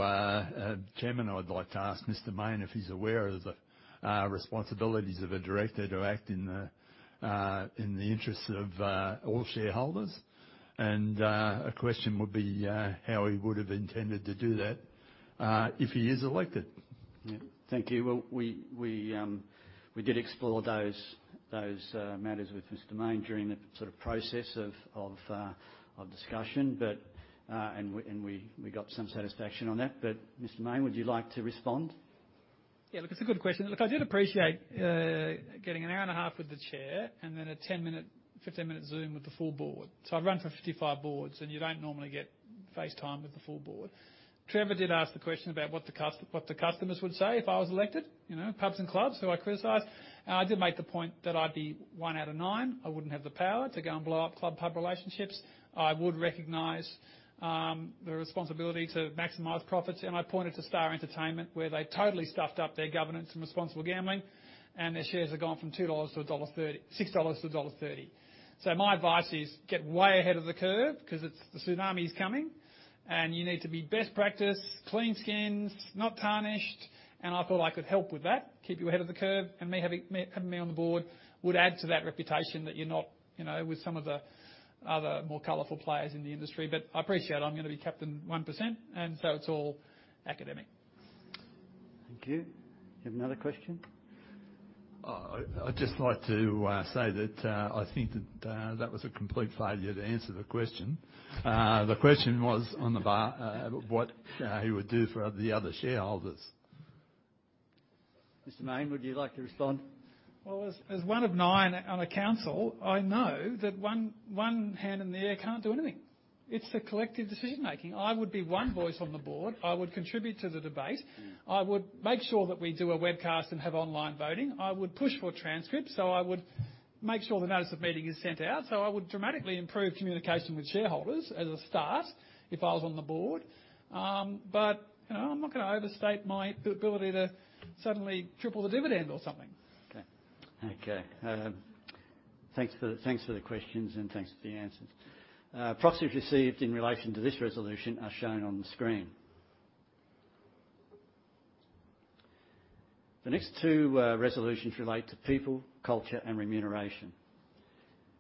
Chairman, I would like to ask Stephen Mayne if he's aware of the responsibilities of a director to act in the interests of all shareholders. A question would be how he would have intended to do that if he is elected. Yeah. Thank you. Well, we did explore those matters with Mr. Mayne during the sort of process of discussion, but we got some satisfaction on that. Mr. Mayne, would you like to respond? Yeah, look, it's a good question. Look, I did appreciate getting an hour and a half with the Chair and then a 10-minute, 15-minute Zoom with the full board. I've run for 55 boards, you don't normally get face time with the full board. Trevor did ask the question about what the customers would say if I was elected. You know, pubs and clubs who I criticized. I did make the point that I'd be one out of nine. I wouldn't have the power to go and blow up club-pub relationships. I would recognize the responsibility to maximize profits. I pointed to Star Entertainment, where they totally stuffed up their governance and responsible gambling, their shares have gone from 6 dollars to 1.30 dollars. My advice is get way ahead of the curve 'cause the tsunami is coming, and you need to be best practice, clean skins, not tarnished. I thought I could help with that, keep you ahead of the curve. Me having me on the board would add to that reputation that you're not, you know, with some of the other more colorful players in the industry. I appreciate I'm gonna be captain 1%, and so it's all academic. Thank you. You have another question? I'd just like to say that I think that that was a complete failure to answer the question. The question was on what he would do for the other shareholders. Mr. Mayne, would you like to respond? Well, as one of nine on a council, I know that one hand in the air can't do anything. It's the collective decision-making. I would be one voice on the board. I would contribute to the debate. I would make sure that we do a webcast and have online voting. I would push for transcripts. I would make sure the notice of meeting is sent out. I would dramatically improve communication with shareholders as a start if I was on the board. But, you know, I'm not gonna overstate my ability to suddenly triple the dividend or something. Okay. Okay. Thanks for, thanks for the questions. Thanks for the answers. Proxies received in relation to this resolution are shown on the screen. The next two resolutions relate to people, culture and remuneration.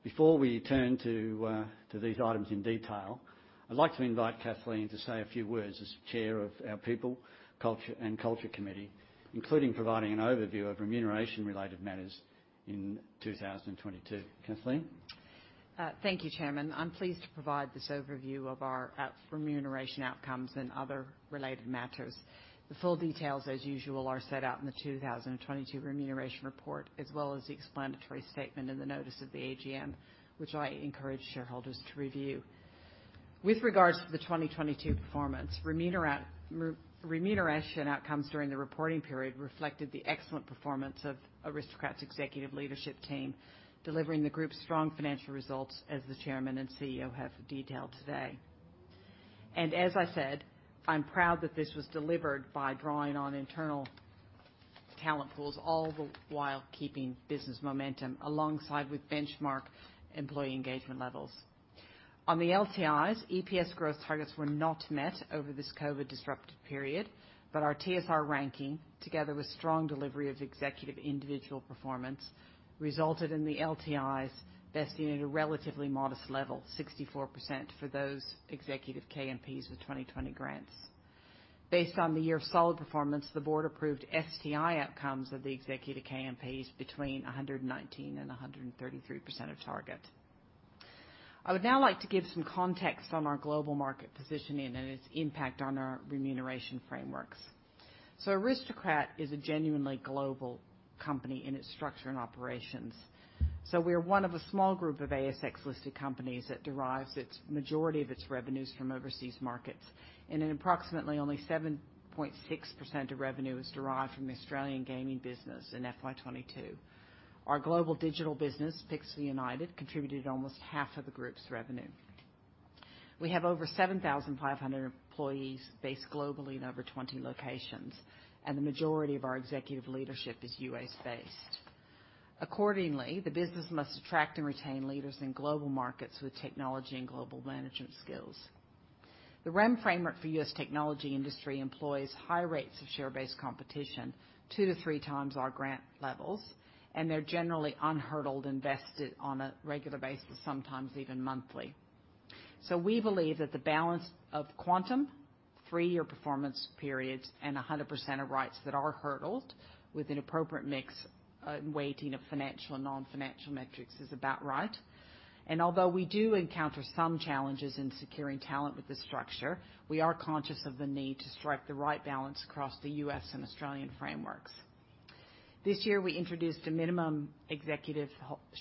Before we turn to these items in detail, I'd like to invite Kathleen to say a few words as Chair of our People and Culture Committee, including providing an overview of remuneration related matters in 2022. Kathleen. Thank you, Chairman. I'm pleased to provide this overview of our remuneration outcomes and other related matters. The full details, as usual, are set out in the 2022 Remuneration Report, as well as the explanatory statement in the notice of the AGM, which I encourage shareholders to review. With regards to the 2022 performance, remuneration outcomes during the reporting period reflected the excellent performance of Aristocrat's executive leadership team, delivering the Group's strong financial results as the Chairman and CEO have detailed today. As I said, I'm proud that this was delivered by drawing on internal talent pools, all the while keeping business momentum alongside with benchmark employee engagement levels. On the LTIs, EPS growth targets were not met over this COVID disruptive period, but our TSR ranking, together with strong delivery of executive individual performance, resulted in the LTIs vesting at a relatively modest level, 64% for those executive KMPs with 2020 grants. Based on the year of solid performance, the Board approved STI outcomes of the executive KMPs between 119 and 133% of target. I would now like to give some context on our global market positioning and its impact on our remuneration frameworks. Aristocrat is a genuinely global company in its structure and operations. We're one of a small group of ASX-listed companies that derives its majority of its revenues from overseas markets. Approximately only 7.6% of revenue is derived from the Australian gaming business in FY 2022. Our global digital business, Pixel United, contributed almost half of the Group's revenue. We have over 7,500 employees based globally in over 20 locations, and the majority of our executive leadership is US-based. Accordingly, the business must attract and retain leaders in global markets with technology and global management skills. The REM framework for US technology industry employs high rates of share-based competition, 2-3 times our grant levels, and they're generally unhurdled, invested on a regular basis, sometimes even monthly. We believe that the balance of quantum, 3-year performance periods, and 100% of rights that are hurdled with an appropriate mix and weighting of financial and non-financial metrics is about right. Although we do encounter some challenges in securing talent with this structure, we are conscious of the need to strike the right balance across the US and Australian frameworks. This year, we introduced a minimum executive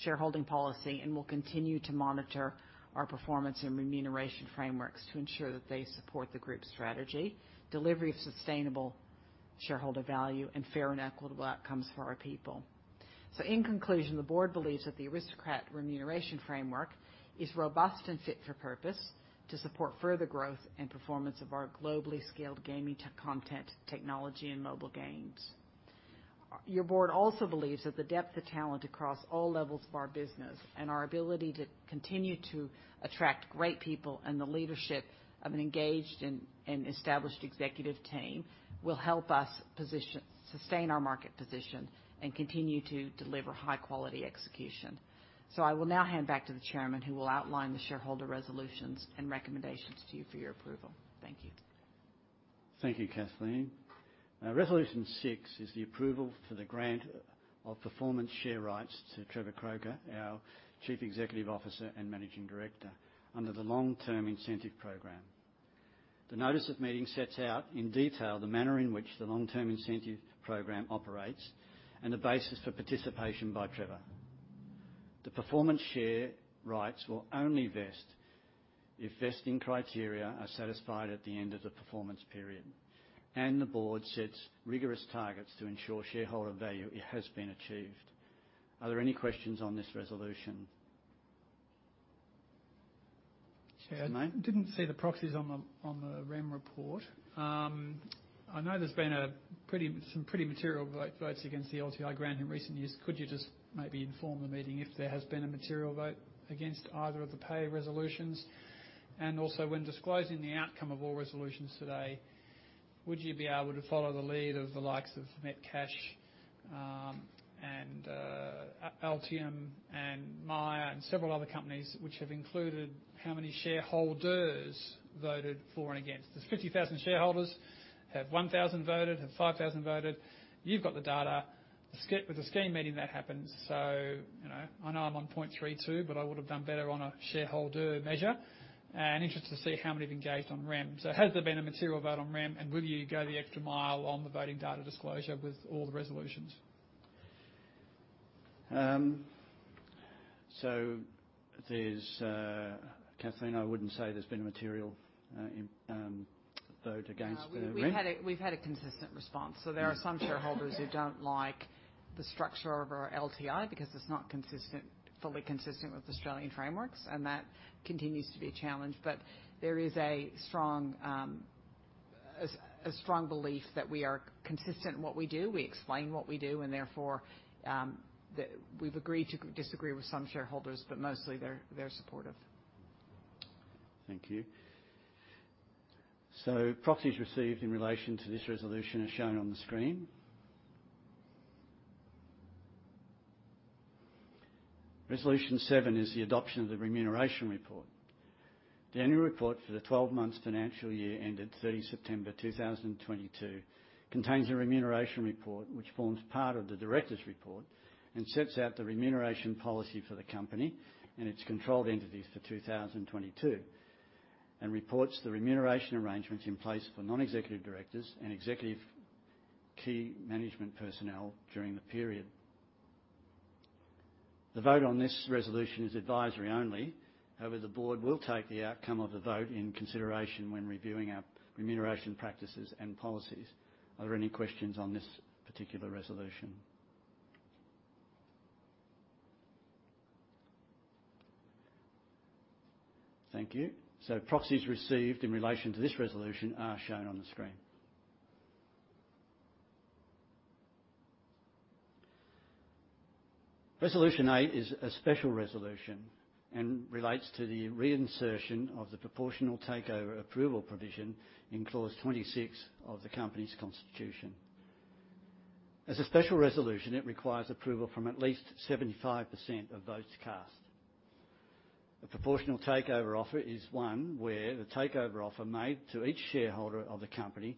shareholding policy and will continue to monitor our performance and remuneration frameworks to ensure that they support the Group's strategy, delivery of sustainable shareholder value, and fair and equitable outcomes for our people. In conclusion, the Board believes that the Aristocrat remuneration framework is robust and fit for purpose to support further growth and performance of our globally scaled gaming content, technology, and mobile games. Your Board also believes that the depth of talent across all levels of our business and our ability to continue to attract great people and the leadership of an engaged and established executive team will help us position, sustain our market position and continue to deliver high-quality execution. I will now hand back to the Chairman who will outline the shareholder resolutions and recommendations to you for your approval. Thank you. Thank you, Kathleen. Resolution Six is the approval for the grant of performance share rights to Trevor Croker, our Chief Executive Officer and Managing Director, under the Long Term Incentive Program. The notice of meeting sets out in detail the manner in which the Long Term Incentive Program operates and the basis for participation by Trevor. The performance share rights will only vest if vesting criteria are satisfied at the end of the performance period, and the Board sets rigorous targets to ensure shareholder value has been achieved. Are there any questions on this resolution? Chair. Mate. Didn't see the proxies on the, on the REM report. I know there's been some pretty material votes against the LTI grant in recent years. Could you just maybe inform the meeting if there has been a material vote against either of the pay resolutions? When disclosing the outcome of all resolutions today, would you be able to follow the lead of the likes of Metcash, Altium and Myer and several other companies which have included how many shareholders voted for and against? There's 50,000 shareholders. Have 1,000 voted? Have 5,000 voted? You've got the data. With the scheme meeting, that happens so, you know. I know I'm on point 3.2, but I would have done better on a shareholder measure. Interested to see how many have engaged on REM. Has there been a material vote on REM, and will you go the extra mile on the voting data disclosure with all the resolutions? There's Kathleen, I wouldn't say there's been a material vote against the REM. No, we've had a consistent response. Yeah. There are some shareholders who don't like the structure of our LTI because it's not consistent, fully consistent with Australian frameworks, and that continues to be a challenge. There is a strong. A strong belief that we are consistent in what we do, we explain what we do. Therefore, we've agreed to disagree with some shareholders. Mostly, they're supportive. Thank you. Proxies received in relation to this resolution are shown on the screen. Resolution seven is the adoption of the Remuneration Report. The annual report for the 12 months financial year ended September 30, 2022, contains a Remuneration Report which forms part of the Directors' Report and sets out the remuneration policy for the company and its controlled entities for 2022, and reports the remuneration arrangements in place for non-executive directors and executive Key Management Personnel during the period. The vote on this resolution is advisory only. However, the board will take the outcome of the vote in consideration when reviewing our remuneration practices and policies. Are there any questions on this particular resolution? Thank you. Proxies received in relation to this resolution are shown on the screen. Resolution A is a special resolution and relates to the reinsertion of the proportional takeover approval provision in clause 26 of the company's constitution. As a special resolution, it requires approval from at least 75% of votes cast. A proportional takeover offer is one where the takeover offer made to each shareholder of the company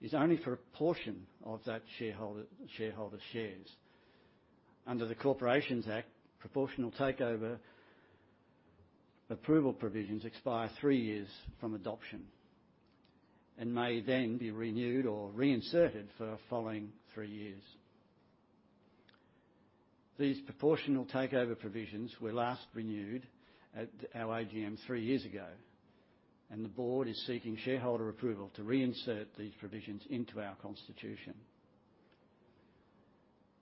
is only for a portion of that shareholder shares. Under the Corporations Act, proportional takeover approval provisions expire three years from adoption and may then be renewed or reinserted for a following three years. These proportional takeover provisions were last renewed at our AGM three years ago, and the board is seeking shareholder approval to reinsert these provisions into our constitution.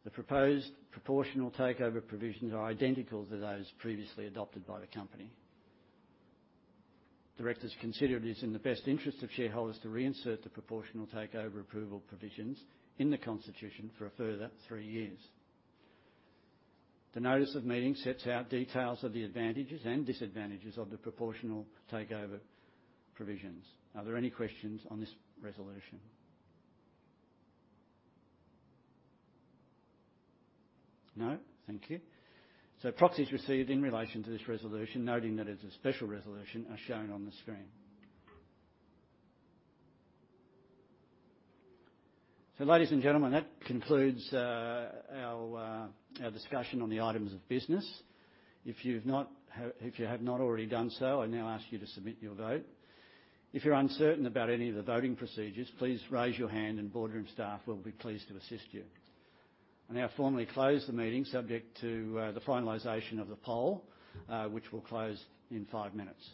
The proposed proportional takeover provisions are identical to those previously adopted by the company. Directors consider it is in the best interest of shareholders to reinsert the proportional takeover approval provisions in the constitution for a further three years. The notice of meeting sets out details of the advantages and disadvantages of the proportional takeover provisions. Are there any questions on this resolution? No. Thank you. Proxies received in relation to this resolution, noting that it's a special resolution, are shown on the screen. Ladies and gentlemen, that concludes our discussion on the items of business. If you have not already done so, I now ask you to submit your vote. If you're uncertain about any of the voting procedures, please raise your hand and boardroom staff will be pleased to assist you. I now formally close the meeting subject to the finalization of the poll, which will close in five minutes.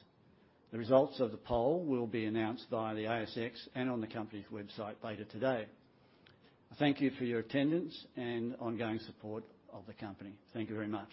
The results of the poll will be announced via the ASX and on the company's website later today. Thank you for your attendance and ongoing support of the company. Thank you very much.